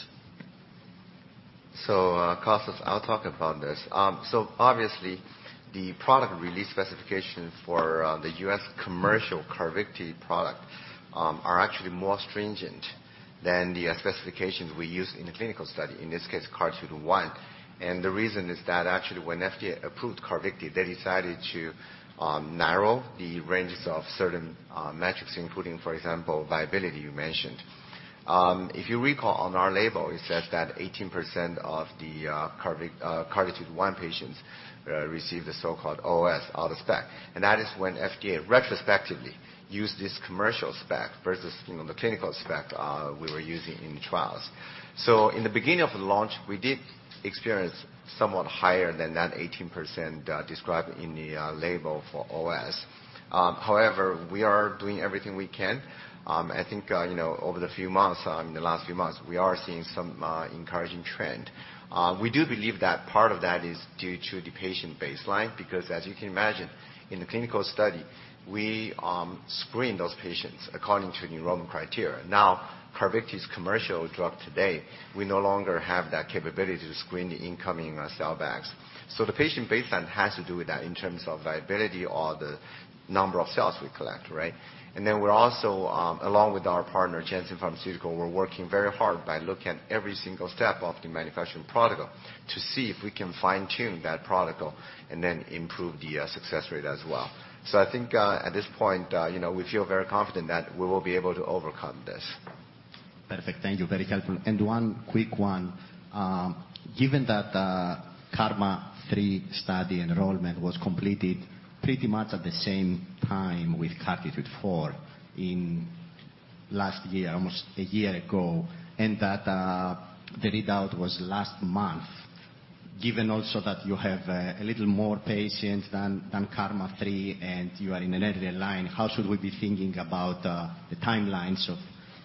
Kostas, I'll talk about this. Obviously the product release specifications for the U.S. commercial CARVYKTI product are actually more stringent than the specifications we use in the clinical study, in this case, CARTITUDE-1. The reason is that actually, when FDA approved CARVYKTI, they decided to narrow the ranges of certain metrics, including, for example, viability you mentioned. If you recall on our label, it says that 18% of the CARTITUDE-1 patients received the so-called OOS out of spec. That is when FDA retrospectively used this commercial spec versus, you know, the clinical spec we were using in the trials. In the beginning of the launch, we did experience somewhat higher than that 18% described in the label for OOS. However, we are doing everything we can. I think, you know, in the last few months, we are seeing some encouraging trend. We do believe that part of that is due to the patient baseline, because as you can imagine, in the clinical study, we screen those patients according to the enrollment criteria. Now, CARVYKTI's commercial drug today, we no longer have that capability to screen the incoming cell bags. So the patient baseline has to do with that in terms of viability or the number of cells we collect, right? Then we're also along with our partner, Janssen Pharmaceuticals, working very hard by looking at every single step of the manufacturing protocol to see if we can fine-tune that protocol and then improve the success rate as well. I think, at this point, you know, we feel very confident that we will be able to overcome this. Perfect. Thank you. Very helpful. One quick one. Given that KarMMa-3 study enrollment was completed pretty much at the same time with CARTITUDE-4 in last year, almost a year ago, and that the readout was last month, given also that you have a little more patients than KarMMa-3, and you are in an earlier line, how should we be thinking about the timelines of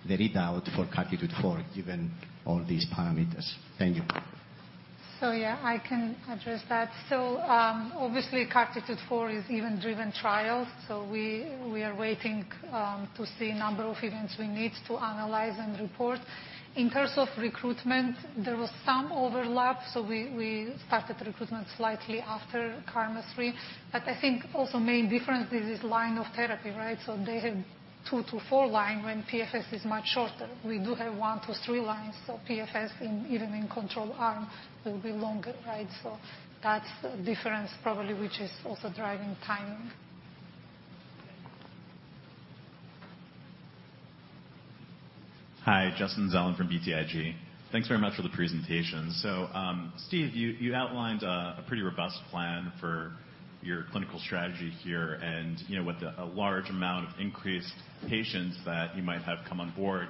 the readout for CARTITUDE-4 given all these parameters? Thank you. Yeah, I can address that. Obviously, CARTITUDE-4 is event-driven trials, so we are waiting to see number of events we need to analyze and report. In terms of recruitment, there was some overlap, so we started recruitment slightly after KarMMa-3. I think also main difference is line of therapy, right? They have 2-4 lines when PFS is much shorter. We do have 1-3 lines, so PFS, even in control arm, will be longer, right? That's the difference probably, which is also driving timing. Hi, Justin Zelin from BTIG. Thanks very much for the presentation. Steve, you outlined a pretty robust plan for your clinical strategy here and, you know, with a large amount of increased patients that you might have come on board,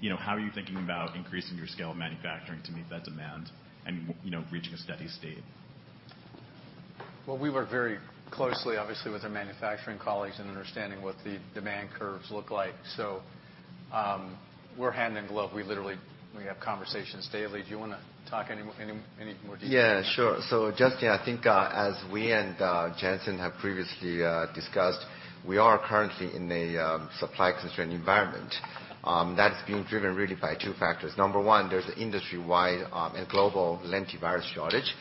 you know, how are you thinking about increasing your scale of manufacturing to meet that demand and, you know, reaching a steady state? Well, we work very closely obviously with our manufacturing colleagues in understanding what the demand curves look like. We're hand in glove. We literally, we have conversations daily. Do you wanna talk any more detail? Yeah, sure. Justin, I think, as we and Janssen have previously discussed, we are currently in a supply constrained environment, that's being driven really by two factors. Number one, there's industry-wide and global lentivirus shortage.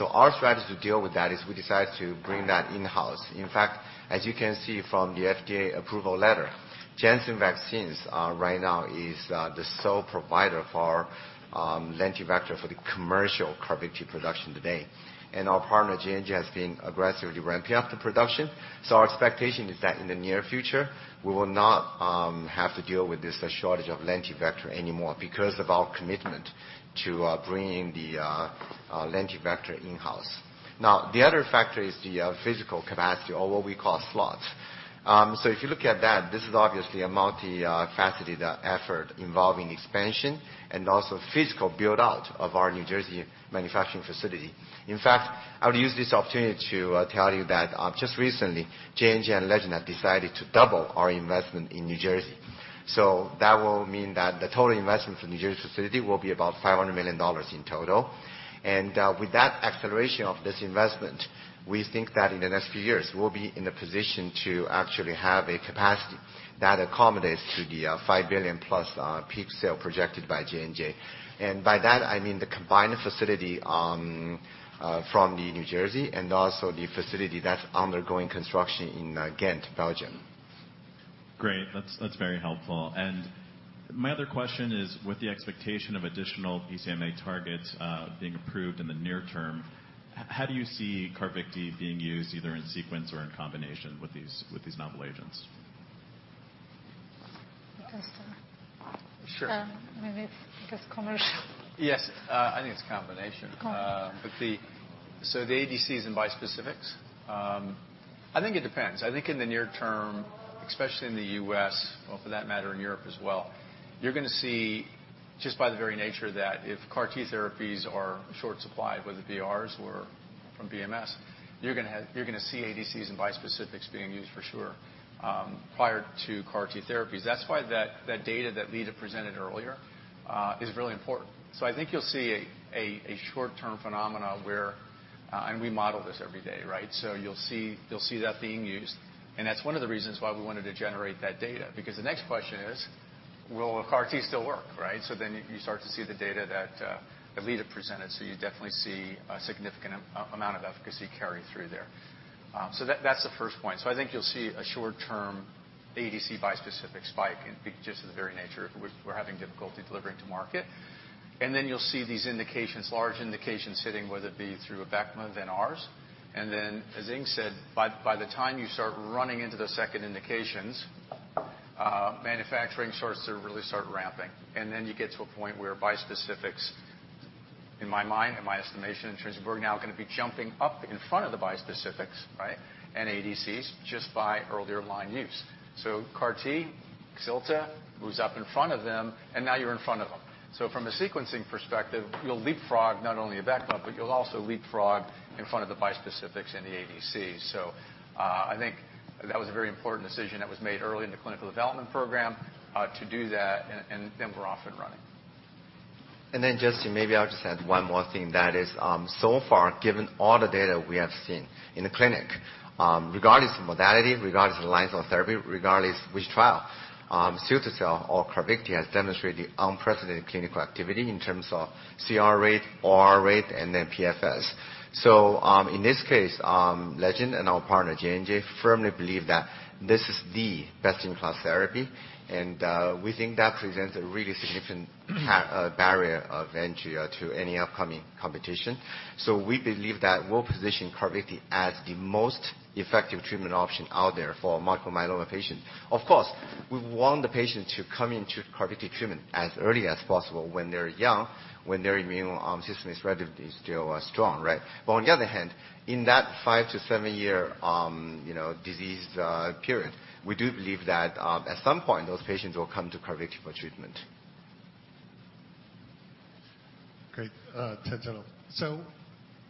Our strategy to deal with that is we decided to bring that in-house. In fact, as you can see from the FDA approval letter, Janssen Vaccines right now is the sole provider for lentivector for the commercial CARVYKTI production today. Our partner J&J has been aggressively ramping up the production. Our expectation is that in the near future, we will not have to deal with this shortage of lentivector anymore because of our commitment to bringing the lentivector in-house. Now, the other factor is the physical capacity or what we call slots. If you look at that, this is obviously a multi-faceted effort involving expansion and also physical build out of our New Jersey manufacturing facility. In fact, I would use this opportunity to tell you that just recently, J&J and Legend have decided to double our investment in New Jersey. That will mean that the total investment for New Jersey facility will be about $500 million in total. With that acceleration of this investment, we think that in the next few years, we'll be in a position to actually have a capacity that accommodates to the $5 billion plus peak sales projected by J&J. By that, I mean the combined facility one from the New Jersey and also the facility that's undergoing construction in Ghent, Belgium. Great. That's very helpful. My other question is, with the expectation of additional BCMA targets being approved in the near term, how do you see CARVYKTI being used either in sequence or in combination with these novel agents? You can start. Sure. Maybe it's, I guess, commercial. Yes. I think it's combination. Okay. So the ADCs and bispecifics, I think it depends. I think in the near term, especially in the U.S., or for that matter in Europe as well, you're gonna see just by the very nature that if CAR T therapies are in short supply, whether it be ours or from BMS, you're gonna see ADCs and bispecifics being used for sure prior to CAR T therapies. That's why that data that Lida presented earlier is really important. I think you'll see a short-term phenomenon where we model this every day, right? You'll see that being used. That's one of the reasons why we wanted to generate that data, because the next question is, will a CAR T still work, right? Then you start to see the data that Lida presented. You definitely see a significant amount of efficacy carry through there. That's the first point. I think you'll see a short-term ADC bispecific spike, in just the very nature if we're having difficulty delivering to market. Then you'll see these indications, large indications hitting, whether it be through Abecma, then ours. Then as Ying said, by the time you start running into the second indications, manufacturing starts to really start ramping. Then you get to a point where bispecifics, in my mind, in my estimation, in terms of we're now gonna be jumping up in front of the bispecifics, right? ADCs just by earlier line use. CAR T, cilta-cel, moves up in front of them, and now you're in front of them. From a sequencing perspective, you'll leapfrog not only Abecma, but you'll also leapfrog in front of the bispecifics and the ADCs. I think that was a very important decision that was made early in the clinical development program, to do that, and then we're off and running. Justin, maybe I'll just add one more thing that is, so far, given all the data we have seen in the clinic, regardless of modality, regardless of lines of therapy, regardless which trial, cilta-cel or CARVYKTI has demonstrated the unprecedented clinical activity in terms of CR rate, OR rate, and then PFS. In this case, Legend and our partner, J&J, firmly believe that this is the best-in-class therapy. We think that presents a really significant barrier of entry to any upcoming competition. We believe that we'll position CARVYKTI as the most effective treatment option out there for multiple myeloma patients. Of course, we want the patient to come into CARVYKTI treatment as early as possible when they're young, when their immune system is relatively still strong, right? On the other hand, in that 5-7 year, you know, disease period, we do believe that, at some point, those patients will come to CARVYKTI for treatment. Great. Ted Tenthoff.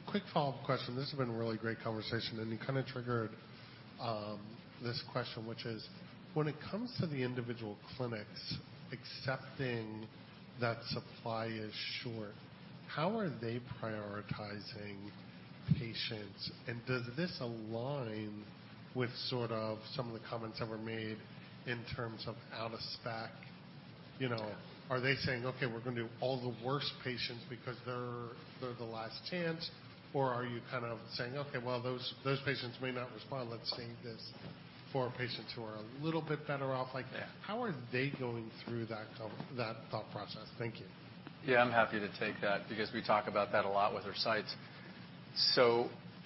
Quick follow-up question. This has been a really great conversation, and you kinda triggered this question, which is, when it comes to the individual clinics accepting that supply is short, how are they prioritizing patients? And does this align with sort of some of the comments that were made in terms of out of spec? You know, are they saying, "Okay, we're gonna do all the worst patients because they're the last chance." Or are you kind of saying, "Okay, well, those patients may not respond. Let's save this for patients who are a little bit better off. Yeah. How are they going through that thought process? Thank you. Yeah, I'm happy to take that because we talk about that a lot with our sites.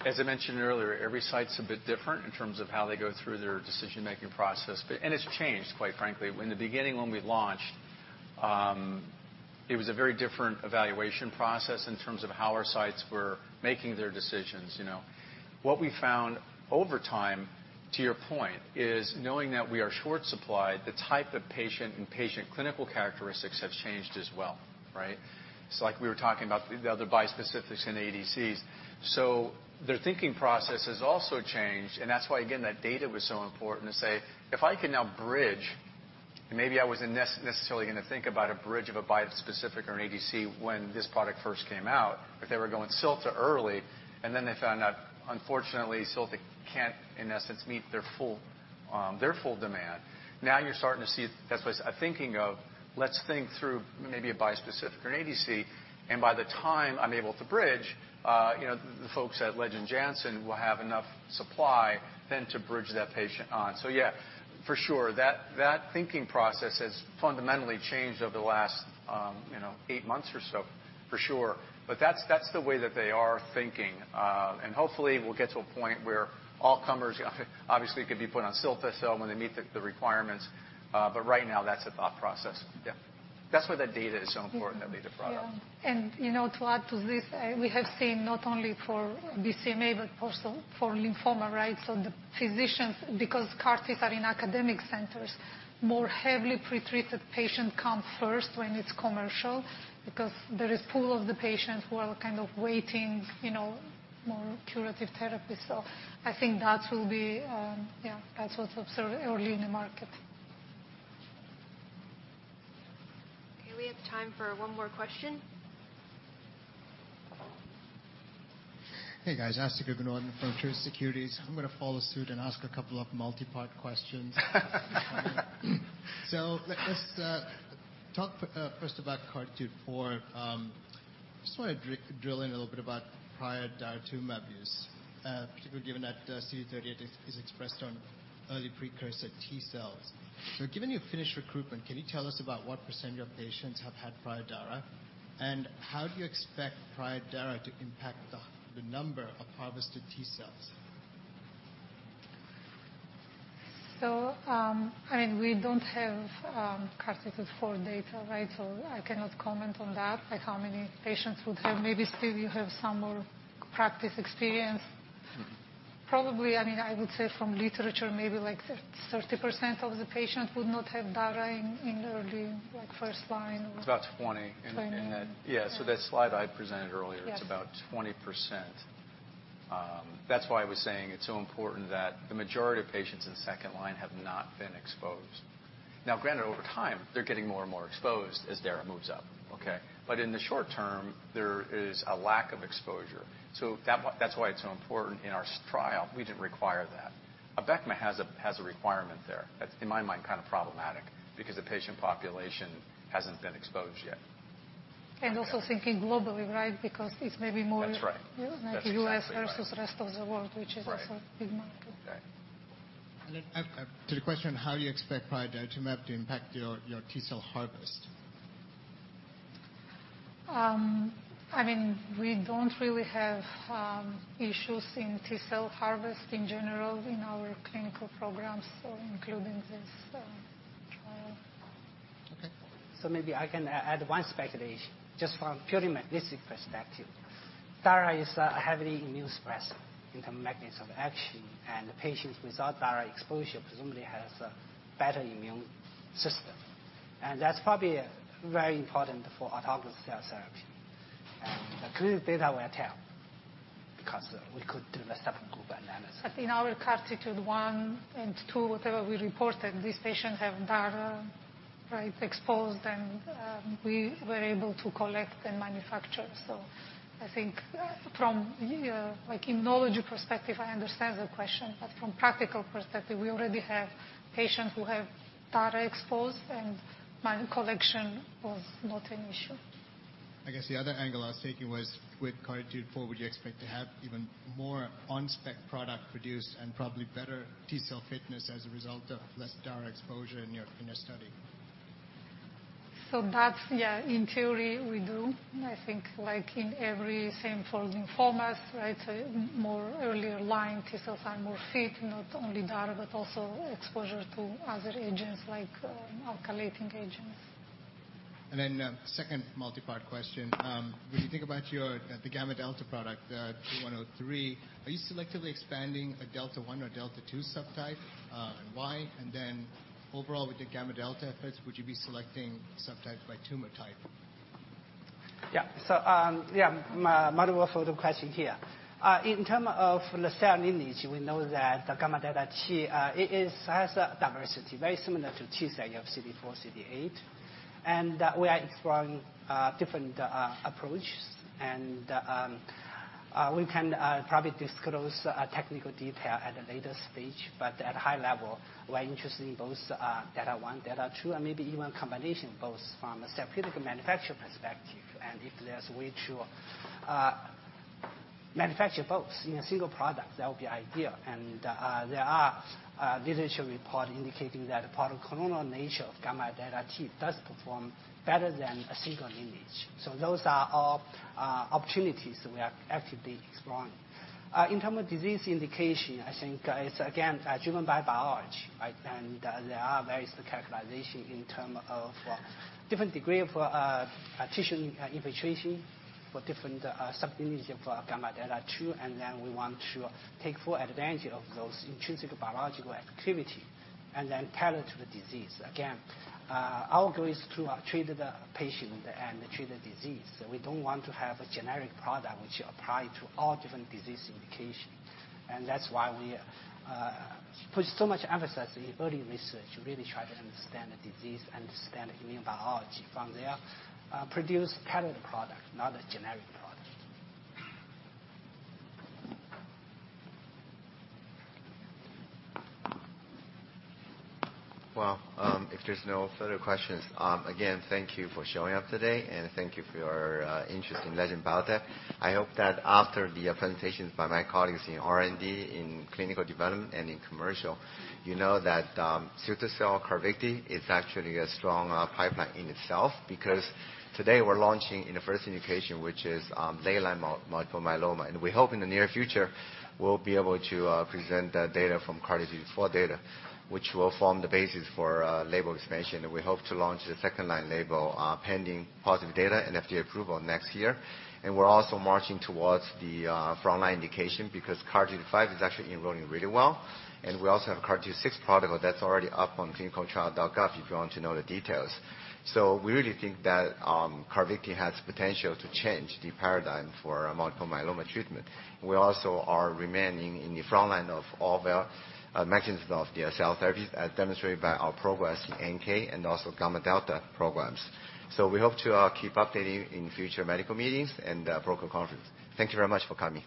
As I mentioned earlier, every site's a bit different in terms of how they go through their decision-making process. It's changed, quite frankly. In the beginning when we launched, it was a very different evaluation process in terms of how our sites were making their decisions, you know. What we found over time, to your point, is knowing that we are short supplied, the type of patient and patient clinical characteristics have changed as well, right? It's like we were talking about the other bispecifics and ADCs. Their thinking process has also changed, and that's why, again, that data was so important to say, "If I can now bridge, and maybe I wasn't necessarily gonna think about a bridge of a bispecific or an ADC when this product first came out." If they were going cilta early, and then they found out, unfortunately, cilta can't, in essence, meet their full demand. Now you're starting to see, that's why thinking of, let's think through maybe a bispecific or an ADC, and by the time I'm able to bridge, you know, the folks at Legend and Janssen will have enough supply then to bridge that patient on. Yeah, for sure, that thinking process has fundamentally changed over the last, you know, eight months or so, for sure. But that's the way that they are thinking. Hopefully we'll get to a point where all comers, obviously, could be put on cilta-cel when they meet the requirements. Right now, that's a thought process. Yeah. That's why that data is so important that we just brought up. You know, to add to this, we have seen not only for BCMA, but also for lymphoma, right? The physicians, because CAR Ts are in academic centers, more heavily pre-treated patients come first when it's commercial, because there is pool of the patients who are kind of waiting, you know, more curative therapy. I think that will be. That's what's observed early in the market. Okay, we have time for one more question. Hey, guys. Asthika Goonewardene from Truist Securities. I'm gonna follow suit and ask a couple of multi-part questions. Let's talk first about CARTITUDE-4. Just wanna drill in a little bit about prior daratumumab use, given that CD38 is expressed on early precursor T cells. Given you've finished recruitment, can you tell us about what % of your patients have had prior dara? And how do you expect prior dara to impact the number of harvested T cells? I mean, we don't have CARTITUDE-4 data, right? I cannot comment on that, like how many patients would have. Maybe Steve, you have some more practical experience. Mm-hmm. Probably, I mean, I would say from literature, maybe like 30% of the patients would not have dara in early, like, first line. It's about 20. Twenty. Yeah. That slide I presented earlier. Yes. It's about 20%. That's why I was saying it's so important that the majority of patients in second line have not been exposed. Now, granted, over time, they're getting more and more exposed as dara moves up, okay? In the short term, there is a lack of exposure. That's why it's so important in our trial, we didn't require that. Abecma has a requirement there that's, in my mind, kind of problematic because the patient population hasn't been exposed yet. Also thinking globally, right? Because it's maybe more That's right. Yeah. That's exactly right. Like U.S. versus rest of the world. Right. Which is also a big market. Right. To the question, how do you expect prior daratumumab to impact your T cell harvest? I mean, we don't really have issues in T cell harvest in general in our clinical programs, so including this trial. Okay. Maybe I can add one speculation, just from purely mechanistic perspective. Dara is heavily immunosuppressive in the mechanism of action, and the patients without dara exposure presumably has a better immune system. That's probably very important for autologous cell therapy. The clinical data will tell because we could do a separate group analysis. In our CARTITUDE-1 and 2, whatever we reported, these patients have dara, right, exposed, and we were able to collect and manufacture. I think from the like immunology perspective, I understand the question, but from practical perspective, we already have patients who have dara exposed, and my collection was not an issue. I guess the other angle I was taking was with CARTITUDE-4, would you expect to have even more on-spec product produced and probably better T cell fitness as a result of less dara exposure in your study? That's in theory we do. I think like in every case same for lymphomas, right, more earlier line T cells are more fit, not only dara, but also exposure to other agents like alkylating agents. Second multi-part question. When you think about your gamma delta product 2103, are you selectively expanding a delta one or delta two subtype, and why? Overall with the gamma delta efforts, would you be selecting subtype by tumor type? Yeah. Multiple follow-up questions here. In terms of the cell lineage, we know that the gamma delta T has a diversity very similar to T cell. You have CD4/CD8. We are exploring different approaches. We can probably disclose technical details at a later stage. At high level, we're interested in both delta one, delta two, and maybe even combination both from a therapeutic and manufacturing perspective. If there's a way to manufacture both in a single product, that would be ideal. There are literature reports indicating that the monoclonal nature of gamma delta T does perform better than a single lineage. Those are all opportunities that we are actively exploring. In terms of disease indication, I think it's again driven by biology, right? There are various characterizations in terms of different degrees of tissue infiltration for different sublineages of gamma delta T, and then we want to take full advantage of those intrinsic biological activities and then tailor to the disease. Again, our goal is to treat the patient and treat the disease. We don't want to have a generic product which apply to all different disease indication. That's why we put so much emphasis in early research to really try to understand the disease, understand immune biology. From there, produce tailored product, not a generic product. Well, if there's no further questions, again, thank you for showing up today, and thank you for your interest in Legend Biotech. I hope that after the presentations by my colleagues in R&D, in clinical development, and in commercial, you know that CAR-T CARVYKTI is actually a strong pipeline in itself because today we're launching in the first indication, which is late-line multiple myeloma. We hope in the near future, we'll be able to present the data from CARTITUDE-4 data, which will form the basis for label expansion. We hope to launch the second-line label pending positive data and FDA approval next year. We're also marching towards the frontline indication because CARTITUDE-5 is actually enrolling really well. We also have a CARTITUDE-6 protocol that's already up on ClinicalTrials.gov if you want to know the details. We really think that CARVYKTI has potential to change the paradigm for multiple myeloma treatment. We also are remaining in the front line of all the mechanisms of the cell therapy demonstrated by our progress in NK and also gamma delta programs. We hope to keep updating in future medical meetings and broker conference. Thank you very much for coming.